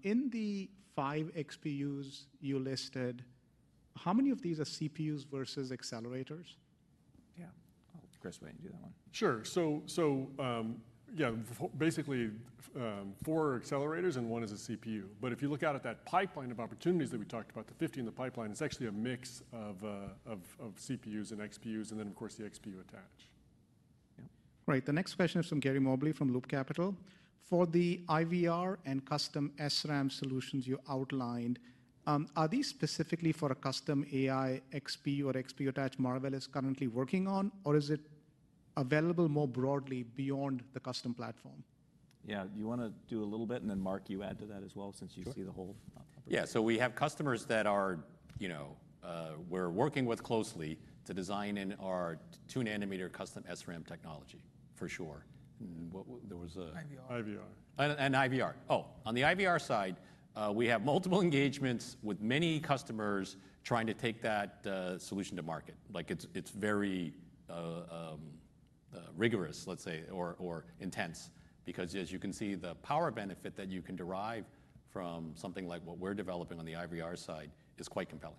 In the five XPUs you listed, how many of these are CPUs versus accelerators? Yeah. Chris, why don't you do that one? Sure. Yeah, basically, four accelerators and one is a CPU. If you look out at that pipeline of opportunities that we talked about, the 50 in the pipeline, it's actually a mix of CPUs and XPUs and then, of course, the XPU attach. Right. The next question is from Gary Mobley from Loop Capital. For the IVR and custom SRAM solutions you outlined, are these specifically for a custom AI XPU or XPU attach Marvell is currently working on? Or is it available more broadly beyond the custom platform? Yeah, do you want to do a little bit? And then Mark, you add to that as well since you see the whole opportunity. Yeah, so we have customers that we're working with closely to design in our 2-nm custom SRAM technology, for sure. And there was an. IVR. An IVR. Oh, on the IVR side, we have multiple engagements with many customers trying to take that solution to market. It's very rigorous, let's say, or intense. Because as you can see, the power benefit that you can derive from something like what we're developing on the IVR side is quite compelling.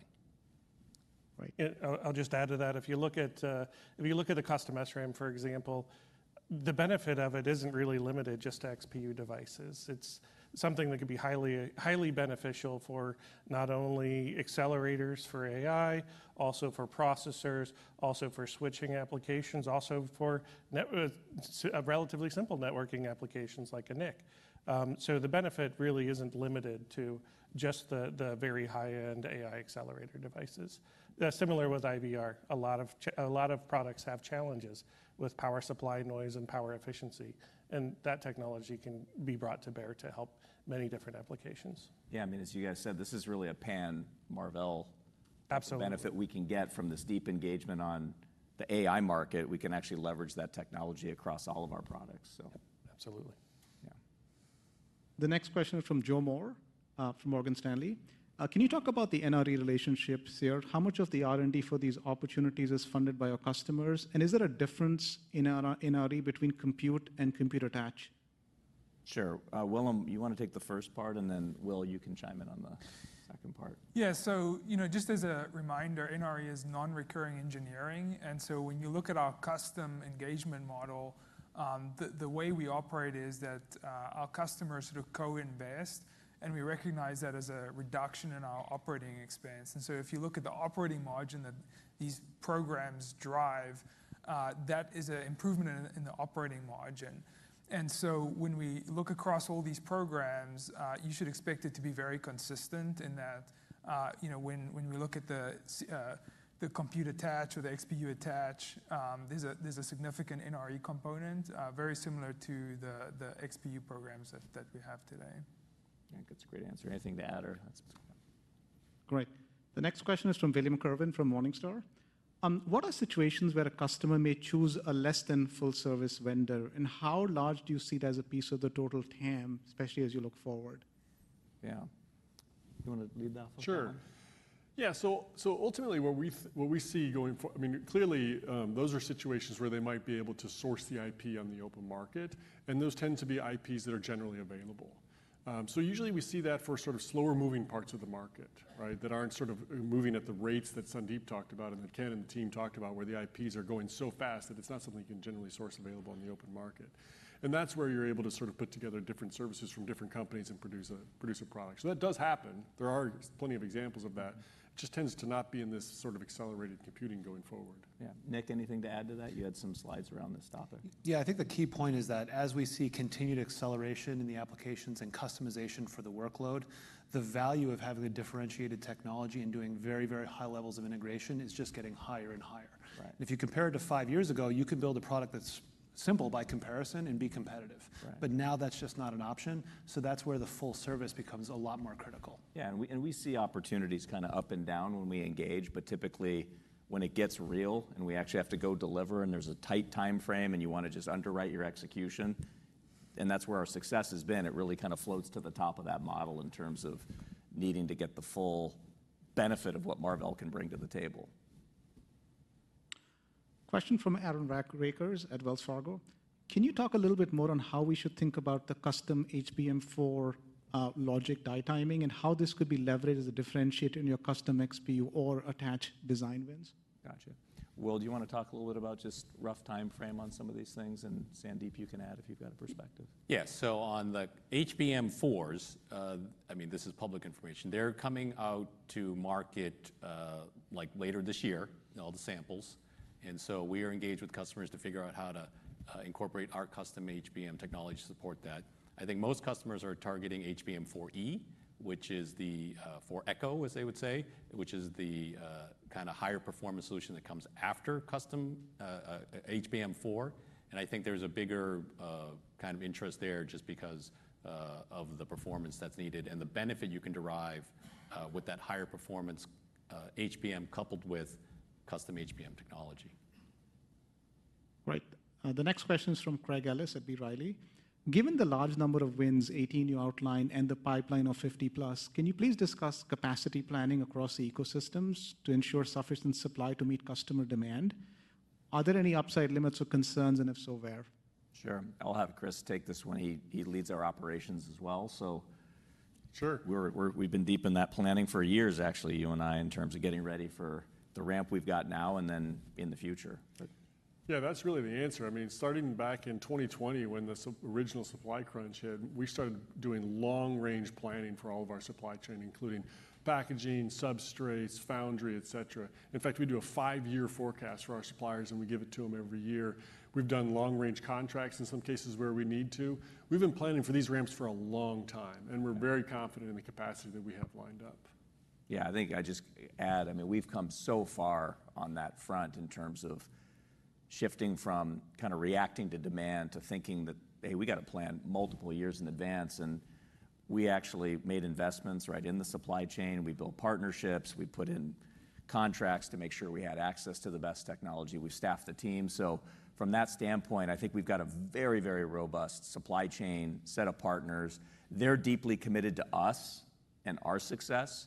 Right. And I'll just add to that. If you look at the custom SRAM, for example, the benefit of it isn't really limited just to XPU devices. It's something that could be highly beneficial for not only accelerators for AI, also for processors, also for switching applications, also for relatively simple networking applications like a NIC. The benefit really isn't limited to just the very high-end AI accelerator devices. Similar with IVR, a lot of products have challenges with power supply noise and power efficiency. That technology can be brought to bear to help many different applications. Yeah, I mean, as you guys said, this is really a pan-Marvell benefit we can get from this deep engagement on the AI market. We can actually leverage that technology across all of our products. Absolutely. Yeah. The next question is from Joe Moore from Morgan Stanley. Can you talk about the NRE relationships here? How much of the R&D for these opportunities is funded by our customers? Is there a difference in NRE between compute and compute attached? Sure. Willem, you want to take the first part? Then, Will, you can chime in on the second part. Yeah, so, just as a reminder, NRE is non-recurring engineering. And so, when you look at our custom engagement model, the way we operate is that our customers sort of co-invest. We recognize that as a reduction in our operating expense. If you look at the operating margin that these programs drive, that is an improvement in the operating margin. When we look across all these programs, you should expect it to be very consistent in that when we look at the compute attached or the XPU attached, there is a significant NRE component, very similar to the XPU programs that we have today. Yeah, that is a great answer. Anything to add or? Great. The next question is from William Kerwin from Morningstar. What are situations where a customer may choose a less-than-full-service vendor? And how large do you see it as a piece of the total TAM, especially as you look forward? Yeah. You want to lead that one? Sure. Yeah, so ultimately, what we see going forward, I mean, clearly, those are situations where they might be able to source the IP on the open market. And those tend to be IPs that are generally available. Usually, we see that for sort of slower-moving parts of the market that are not sort of moving at the rates that Sandeep talked about and that Ken and the team talked about, where the IPs are going so fast that it is not something you can generally source available on the open market. That is where you are able to sort of put together different services from different companies and produce a product. That does happen. There are plenty of examples of that. It just tends to not be in this sort of accelerated computing going forward. Yeah. Nick, anything to add to that? You had some slides around this topic. Yeah, I think the key point is that as we see continued acceleration in the applications and customization for the workload, the value of having a differentiated technology and doing very, very high levels of integration is just getting higher and higher. If you compare it to five years ago, you can build a product that's simple by comparison and be competitive. Now, that's just not an option, so that is where the full service becomes a lot more critical. Yeah, and we see opportunities kind of up and down when we engage. Typically, when it gets real and we actually have to go deliver and there's a tight time frame and you want to just underwrite your execution, then that's where our success has been. It really kind of floats to the top of that model in terms of needing to get the full benefit of what Marvell can bring to the table. Question from Aaron Rakers at Wells Fargo. Can you talk a little bit more on how we should think about the custom HBM4 logic die timing and how this could be leveraged as a differentiator in your custom XPU or attach design wins? Gotcha. Will, do you want to talk a little bit about just rough time frame on some of these things? And Sandeep, you can add if you've got a perspective. Yeah, so on the HBM4s, I mean, this is public information. They are coming out to market later this year, all the samples. We are engaged with customers to figure out how to incorporate our custom HBM technology to support that. I think most customers are targeting HBM4e, which is the, as they would say, which is the kind of higher performance solution that comes after custom HBM4. I think there is a bigger kind of interest there just because of the performance that is needed and the benefit you can derive with that higher performance HBM coupled with custom HBM technology. Right. The next question is from Craig Ellis at B. Riley. Given the large number of wins, 18 you outlined, and the pipeline of 50+, can you please discuss capacity planning across ecosystems to ensure sufficient supply to meet customer demand? Are there any upside limits or concerns? If so, where? Sure. I will have Chris take this one. He leads our operations as well. Sure. We have been deep in that planning for years, actually, you and I, in terms of getting ready for the ramp we have now and then in the future. Yeah, that is really the answer. I mean, starting back in 2020, when this original supply crunch hit, we started doing long-range planning for all of our supply chain, including packaging, substrates, foundry, et cetera. In fact, we do a five-year forecast for our suppliers, and we give it to them every year. We have done long-range contracts in some cases where we need to. We have been planning for these ramps for a long time, and we are very confident in the capacity that we have lined up. Yeah, I think I just add, I mean, we've come so far on that front in terms of shifting from kind of reacting to demand to thinking that, hey, we got to plan multiple years in advance. We actually made investments right in the supply chain. We built partnerships. We put in contracts to make sure we had access to the best technology. We staffed the team. From that standpoint, I think we've got a very, very robust supply chain set of partners. They're deeply committed to us and our success.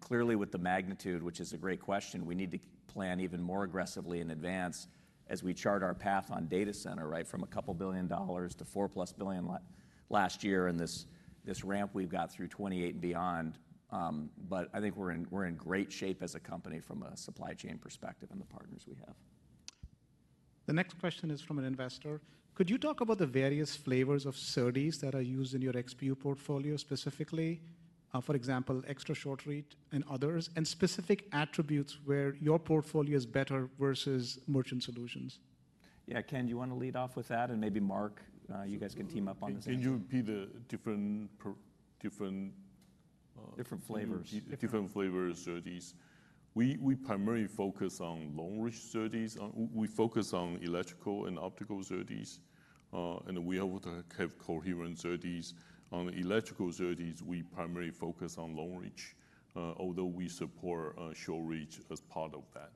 Clearly, with the magnitude, which is a great question, we need to plan even more aggressively in advance as we chart our path on data center, right, from a couple billion dollars to $4 billion+ last year. This ramp we've got through 2028 and beyond. I think we're in great shape as a company from a supply chain perspective and the partners we have. The next question is from an investor. Could you talk about the various flavors of SerDes that are used in your XPU portfolio specifically, for example, extra short reach and others, and specific attributes where your portfolio is better versus merchant solutions? Yeah, Ken, do you want to lead off with that? Maybe Mark, you guys can team up on this. Can you repeat the different flavors? Different flavors. Different flavors SerDes. We primarily focus on long-reach SerDes. We focus on electrical and optical SerDes. We have coherent SerDes. On electrical SerDes, we primarily focus on long-reach, although we support short-reach as part of that.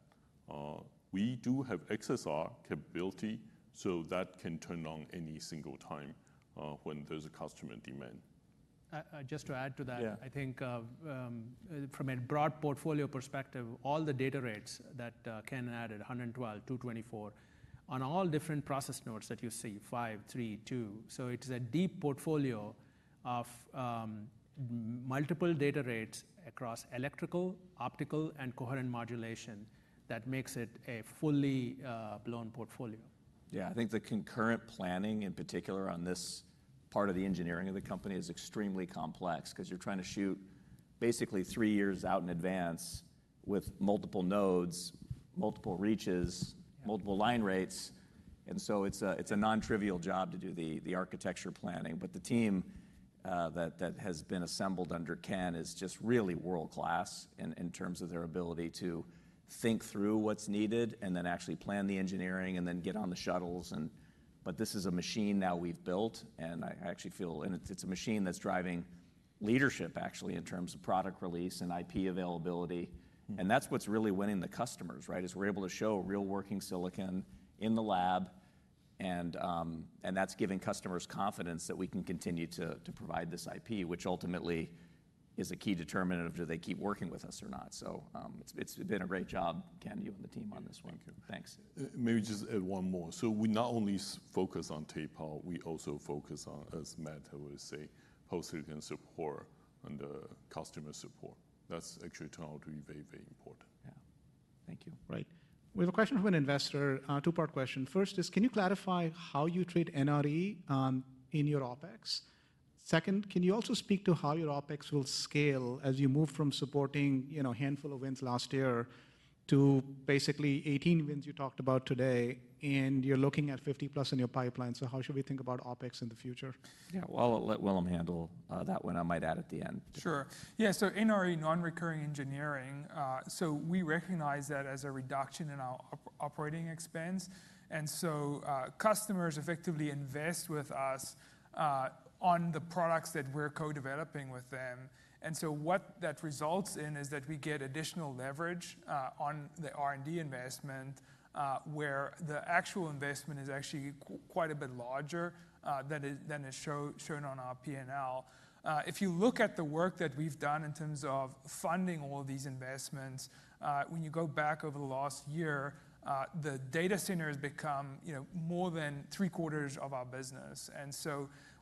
We do have XSR capability, so that can turn on any single time when there's a customer demand. Just to add to that, I think from a broad portfolio perspective, all the data rates that Ken added, 112 Gbps, 224 Gbps, on all different process nodes that you see, 5 nm, 3 nm, 2 nm. It is a deep portfolio of multiple data rates across electrical, optical, and coherent modulation that makes it a fully blown portfolio. I think the concurrent planning, in particular on this part of the engineering of the company, is extremely complex because you're trying to shoot basically three years out in advance with multiple nodes, multiple reaches, multiple line rates. It is a non-trivial job to do the architecture planning. But the team that has been assembled under Ken is just really world-class in terms of their ability to think through what's needed and then actually plan the engineering and then get on the shuttles. This is a machine now we've built. I actually feel it's a machine that's driving leadership, actually, in terms of product release and IP availability. That's what's really winning the customers, right, is we're able to show real working silicon in the lab, and that's giving customers confidence that we can continue to provide this IP, which ultimately is a key determinant of do they keep working with us or not. It's been a great job, Ken, you and the team on this one. Thank you. Thanks. Maybe just add one more. We not only focus on tape power. We also focus on, as Matt will say, post-silicon support and customer support. That's actually turned out to be very, very important. Yeah. Thank you. Right. We have a question from an investor, a two-part question. First is, can you clarify how you treat NRE in your OpEx? Second, can you also speak to how your OpEx will scale as you move from supporting a handful of wins last year to basically 18 wins you talked about today? You're looking at 50+ in your pipeline, so how should we think about OpEx in the future? Yeah, I'll let Willem handle that one. I might add at the end. Sure. Yeah, so NRE, non-recurring engineering, we recognize that as a reduction in our operating expense. Customers effectively invest with us on the products that we're co-developing with them. What that results in is that we get additional leverage on the R&D investment, where the actual investment is actually quite a bit larger than is shown on our P&L. If you look at the work that we've done in terms of funding all of these investments, when you go back over the last year, the data center has become more than 3/4 of our business.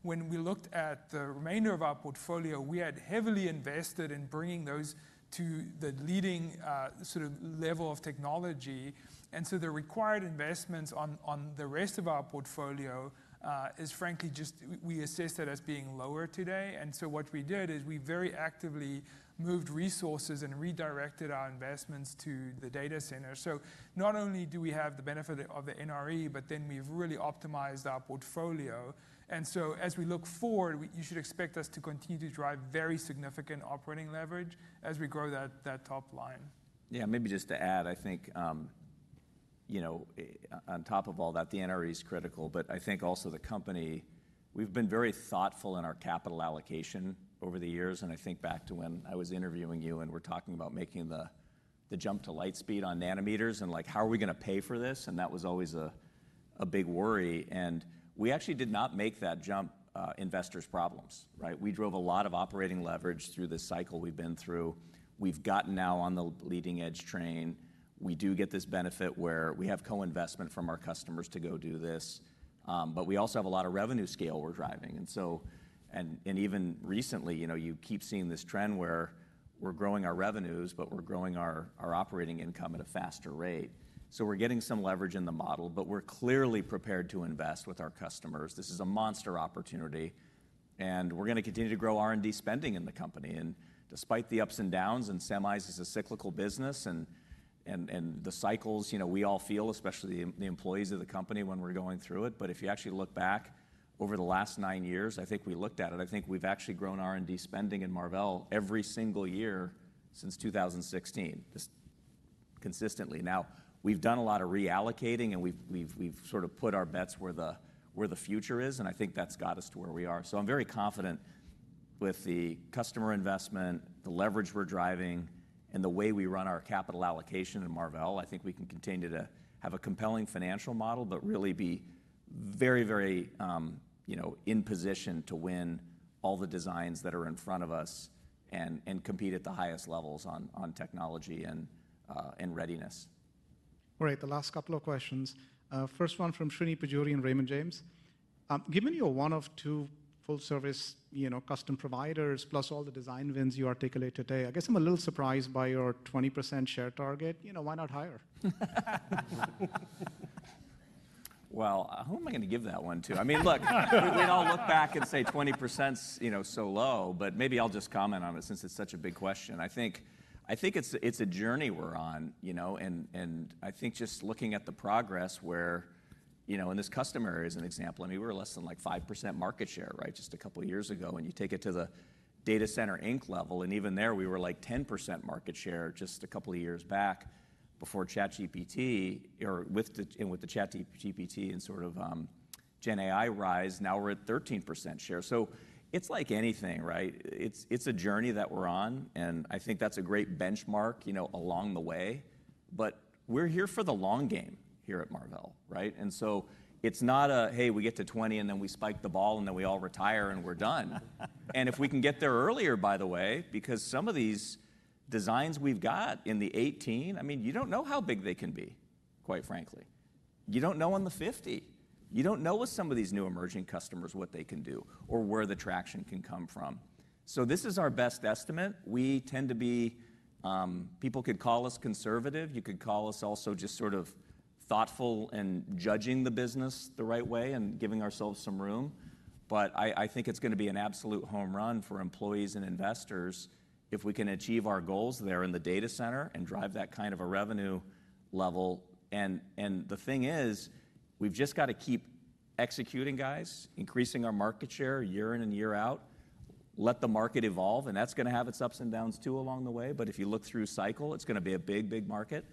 When we looked at the remainder of our portfolio, we had heavily invested in bringing those to the leading sort of level of technology. The required investments on the rest of our portfolio is, frankly, just we assess that as being lower today. What we did is we very actively moved resources and redirected our investments to the data center. Not only do we have the benefit of the NRE, but then we've really optimized our portfolio. As we look forward, you should expect us to continue to drive very significant operating leverage as we grow that top line. Yeah, maybe just to add, I think on top of all that, the NRE is critical, but I think also the company, we've been very thoughtful in our capital allocation over the years. I think back to when I was interviewing you and we're talking about making the jump to light speed on nanometers and how are we going to pay for this? That was always a big worry. We actually did not make that jump investors' problems. We drove a lot of operating leverage through this cycle we've been through. We've gotten now on the leading-edge train. We do get this benefit where we have co-investment from our customers to go do this. We also have a lot of revenue scale we're driving. Even recently, you keep seeing this trend where we're growing our revenues, but we're growing our operating income at a faster rate. We're getting some leverage in the model, but we're clearly prepared to invest with our customers. This is a monster opportunity. We're going to continue to grow R&D spending in the company. Despite the ups and downs and semis as a cyclical business and the cycles, we all feel, especially the employees of the company, when we're going through it. If you actually look back over the last nine years, I think we looked at it, I think we've actually grown R&D spending in Marvell every single year since 2016, just consistently. We've done a lot of reallocating, and we've sort of put our bets where the future is. I think that's got us to where we are. I'm very confident with the customer investment, the leverage we're driving, and the way we run our capital allocation in Marvell. I think we can continue to have a compelling financial model, but really be very, very in position to win all the designs that are in front of us and compete at the highest levels on technology and readiness. All right, the last couple of questions. First one from Srini Pajjuri from Raymond James. Given you're one of two full-service custom providers, plus all the design wins you articulate today, I guess I'm a little surprised by your 20% share target. Why not higher? Who am I going to give that one to? I mean, look, we can all look back and say 20% is so low, but maybe I'll just comment on it since it's such a big question. I think it's a journey we're on. I think just looking at the progress where in this customer area as an example, I mean, we were less than like 5% market share, right, just a couple of years ago. You take it to the data center ink level, and even there, we were like 10% market share just a couple of years back before ChatGPT and with the ChatGPT and sort of GenAI rise, now we're at 13% share. It is like anything, right? It is a journey that we're on. I think that's a great benchmark along the way. We are here for the long game here at Marvell, right? It is not a, hey, we get to 20%, and then we spike the ball, and then we all retire, and we're done. If we can get there earlier, by the way, because some of these designs we have got in the 18, I mean, you do not know how big they can be, quite frankly. You do not know on the 50. You do not know with some of these new emerging customers what they can do or where the traction can come from. This is our best estimate. We tend to be, people could call us conservative. You could call us also just sort of thoughtful and judging the business the right way and giving ourselves some room. But I think it is going to be an absolute home run for employees and investors if we can achieve our goals there in the data center and drive that kind of a revenue level. And the thing is, we have just got to keep executing, guys, increasing our market share year in and year out, let the market evolve. That is going to have its ups and downs too along the way. But if you look through cycle, it is going to be a big, big market.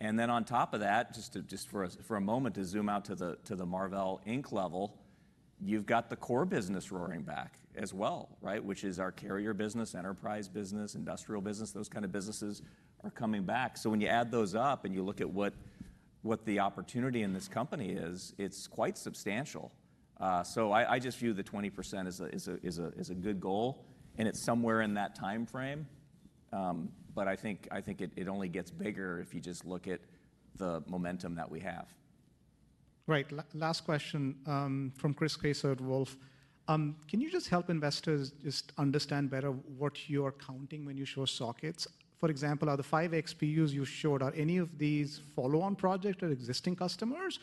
On top of that, just for a moment to zoom out to the Marvell level, you have got the core business roaring back as well, right, which is our carrier business, enterprise business, industrial business. Those kinds of businesses are coming back. When you add those up and you look at what the opportunity in this company is, it is quite substantial. I just view the 20% as a good goal. It is somewhere in that time frame. I think it only gets bigger if you just look at the momentum that we have. Right. Last question from Chris Caso at Wolfe. Can you just help investors just understand better what you are counting when you show sockets? For example, are the five XPUs you showed, are any of these follow-on projects or existing customers,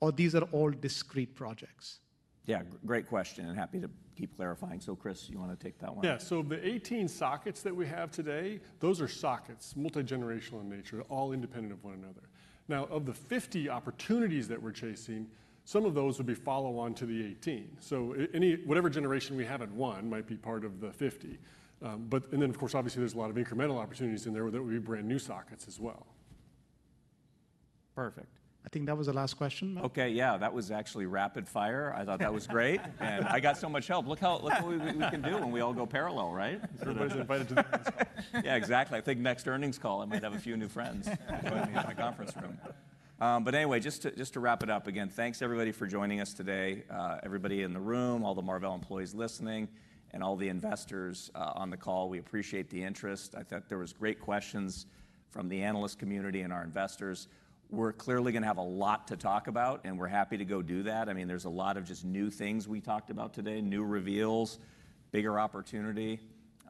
or these are all discrete projects? Yeah, great question. Happy to keep clarifying. Chris, you want to take that one? Yeah. The 18 sockets that we have today, those are sockets, multi-generational in nature, all independent of one another. Now, of the 50 opportunities that we're chasing, some of those would be follow-on to the 18. Whatever generation we have at one might be part of the 50. Of course, obviously, there's a lot of incremental opportunities in there that would be brand new sockets as well. Perfect. I think that was the last question. Okay. Yeah, that was actually rapid fire. I thought that was great. I got so much help. Look how we can do when we all go parallel, right? Everybody's invited to the. Yeah, exactly. I think next earnings call, I might have a few new friends join me in my conference room. Anyway, just to wrap it up again, thanks everybody for joining us today. Everybody in the room, all the Marvell employees listening, and all the investors on the call, we appreciate the interest. I thought there were great questions from the analyst community and our investors. We're clearly going to have a lot to talk about, and we're happy to go do that. I mean, there's a lot of just new things we talked about today, new reveals, bigger opportunity.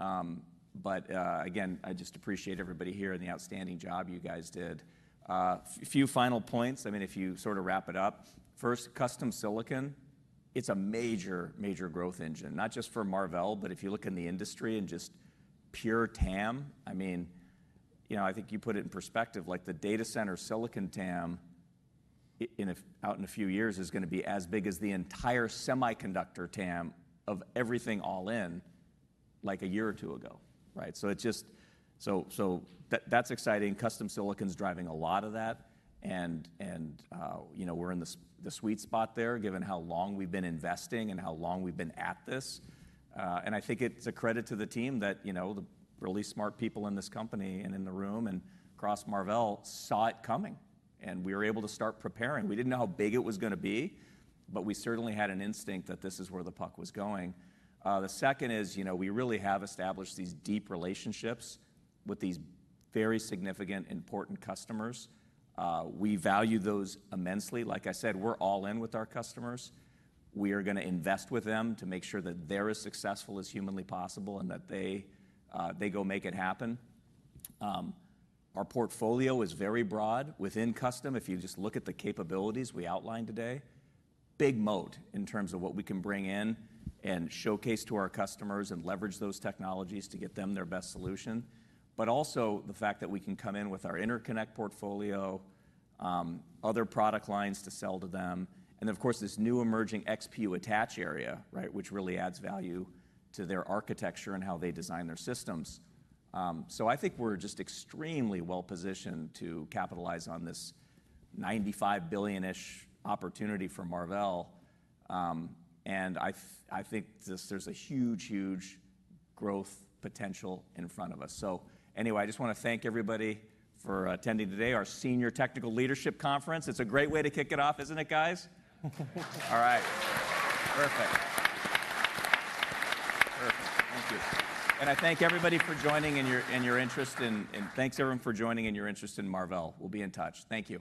Again, I just appreciate everybody here and the outstanding job you guys did. A few final points. I mean, if you sort of wrap it up. First, custom silicon, it's a major, major growth engine, not just for Marvell, but if you look in the industry and just pure TAM, I mean, I think you put it in perspective, like the data center silicon TAM out in a few years is going to be as big as the entire semiconductor TAM of everything all in like a year or two ago, right? That is exciting. Custom silicon is driving a lot of that. We're in the sweet spot there given how long we've been investing and how long we've been at this. I think it's a credit to the team that the really smart people in this company and in the room and across Marvell saw it coming. We were able to start preparing. We did not know how big it was going to be, but we certainly had an instinct that this is where the puck was going. The second is we really have established these deep relationships with these very significant, important customers. We value those immensely. Like I said, we are all in with our customers. We are going to invest with them to make sure that they are as successful as humanly possible and that they go make it happen. Our portfolio is very broad within custom. If you just look at the capabilities we outlined today, big moat in terms of what we can bring in and showcase to our customers and leverage those technologies to get them their best solution. Also, the fact that we can come in with our interconnect portfolio, other product lines to sell to them, and of course, this new emerging XPU attach area, right, which really adds value to their architecture and how they design their systems. I think we're just extremely well-positioned to capitalize on this $95 billion-ish opportunity for Marvell. I think there's a huge, huge growth potential in front of us. So, anyway, I just want to thank everybody for attending today, our Senior Technical Leadership Conference. It's a great way to kick it off, isn't it, guys? All right. Perfect. Perfect. Thank you. I thank everybody for joining and your interest in Marvell. We'll be in touch. Thank you.